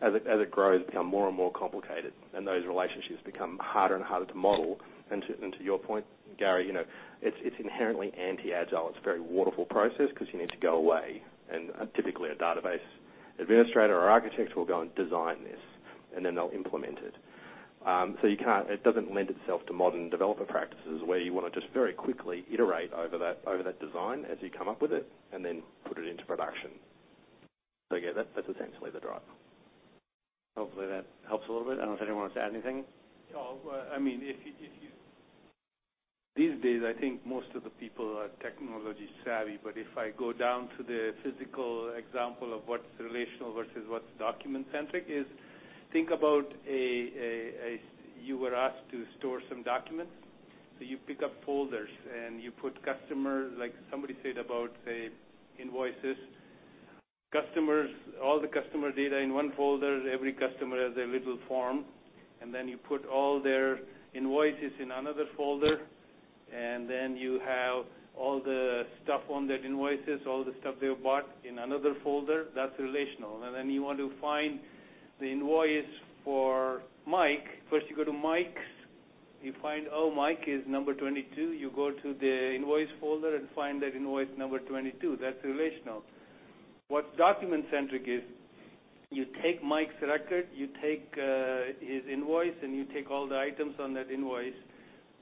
As it grows, it becomes more and more complicated, and those relationships become harder and harder to model. To your point, Gary, it's inherently anti-agile. It's a very waterfall process because you need to go away, and typically, a database administrator or architect will go and design this, and then they'll implement it. It doesn't lend itself to modern developer practices where you want to just very quickly iterate over that design as you come up with it and then put it into production. Yeah, that's essentially the driver. Hopefully that helps a little bit. I don't know if anyone wants to add anything. These days, I think most of the people are technology-savvy. If I go down to the physical example of what's relational versus what's document-centric is, think about you were asked to store some documents. You pick up folders, and you put customer, like somebody said about, say, invoices. All the customer data in one folder, every customer has a little form, and then you put all their invoices in another folder, and then you have all the stuff on that invoices, all the stuff they bought in another folder. That's relational. Then you want to find the invoice for Mike. First you go to Mike's. You find, oh, Mike is number 22. You go to the invoice folder and find that invoice number 22. That's relational. What document-centric is You take Mike's record, you take his invoice, and you take all the items on that invoice,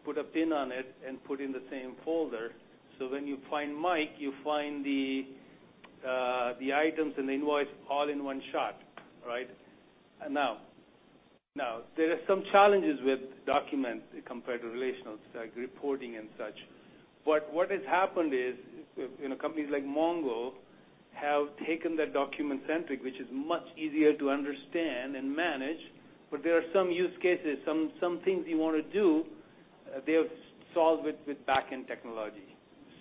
put a pin on it, and put in the same folder. When you find Mike, you find the items and the invoice all in one shot. Right? Now, there are some challenges with documents compared to relationals, like reporting and such. What has happened is, companies like MongoDB have taken that document-centric, which is much easier to understand and manage. There are some use cases, some things you want to do, they have solved with back-end technology.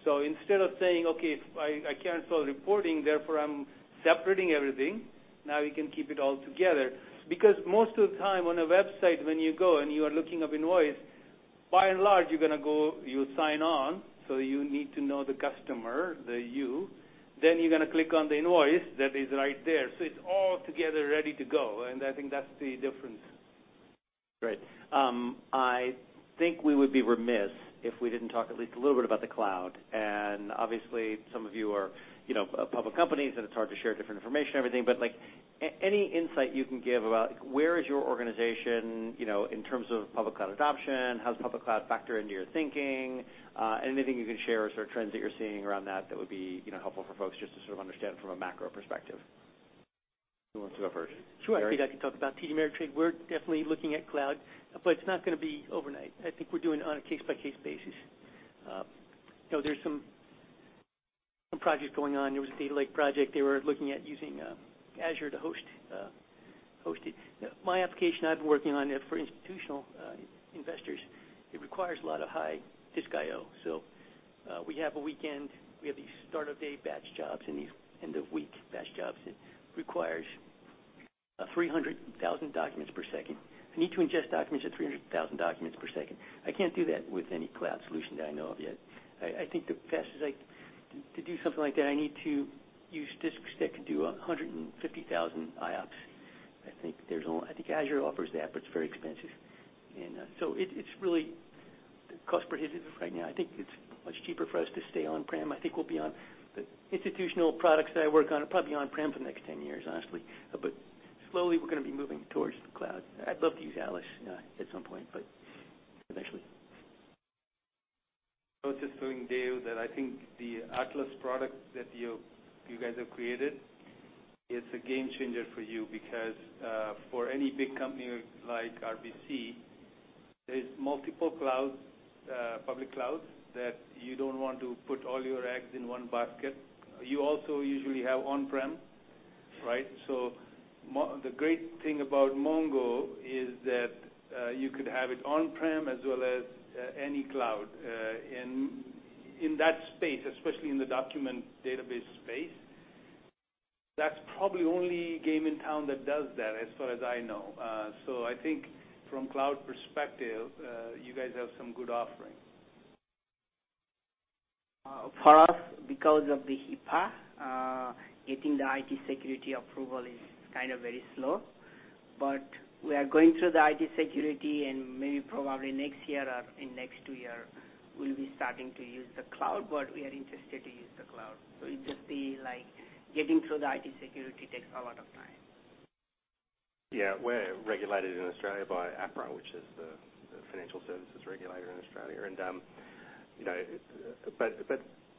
Instead of saying, "Okay, I can't solve reporting, therefore I'm separating everything," now we can keep it all together. Because most of the time on a website when you go and you are looking up invoice, by and large, you're going to go, you sign on. You need to know the customer, then you're going to click on the invoice that is right there. It's all together ready to go, and I think that's the difference. Great. I think we would be remiss if we didn't talk at least a little bit about the cloud. Obviously, some of you are public companies, and it's hard to share different information and everything, but any insight you can give about where is your organization in terms of public cloud adoption, how does public cloud factor into your thinking? Anything you can share or trends that you're seeing around that that would be helpful for folks just to sort of understand from a macro perspective. Who wants to go first? Gary? Sure. I think I can talk about TD Ameritrade. We're definitely looking at cloud, but it's not going to be overnight. I think we're doing it on a case-by-case basis. There's some project going on. There was a Data Lake project they were looking at using Azure to host it. My application I've been working on for institutional investors, it requires a lot of high disk IO. We have a weekend, we have these start-of-day batch jobs and these end-of-week batch jobs. It requires 300,000 documents per second. I need to ingest documents at 300,000 documents per second. I can't do that with any cloud solution that I know of yet. I think the fastest to do something like that, I need to use disks that can do 150,000 IOPS. I think Azure offers that, but it's very expensive. It's really cost prohibitive right now. I think it's much cheaper for us to stay on-prem. I think we'll be the institutional products that I work on are probably on-prem for the next 10 years, honestly. Slowly, we're going to be moving towards the cloud. I'd love to use Atlas at some point, but eventually. I was just telling Dev that I think the Atlas product that you guys have created is a game changer for you because, for any big company like RBC, there's multiple clouds, public clouds, that you don't want to put all your eggs in one basket. You also usually have on-prem, right? The great thing about MongoDB is that you could have it on-prem as well as any cloud. In that space, especially in the document database space, that's probably only game in town that does that, as far as I know. I think from cloud perspective, you guys have some good offerings. For us, because of the HIPAA, getting the IT security approval is kind of very slow. We are going through the IT security, and maybe probably next year or in next two year, we'll be starting to use the cloud. We are interested to use the cloud. It just be like getting through the IT security takes a lot of time. Yeah. We're regulated in Australia by APRA, which is the financial services regulator in Australia.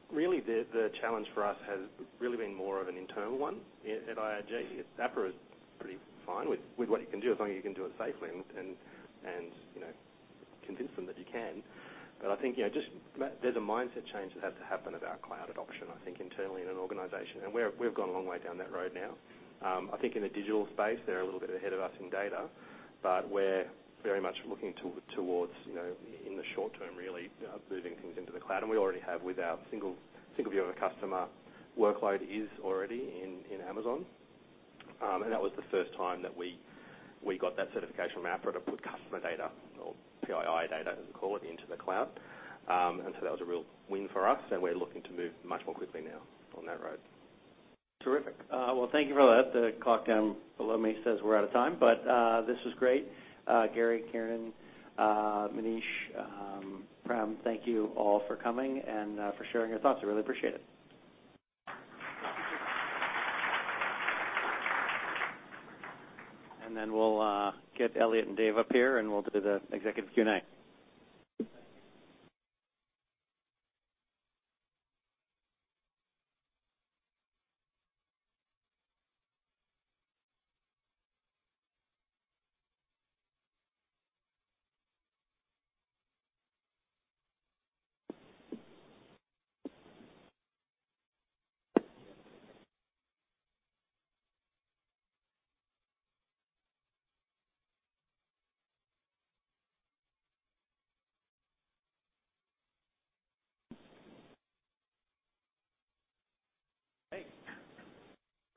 Really, the challenge for us has really been more of an internal one at IAG. APRA is pretty fine with what you can do, as long as you can do it safely and convince them that you can. I think there's a mindset change that has to happen about cloud adoption, I think, internally in an organization. We've gone a long way down that road now. I think in the digital space, they're a little bit ahead of us in data, but we're very much looking towards, in the short term, really, moving things into the cloud. We already have with our single view of a customer workload is already in Amazon. That was the first time that we got that certification from APRA to put customer data or PII data, as we call it, into the cloud. That was a real win for us, and we're looking to move much more quickly now on that road. Terrific. Well, thank you for that. The clock down below me says we're out of time, this was great. Gary, Kieran, Manish, Prem, thank you all for coming and for sharing your thoughts. I really appreciate it. We'll get Eliot and Dev up here, and we'll do the executive Q&A. Hey.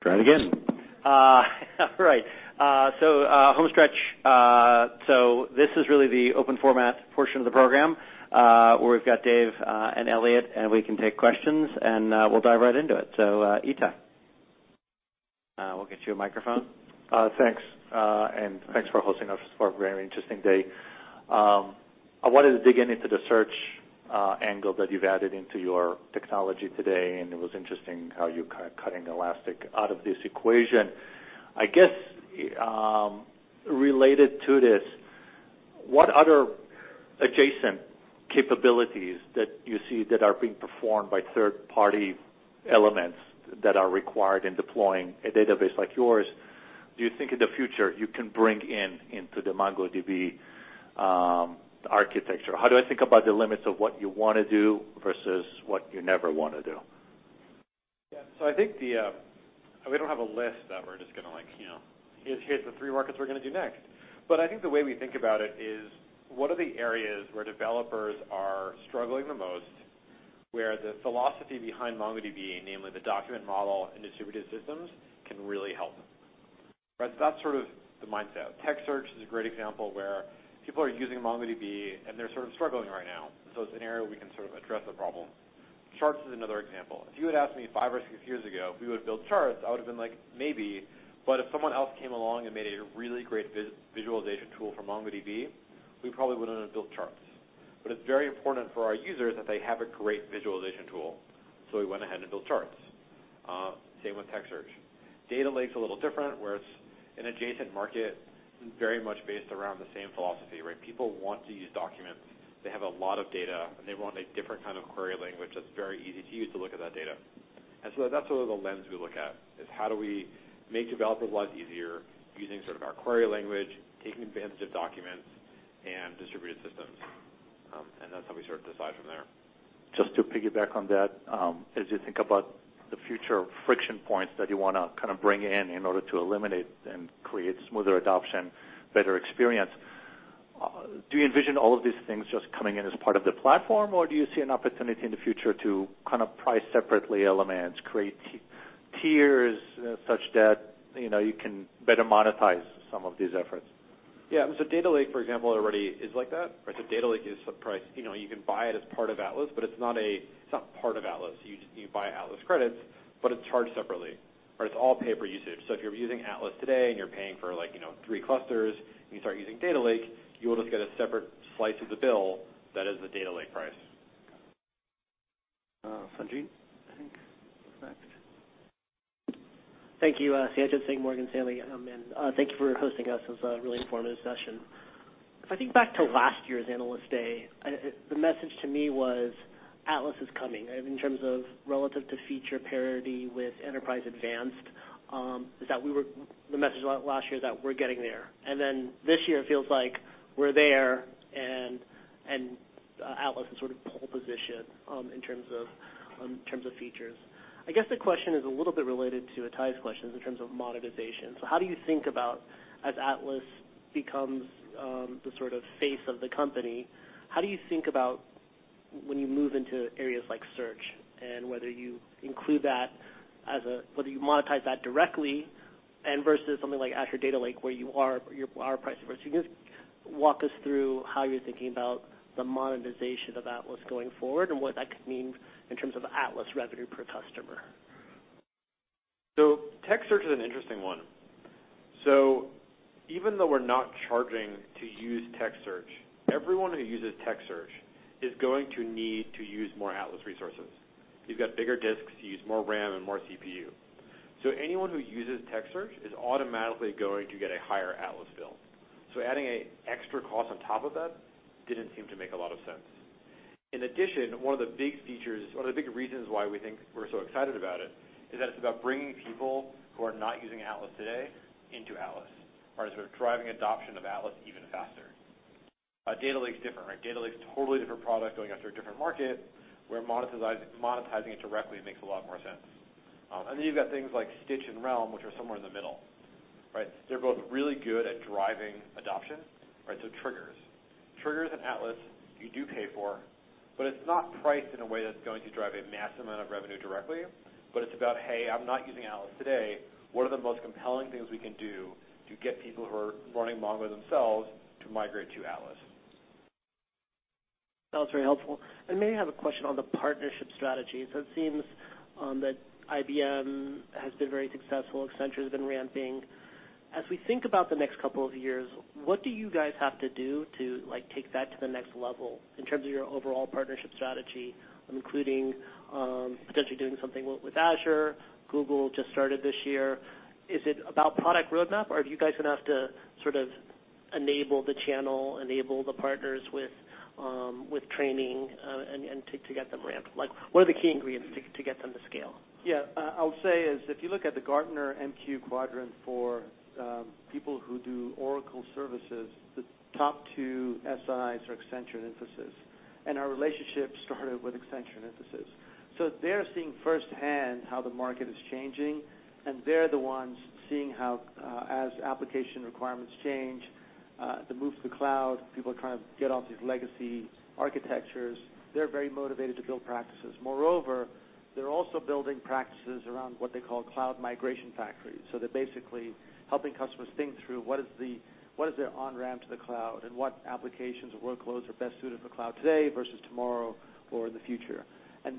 Try it again. All right. Home stretch. This is really the open format portion of the program, where we've got Dev and Eliot, we can take questions, and we'll dive right into it. Itay. We'll get you a microphone. Thanks, thanks for hosting us for a very interesting day. I wanted to dig into the search It was interesting how you're cutting Elastic out of this equation. I guess, related to this, what other adjacent capabilities that you see that are being performed by third-party elements that are required in deploying a database like yours, do you think in the future you can bring in into the MongoDB architecture? How do I think about the limits of what you want to do versus what you never want to do? Yeah. We don't have a list that we're just going to like, "Here's the three markets we're going to do next." I think the way we think about it is, what are the areas where developers are struggling the most, where the philosophy behind MongoDB, namely the document model and distributed systems, can really help. That's sort of the mindset. Text search is a great example where people are using MongoDB, and they're sort of struggling right now. It's an area we can sort of address the problem. Charts is another example. If you had asked me five or six years ago if we would build Charts, I would've been like, "Maybe." If someone else came along and made a really great visualization tool for MongoDB, we probably wouldn't have built Charts. It's very important for our users that they have a great visualization tool, so we went ahead and built Charts. Same with text search. Data Lake's a little different, where it's an adjacent market very much based around the same philosophy, right? People want to use documents. They have a lot of data, they want a different kind of query language that's very easy to use to look at that data. That's sort of the lens we look at, is how do we make developers' lives easier using sort of our query language, taking advantage of documents and distributed systems. That's how we sort of decide from there. Just to piggyback on that, as you think about the future friction points that you want to kind of bring in in order to eliminate and create smoother adoption, better experience, do you envision all of these things just coming in as part of the platform, or do you see an opportunity in the future to price separately elements, create tiers such that you can better monetize some of these efforts? Data Lake, for example, already is like that. Data Lake is priced. You can buy it as part of Atlas, but it's not part of Atlas. You buy Atlas credits, but it's charged separately. It's all pay-per-usage. If you're using Atlas today and you're paying for three clusters and you start using Data Lake, you will just get a separate slice of the bill that is the Data Lake price. Sanjit, I think is next. Thank you. Sanjit Singh, Morgan Stanley. Thank you for hosting us. This was a really informative session. If I think back to last year's Analyst Day, the message to me was, Atlas is coming, in terms of relative to feature parity with Enterprise Advanced. The message last year that we're getting there. This year it feels like we're there, and Atlas is sort of pole position in terms of features. I guess the question is a little bit related to Itay's questions in terms of monetization. As Atlas becomes the sort of face of the company, how do you think about when you move into areas like search, and whether you monetize that directly and versus something like Azure Data Lake, where you are pricing versus. Can you just walk us through how you're thinking about the monetization of Atlas going forward and what that could mean in terms of Atlas revenue per customer? Text search is an interesting one. Even though we're not charging to use text search, everyone who uses text search is going to need to use more Atlas resources. You've got bigger disks, you use more RAM and more CPU. Anyone who uses text search is automatically going to get a higher Atlas bill. Adding a extra cost on top of that didn't seem to make a lot of sense. In addition, one of the big reasons why we think we're so excited about it is that it's about bringing people who are not using Atlas today into Atlas. Sort of driving adoption of Atlas even faster. Data Lake's different, right? Data Lake's a totally different product going after a different market, where monetizing it directly makes a lot more sense. You've got things like Stitch and Realm, which are somewhere in the middle. They're both really good at driving adoption. Triggers and Atlas you do pay for, it's not priced in a way that's going to drive a massive amount of revenue directly, it's about, hey, I'm not using Atlas today. What are the most compelling things we can do to get people who are running MongoDB themselves to migrate to Atlas? That was very helpful. I may have a question on the partnership strategy. It seems that IBM has been very successful. Accenture's been ramping. As we think about the next couple of years, what do you guys have to do to take that to the next level in terms of your overall partnership strategy, including potentially doing something with Azure, Google just started this year. Is it about product roadmap, or do you guys going to have to sort of enable the channel, enable the partners with training and to get them ramped? What are the key ingredients to get them to scale? I'll say, if you look at the Gartner MQ quadrant for people who do Oracle services, the top 2 SIs are Accenture and Infosys, and our relationship started with Accenture and Infosys. They're seeing firsthand how the market is changing, and they're the ones seeing how as application requirements change, the move to the cloud, people are trying to get off these legacy architectures. They're very motivated to build practices. Moreover, they're also building practices around what they call cloud migration factories. They're basically helping customers think through what is their on-ramp to the cloud and what applications or workloads are best suited for cloud today versus tomorrow or in the future.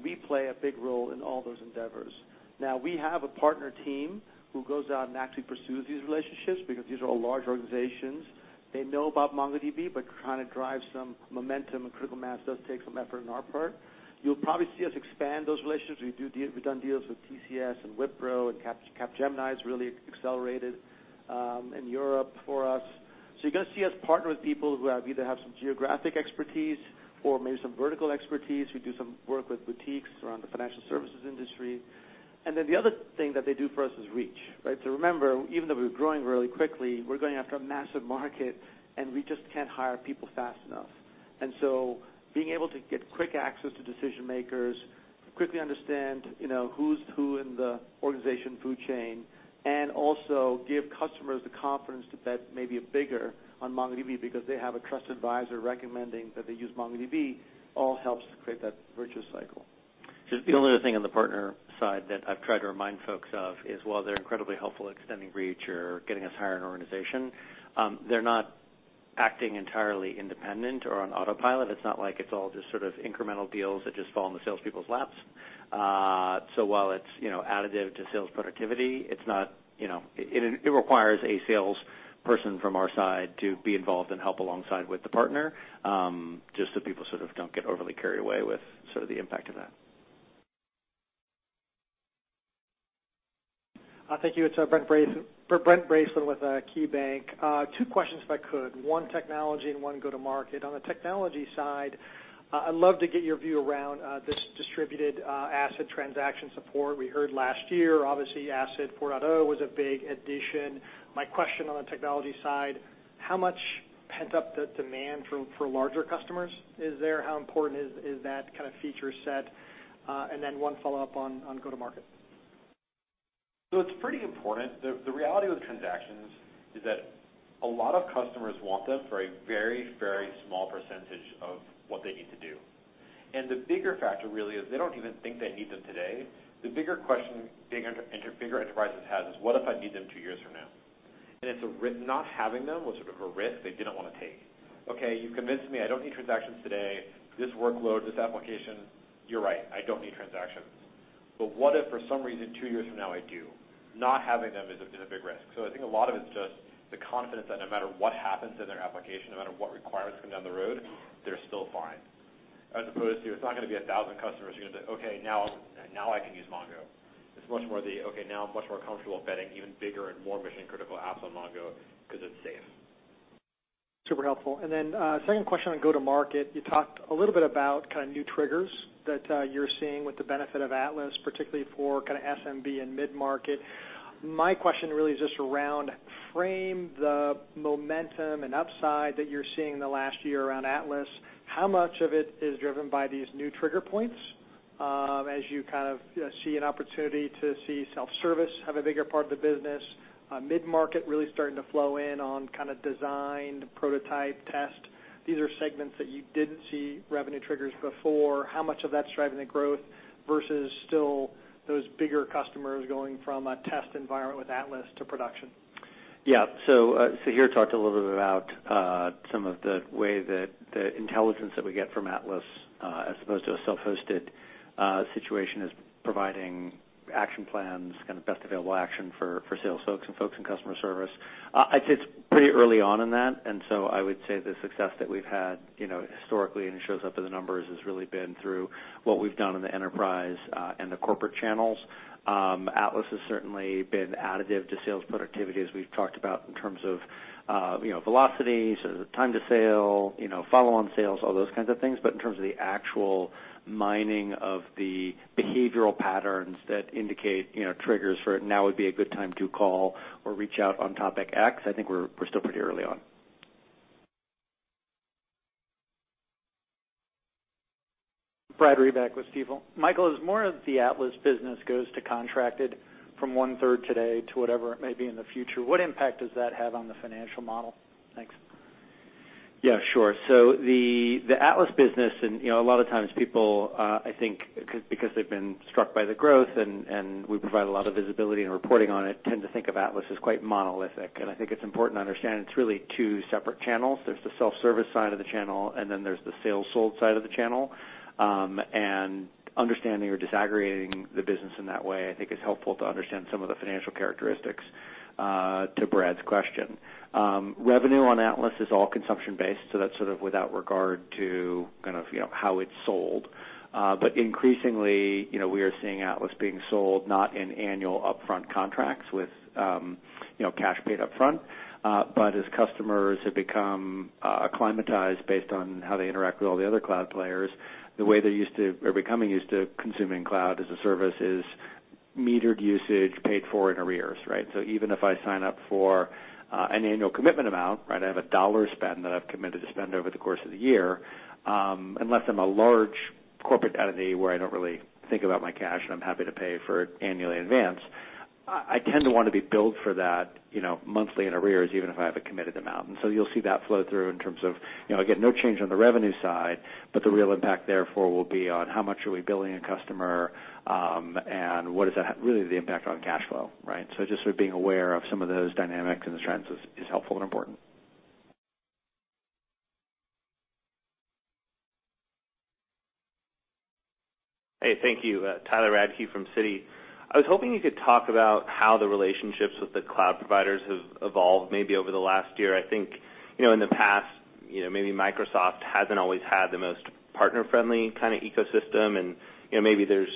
We play a big role in all those endeavors. We have a partner team who goes out and actually pursues these relationships because these are all large organizations. They know about MongoDB, trying to drive some momentum and critical mass does take some effort on our part. You'll probably see us expand those relationships. We've done deals with TCS and Wipro, Capgemini has really accelerated in Europe for us. You're going to see us partner with people who either have some geographic expertise or maybe some vertical expertise, who do some work with boutiques around the financial services industry. The other thing that they do for us is reach. Right? Remember, even though we're growing really quickly, we're going after a massive market, and we just can't hire people fast enough. Being able to get quick access to decision-makers, quickly understand who's who in the organization food chain, and also give customers the confidence to bet maybe bigger on MongoDB because they have a trusted advisor recommending that they use MongoDB, all helps to create that virtuous cycle. Just the only other thing on the partner side that I've tried to remind folks of is while they're incredibly helpful extending reach or getting us higher in an organization, they're not acting entirely independent or on autopilot. It's not like it's all just sort of incremental deals that just fall in the salespeople's laps. While it's additive to sales productivity, it requires a salesperson from our side to be involved and help alongside with the partner, just so people sort of don't get overly carried away with sort of the impact of that. Thank you. It's Brent Bracelin with KeyBanc. Two questions, if I could. One technology and one go to market. On the technology side, I'd love to get your view around this distributed asset transaction support. We heard last year, obviously, ACID 4.0 was a big addition. My question on the technology side, how much pent-up demand for larger customers is there? How important is that kind of feature set? One follow-up on go to market. It's pretty important. The reality with transactions is that a lot of customers want them for a very small percentage of what they need to do. The bigger factor really is they don't even think they need them today. The bigger question bigger enterprises have is, "What if I need them two years from now?" Not having them was sort of a risk they didn't want to take. Okay, you've convinced me I don't need transactions today. This workload, this application, you're right, I don't need transactions. What if, for some reason, two years from now, I do? Not having them is a big risk. I think a lot of it's just the confidence that no matter what happens in their application, no matter what requirements come down the road, they're still fine. As opposed to, it's not going to be 1,000 customers who are going to be like, "Okay, now I can use MongoDB." It's much more the, "Okay, now I'm much more comfortable betting even bigger and more mission-critical apps on MongoDB because it's safe. Super helpful. Second question on go to market, you talked a little bit about kind of new triggers that you're seeing with the benefit of Atlas, particularly for kind of SMB and mid-market. My question really is just around frame the momentum and upside that you're seeing in the last year around Atlas. How much of it is driven by these new trigger points? As you kind of see an opportunity to see self-service have a bigger part of the business, mid-market really starting to flow in on kind of design, prototype, test. These are segments that you didn't see revenue triggers before. How much of that's driving the growth versus still those bigger customers going from a test environment with Atlas to production? Yeah. Sahir talked a little bit about some of the way that the intelligence that we get from Atlas, as opposed to a self-hosted situation, is providing action plans, kind of best available action for sales folks and folks in customer service. I'd say it's pretty early on in that, I would say the success that we've had historically, and it shows up in the numbers, has really been through what we've done in the enterprise and the corporate channels. Atlas has certainly been additive to sales productivity, as we've talked about in terms of velocities, time to sale, follow-on sales, all those kinds of things. In terms of the actual mining of the behavioral patterns that indicate triggers for now would be a good time to call or reach out on topic X, I think we're still pretty early on. Brad Reback with Stifel. Michael, as more of the Atlas business goes to contracted from one-third today to whatever it may be in the future, what impact does that have on the financial model? Thanks. Yeah, sure. The Atlas business, a lot of times people, I think because they've been struck by the growth and we provide a lot of visibility and reporting on it, tend to think of Atlas as quite monolithic. I think it's important to understand it's really two separate channels. There's the self-service side of the channel, and then there's the sales sold side of the channel. Understanding or disaggregating the business in that way, I think, is helpful to understand some of the financial characteristics to Brad's question. Revenue on Atlas is all consumption-based, that's sort of without regard to how it's sold. Increasingly, we are seeing Atlas being sold not in annual upfront contracts with cash paid upfront. As customers have become acclimatized based on how they interact with all the other cloud players, the way they're becoming used to consuming cloud as a service is metered usage paid for in arrears, right? Even if I sign up for an annual commitment amount, I have a $1 spend that I've committed to spend over the course of the year, unless I'm a large corporate entity where I don't really think about my cash and I'm happy to pay for it annually in advance, I tend to want to be billed for that monthly in arrears, even if I have a committed amount. You'll see that flow through in terms of, I get no change on the revenue side, but the real impact therefore will be on how much are we billing a customer, and what is really the impact on cash flow, right? Just sort of being aware of some of those dynamics and the trends is helpful and important. Hey, thank you. Tyler Radke from Citi. I was hoping you could talk about how the relationships with the cloud providers have evolved maybe over the last year. I think in the past Maybe Microsoft hasn't always had the most partner-friendly kind of ecosystem, maybe there's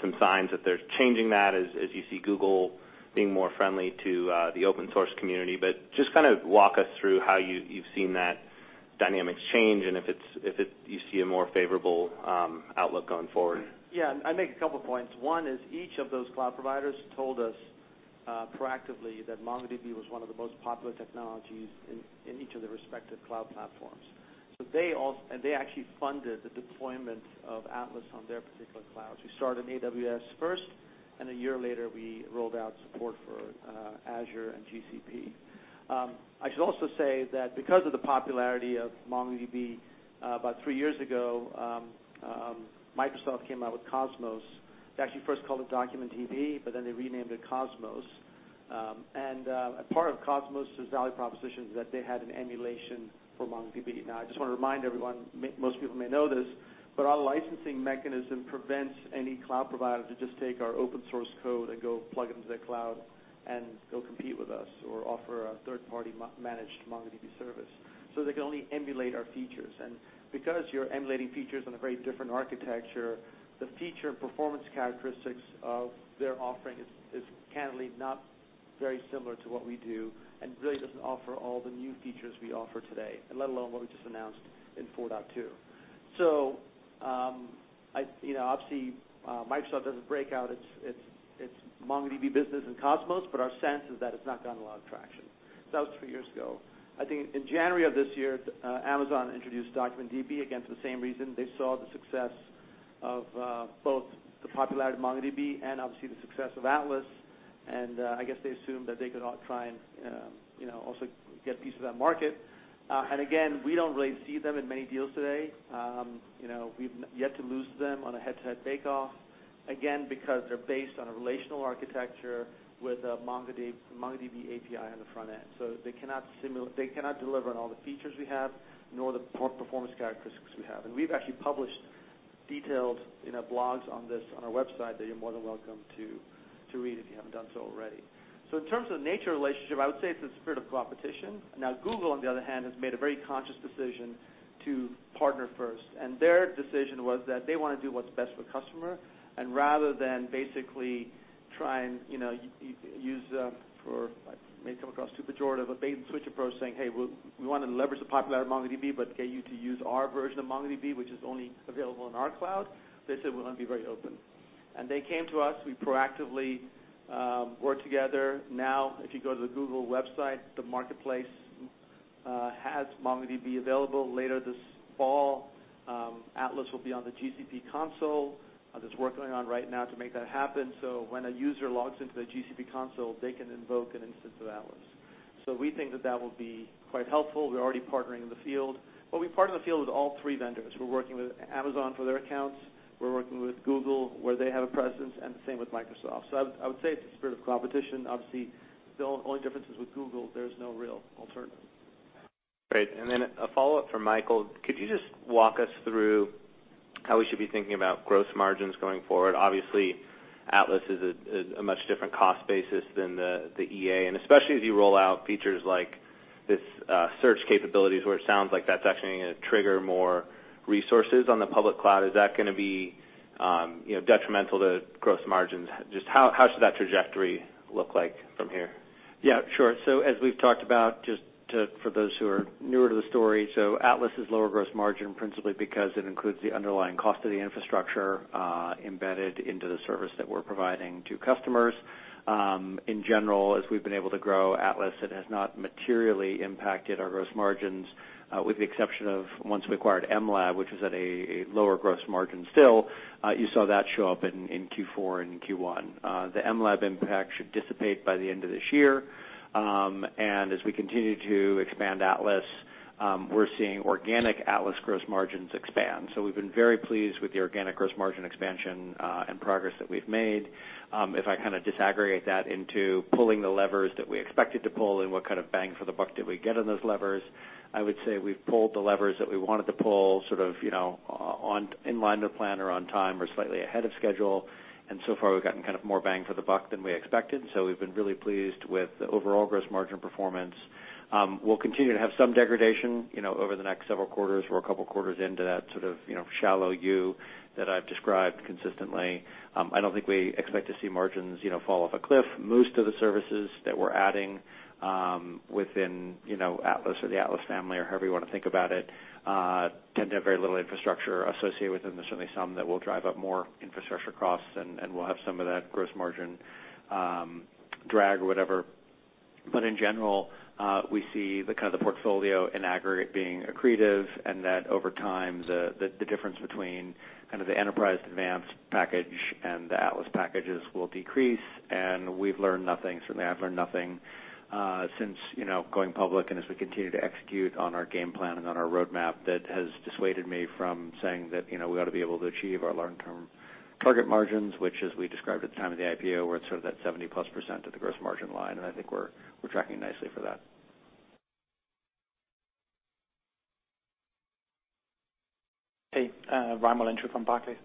some signs that they're changing that as you see Google being more friendly to the open source community. Just walk us through how you've seen that dynamics change and if you see a more favorable outlook going forward. Yeah. I'd make a couple points. One is each of those cloud providers told us proactively that MongoDB was one of the most popular technologies in each of their respective cloud platforms. They actually funded the deployment of Atlas on their particular clouds. We started in AWS first, and a year later, we rolled out support for Azure and GCP. I should also say that because of the popularity of MongoDB, about three years ago, Microsoft came out with Cosmos. They actually first called it DocumentDB, but then they renamed it Cosmos. A part of Cosmos' value proposition is that they had an emulation for MongoDB. Now, I just want to remind everyone, most people may know this, but our licensing mechanism prevents any cloud provider to just take our open source code and go plug it into their cloud and go compete with us or offer a third-party managed MongoDB service. They can only emulate our features. Because you're emulating features on a very different architecture, the feature and performance characteristics of their offering is candidly not very similar to what we do and really doesn't offer all the new features we offer today, let alone what we just announced in 4.2. Obviously, Microsoft doesn't break out its MongoDB business and Cosmos, but our sense is that it's not gotten a lot of traction. That was three years ago. I think in January of this year, Amazon introduced DocumentDB, again, for the same reason. They saw the success of both the popularity of MongoDB and obviously the success of Atlas, and I guess they assumed that they could try and also get a piece of that market. Again, we don't really see them in many deals today. We've yet to lose to them on a head-to-head bake-off, again, because they're based on a relational architecture with a MongoDB API on the front end. They cannot deliver on all the features we have, nor the performance characteristics we have. We've actually published detailed blogs on this on our website that you're more than welcome to read if you haven't done so already. In terms of the nature of the relationship, I would say it's in the spirit of competition. Google, on the other hand, has made a very conscious decision to partner first, their decision was that they want to do what's best for the customer, rather than basically try and use, it may come across too pejorative, a bait-and-switch approach, saying, "Hey, we want to leverage the popularity of MongoDB, but get you to use our version of MongoDB, which is only available on our cloud." They said, "We're going to be very open." They came to us. We proactively worked together. If you go to the Google website, the marketplace has MongoDB available. Later this fall, Atlas will be on the GCP console. There's work going on right now to make that happen, so when a user logs into the GCP console, they can invoke an instance of Atlas. We think that that will be quite helpful. We're already partnering in the field, we partner in the field with all three vendors. We're working with Amazon for their accounts. We're working with Google where they have a presence, the same with Microsoft. I would say it's a spirit of competition. Obviously, the only difference is with Google, there's no real alternative. Great. Then a follow-up from Michael. Could you just walk us through how we should be thinking about gross margins going forward? Obviously, Atlas is a much different cost basis than the EA, especially as you roll out features like this search capabilities, where it sounds like that's actually going to trigger more resources on the public cloud. Is that going to be detrimental to gross margins? Just how should that trajectory look like from here? Yeah, sure. As we've talked about, just for those who are newer to the story, Atlas is lower gross margin principally because it includes the underlying cost of the infrastructure embedded into the service that we're providing to customers. In general, as we've been able to grow Atlas, it has not materially impacted our gross margins with the exception of once we acquired mLab, which was at a lower gross margin still. You saw that show up in Q4 and Q1. The mLab impact should dissipate by the end of this year. As we continue to expand Atlas, we're seeing organic Atlas gross margins expand. We've been very pleased with the organic gross margin expansion and progress that we've made. If I disaggregate that into pulling the levers that we expected to pull and what kind of bang for the buck did we get on those levers, I would say we've pulled the levers that we wanted to pull in line with the plan or on time or slightly ahead of schedule. So far, we've gotten more bang for the buck than we expected. We've been really pleased with the overall gross margin performance. We'll continue to have some degradation over the next several quarters. We're a couple quarters into that sort of shallow U that I've described consistently. I don't think we expect to see margins fall off a cliff. Most of the services that we're adding within Atlas or the Atlas family, or however you want to think about it, tend to have very little infrastructure associated with them. There's certainly some that will drive up more infrastructure costs, and we'll have some of that gross margin drag or whatever. In general, we see the portfolio in aggregate being accretive and that over time, the difference between kind of the MongoDB Enterprise Advanced package and the Atlas packages will decrease. We've learned nothing, certainly I've learned nothing since going public and as we continue to execute on our game plan and on our roadmap, that has dissuaded me from saying that we ought to be able to achieve our long-term target margins, which as we described at the time of the IPO, we're at sort of that 70%+ of the gross margin line, and I think we're tracking nicely for that. Hey, from Barclays.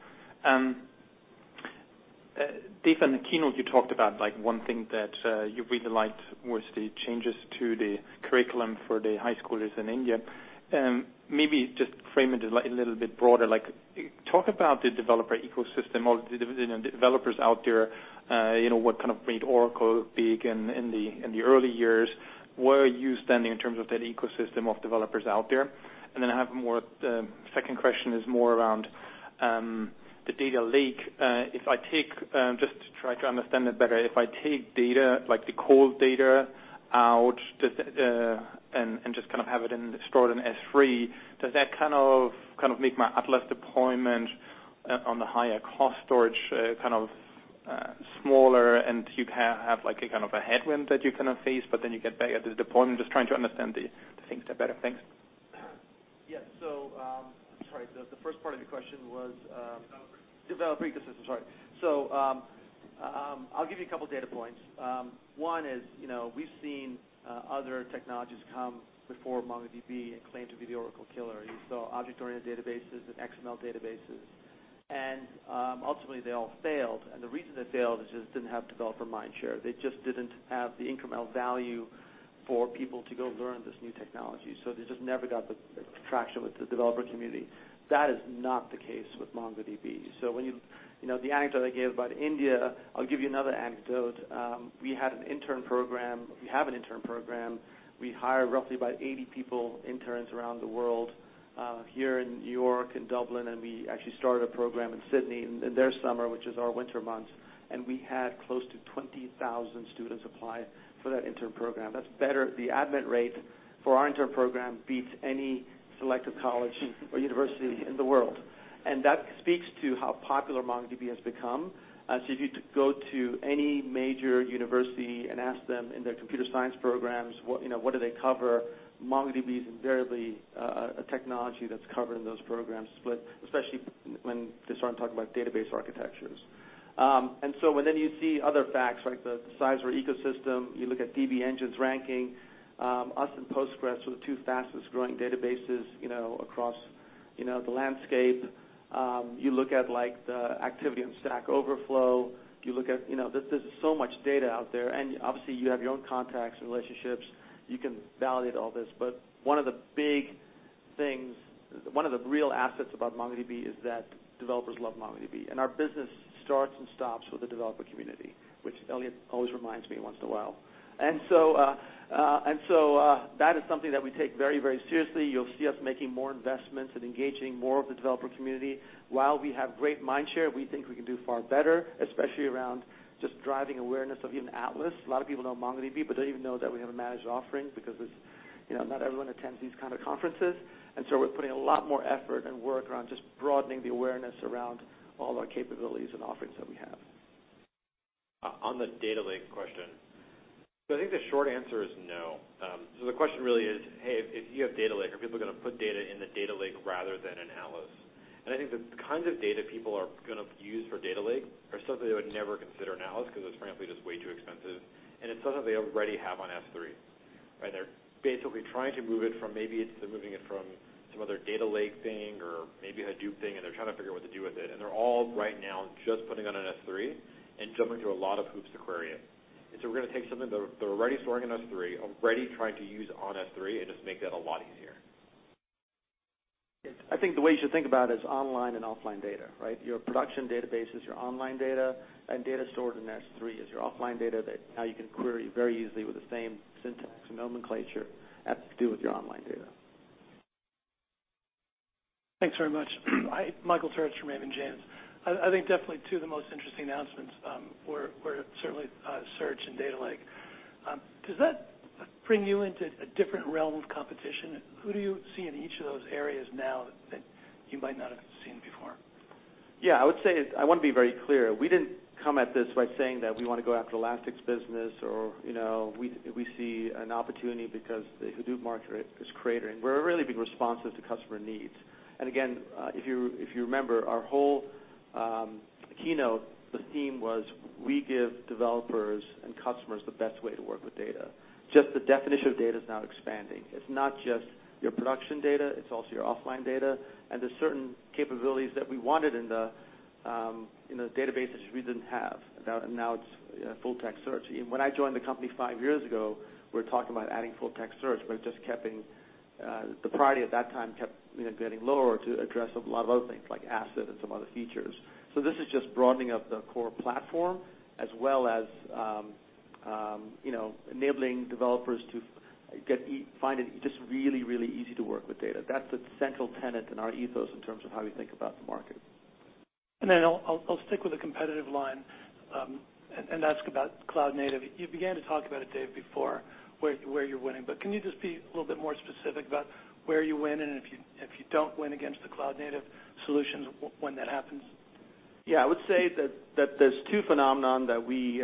Dev, in the keynote you talked about one thing that you really liked was the changes to the curriculum for the high schoolers in India. Maybe just frame it a little bit broader. Talk about the developer ecosystem or the developers out there, what kind of made Oracle big in the early years. Where are you standing in terms of that ecosystem of developers out there? The second question is more around the Data Lake. Just to try to understand it better, if I take data, like the cold data out, and just have it stored in S3, does that kind of make my Atlas deployment on the higher cost storage, kind of smaller and you have a kind of a headwind that you kind of face, but then you get back at the deployment? Just trying to understand the things there better. Thanks. Yeah. Sorry. The first part of your question was. Developer developer ecosystem, sorry. I'll give you a couple data points. One is, we've seen other technologies come before MongoDB and claim to be the Oracle killer. You saw object-oriented databases and XML databases, ultimately they all failed. The reason they failed is just they didn't have developer mind share. They just didn't have the incremental value for people to go learn this new technology. They just never got the traction with the developer community. That is not the case with MongoDB. The anecdote I gave about India, I'll give you another anecdote. We have an intern program. We hire roughly about 80 people, interns around the world, here in New York and Dublin, we actually started a program in Sydney in their summer, which is our winter months. We had close to 20,000 students apply for that intern program. The admit rate for our intern program beats any selective college or university in the world, that speaks to how popular MongoDB has become. If you go to any major university and ask them in their computer science programs, what do they cover? MongoDB is invariably a technology that's covered in those programs, especially when they start talking about database architectures. When then you see other facts, like the size of our ecosystem, you look at DB-Engines ranking, us and PostgreSQL are the 2 fastest growing databases across the landscape. You look at the activity on Stack Overflow. There's just so much data out there, obviously you have your own contacts and relationships. You can validate all this. One of the big things, one of the real assets about MongoDB is that developers love MongoDB, our business starts and stops with the developer community, which Eliot always reminds me once in a while. That is something that we take very seriously. You'll see us making more investments and engaging more of the developer community. While we have great mind share, we think we can do far better, especially around just driving awareness of even Atlas. A lot of people know MongoDB, don't even know that we have a managed offering because not everyone attends these kind of conferences. We're putting a lot more effort and work around just broadening the awareness around all our capabilities and offerings that we have. On the Data Lake question. I think the short answer is no. The question really is, hey, if you have Data Lake, are people going to put data in the Data Lake rather than in Atlas? I think the kinds of data people are going to use for Data Lakes are something they would never consider in Atlas because it's frankly just way too expensive, it's something they already have on S3, right? They're basically trying to move it from, maybe it's moving it from some other Data Lake thing or maybe a Hadoop thing, they're trying to figure out what to do with it. They're all right now just putting it on S3 and jumping through a lot of hoops to query it. We're going to take something they're already storing in S3, already trying to use on S3, and just make that a lot easier. I think the way you should think about it is online and offline data, right? Your production database is your online data, and data stored in S3 is your offline data that now you can query very easily with the same syntax and nomenclature as you do with your online data. Thanks very much. Michael Turits from Raymond James. I think definitely two of the most interesting announcements were certainly Search and Data Lake. Does that bring you into a different realm of competition? Who do you see in each of those areas now that you might not have seen before? I would say, I want to be very clear. We didn't come at this by saying that we want to go after Elastic's business or we see an opportunity because the Hadoop market is cratering. We're really being responsive to customer needs. If you remember our whole keynote, the theme was we give developers and customers the best way to work with data. Just the definition of data is now expanding. It's not just your production data, it's also your offline data. There's certain capabilities that we wanted in the database, which we didn't have. Now it's Full-Text Search. When I joined the company five years ago, we were talking about adding Full-Text Search, the priority at that time kept getting lower to address a lot of other things like ACID and some other features. This is just broadening of the core platform as well as enabling developers to find it just really easy to work with data. That's the central tenet in our ethos in terms of how we think about the market. I'll stick with the competitive line, and ask about cloud-native. You began to talk about it, Dev, before, where you're winning, but can you just be a little bit more specific about where you win and if you don't win against the cloud-native solutions, when that happens? I would say that there's two phenomenon that we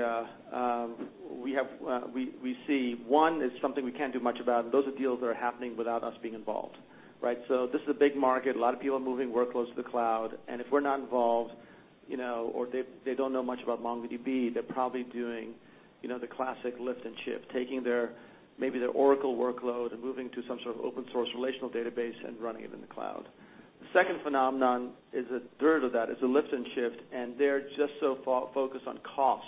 see. One is something we can't do much about, and those are deals that are happening without us being involved, right? This is a big market. A lot of people are moving workloads to the cloud, and if we're not involved-Or they don't know much about MongoDB. They're probably doing the classic lift and shift, taking maybe their Oracle workload and moving to some sort of open source relational database and running it in the cloud. The second phenomenon is a derivative of that. It's a lift and shift, and they're just so focused on cost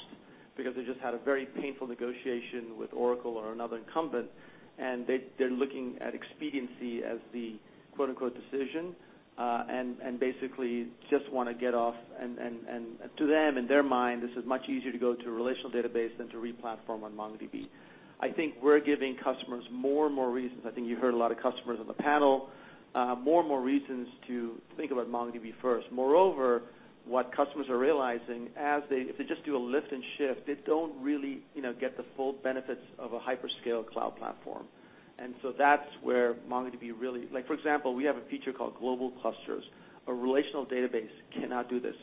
because they just had a very painful negotiation with Oracle or another incumbent, and they're looking at expediency as the, quote unquote, decision, and basically just want to get off. To them, in their mind, this is much easier to go to a relational database than to re-platform on MongoDB. I think we're giving customers more and more reasons. I think you heard a lot of customers on the panel. More and more reasons to think about MongoDB first. Moreover, what customers are realizing, if they just do a lift and shift, they don't really get the full benefits of a hyperscale cloud platform. That's where MongoDB really. Like, for example, we have a feature called Global Clusters. A relational database cannot do this.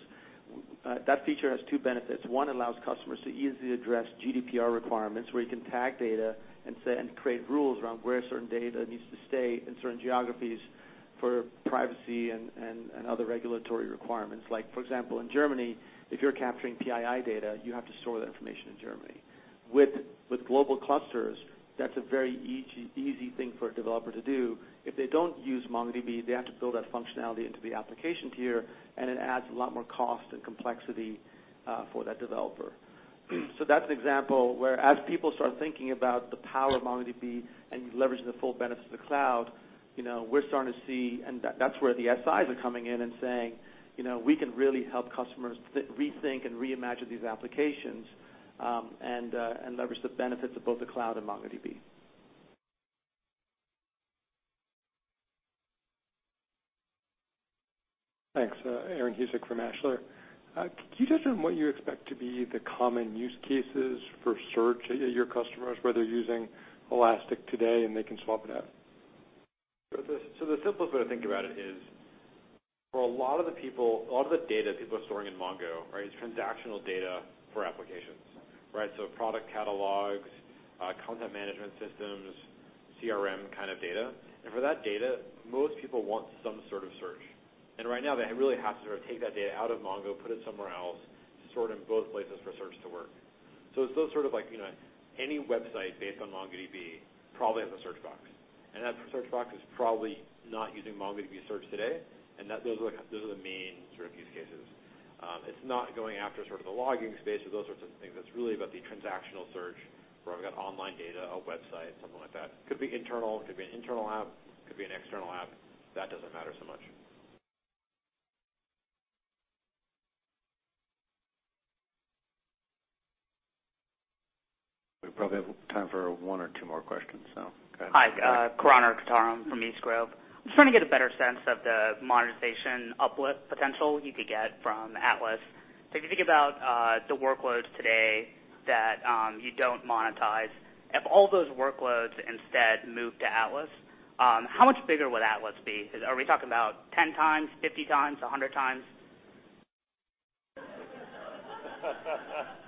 That feature has two benefits. One allows customers to easily address GDPR requirements where you can tag data and create rules around where certain data needs to stay in certain geographies for privacy and other regulatory requirements. For example, in Germany, if you're capturing PII data, you have to store that information in Germany. With Global Clusters, that's a very easy thing for a developer to do. If they don't use MongoDB, they have to build that functionality into the application tier. It adds a lot more cost and complexity for that developer. That's an example where as people start thinking about the power of MongoDB and you leverage the full benefits of the cloud, we're starting to see. That's where the SIs are coming in and saying, "We can really help customers rethink and reimagine these applications and leverage the benefits of both the cloud and MongoDB. Thanks. Aaron Husik from Ashlar. Can you touch on what you expect to be the common use cases for search at your customers, where they're using Elastic today? They can swap it out? The simplest way to think about it is for a lot of the data people are storing in Mongo, it's transactional data for applications. Product catalogs, content management systems, CRM kind of data. For that data, most people want some sort of search. Right now, they really have to sort of take that data out of Mongo, put it somewhere else to store it in both places for search to work. It's those sort of like, any website based on MongoDB probably has a search box. That search box is probably not using MongoDB Search today. Those are the main sort of use cases. It's not going after sort of the logging space or those sorts of things. It's really about the transactional search where I've got online data, a website, something like that. Could be internal, could be an internal app, could be an external app. That doesn't matter so much. We probably have time for one or two more questions. Go ahead. Hi. Karan Arkatam from East Grove. I'm just trying to get a better sense of the monetization uplift potential you could get from Atlas. If you think about the workloads today that you don't monetize, if all those workloads instead move to Atlas, how much bigger would Atlas be? Are we talking about 10 times, 50 times, 100 times?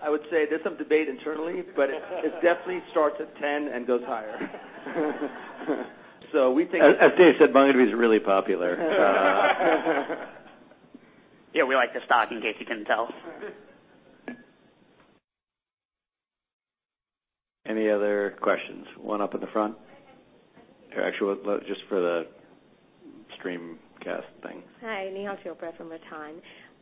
I would say there's some debate internally, it definitely starts at 10 and goes higher. We think. As Dev said, MongoDB is really popular. Yeah, we like the stock, in case you couldn't tell. Any other questions? One up in the front. Actually, just for the streamcast thing. Hi. Nehal Chopra from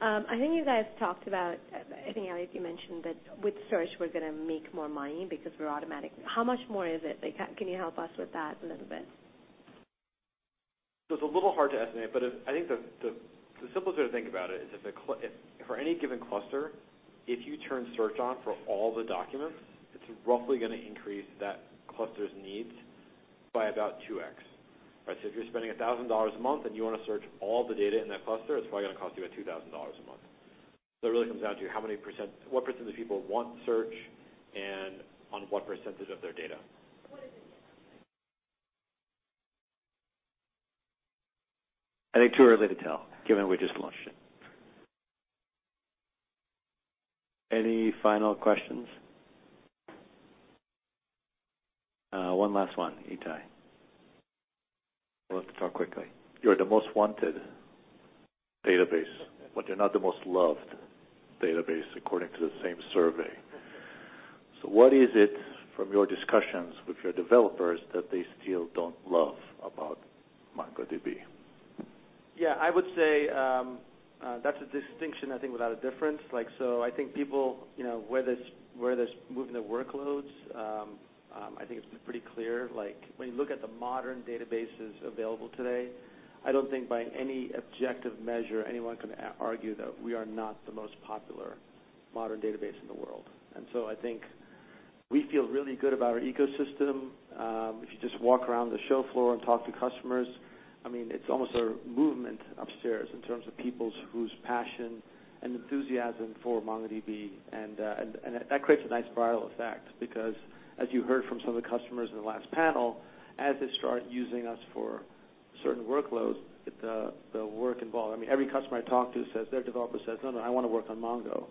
Ratan. You guys talked about, Dev, you mentioned that with Search, we're going to make more money because we're automatic. How much more is it? Can you help us with that a little bit? It's a little hard to estimate, but I think the simplest way to think about it is if for any given cluster, if you turn Search on for all the documents, it's roughly going to increase that cluster's needs by about 2x. If you're spending $1,000 a month and you want to Search all the data in that cluster, it's probably going to cost you $2,000 a month. It really comes down to what % of people want Search and on what % of their data. What is it? I think too early to tell, given we just launched it. Any final questions? One last one. Itay. We'll have to talk quickly. You're the most wanted database, but you're not the most loved database according to the same survey. What is it from your discussions with your developers that they still don't love about MongoDB? I would say that's a distinction, I think, without a difference. I think people, where there's movement of workloads, I think it's pretty clear, like, when you look at the modern databases available today, I don't think by any objective measure anyone can argue that we are not the most popular modern database in the world. I think we feel really good about our ecosystem. If you just walk around the show floor and talk to customers, it's almost a movement upstairs in terms of people's whose passion and enthusiasm for MongoDB, that creates a nice viral effect because as you heard from some of the customers in the last panel, as they start using us for certain workloads, Every customer I talk to says their developer says, "No, I want to work on Mongo."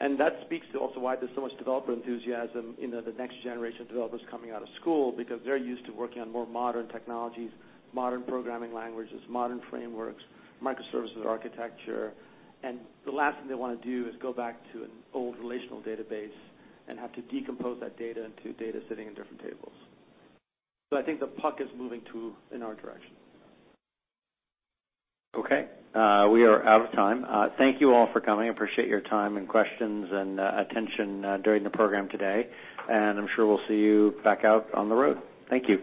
That speaks to also why there's so much developer enthusiasm in the next generation of developers coming out of school because they're used to working on more modern technologies, modern programming languages, modern frameworks, microservices architecture. The last thing they want to do is go back to an old relational database and have to decompose that data into data sitting in different tables. I think the puck is moving in our direction. Okay. We are out of time. Thank you all for coming. I appreciate your time and questions and attention during the program today. I'm sure we'll see you back out on the road. Thank you.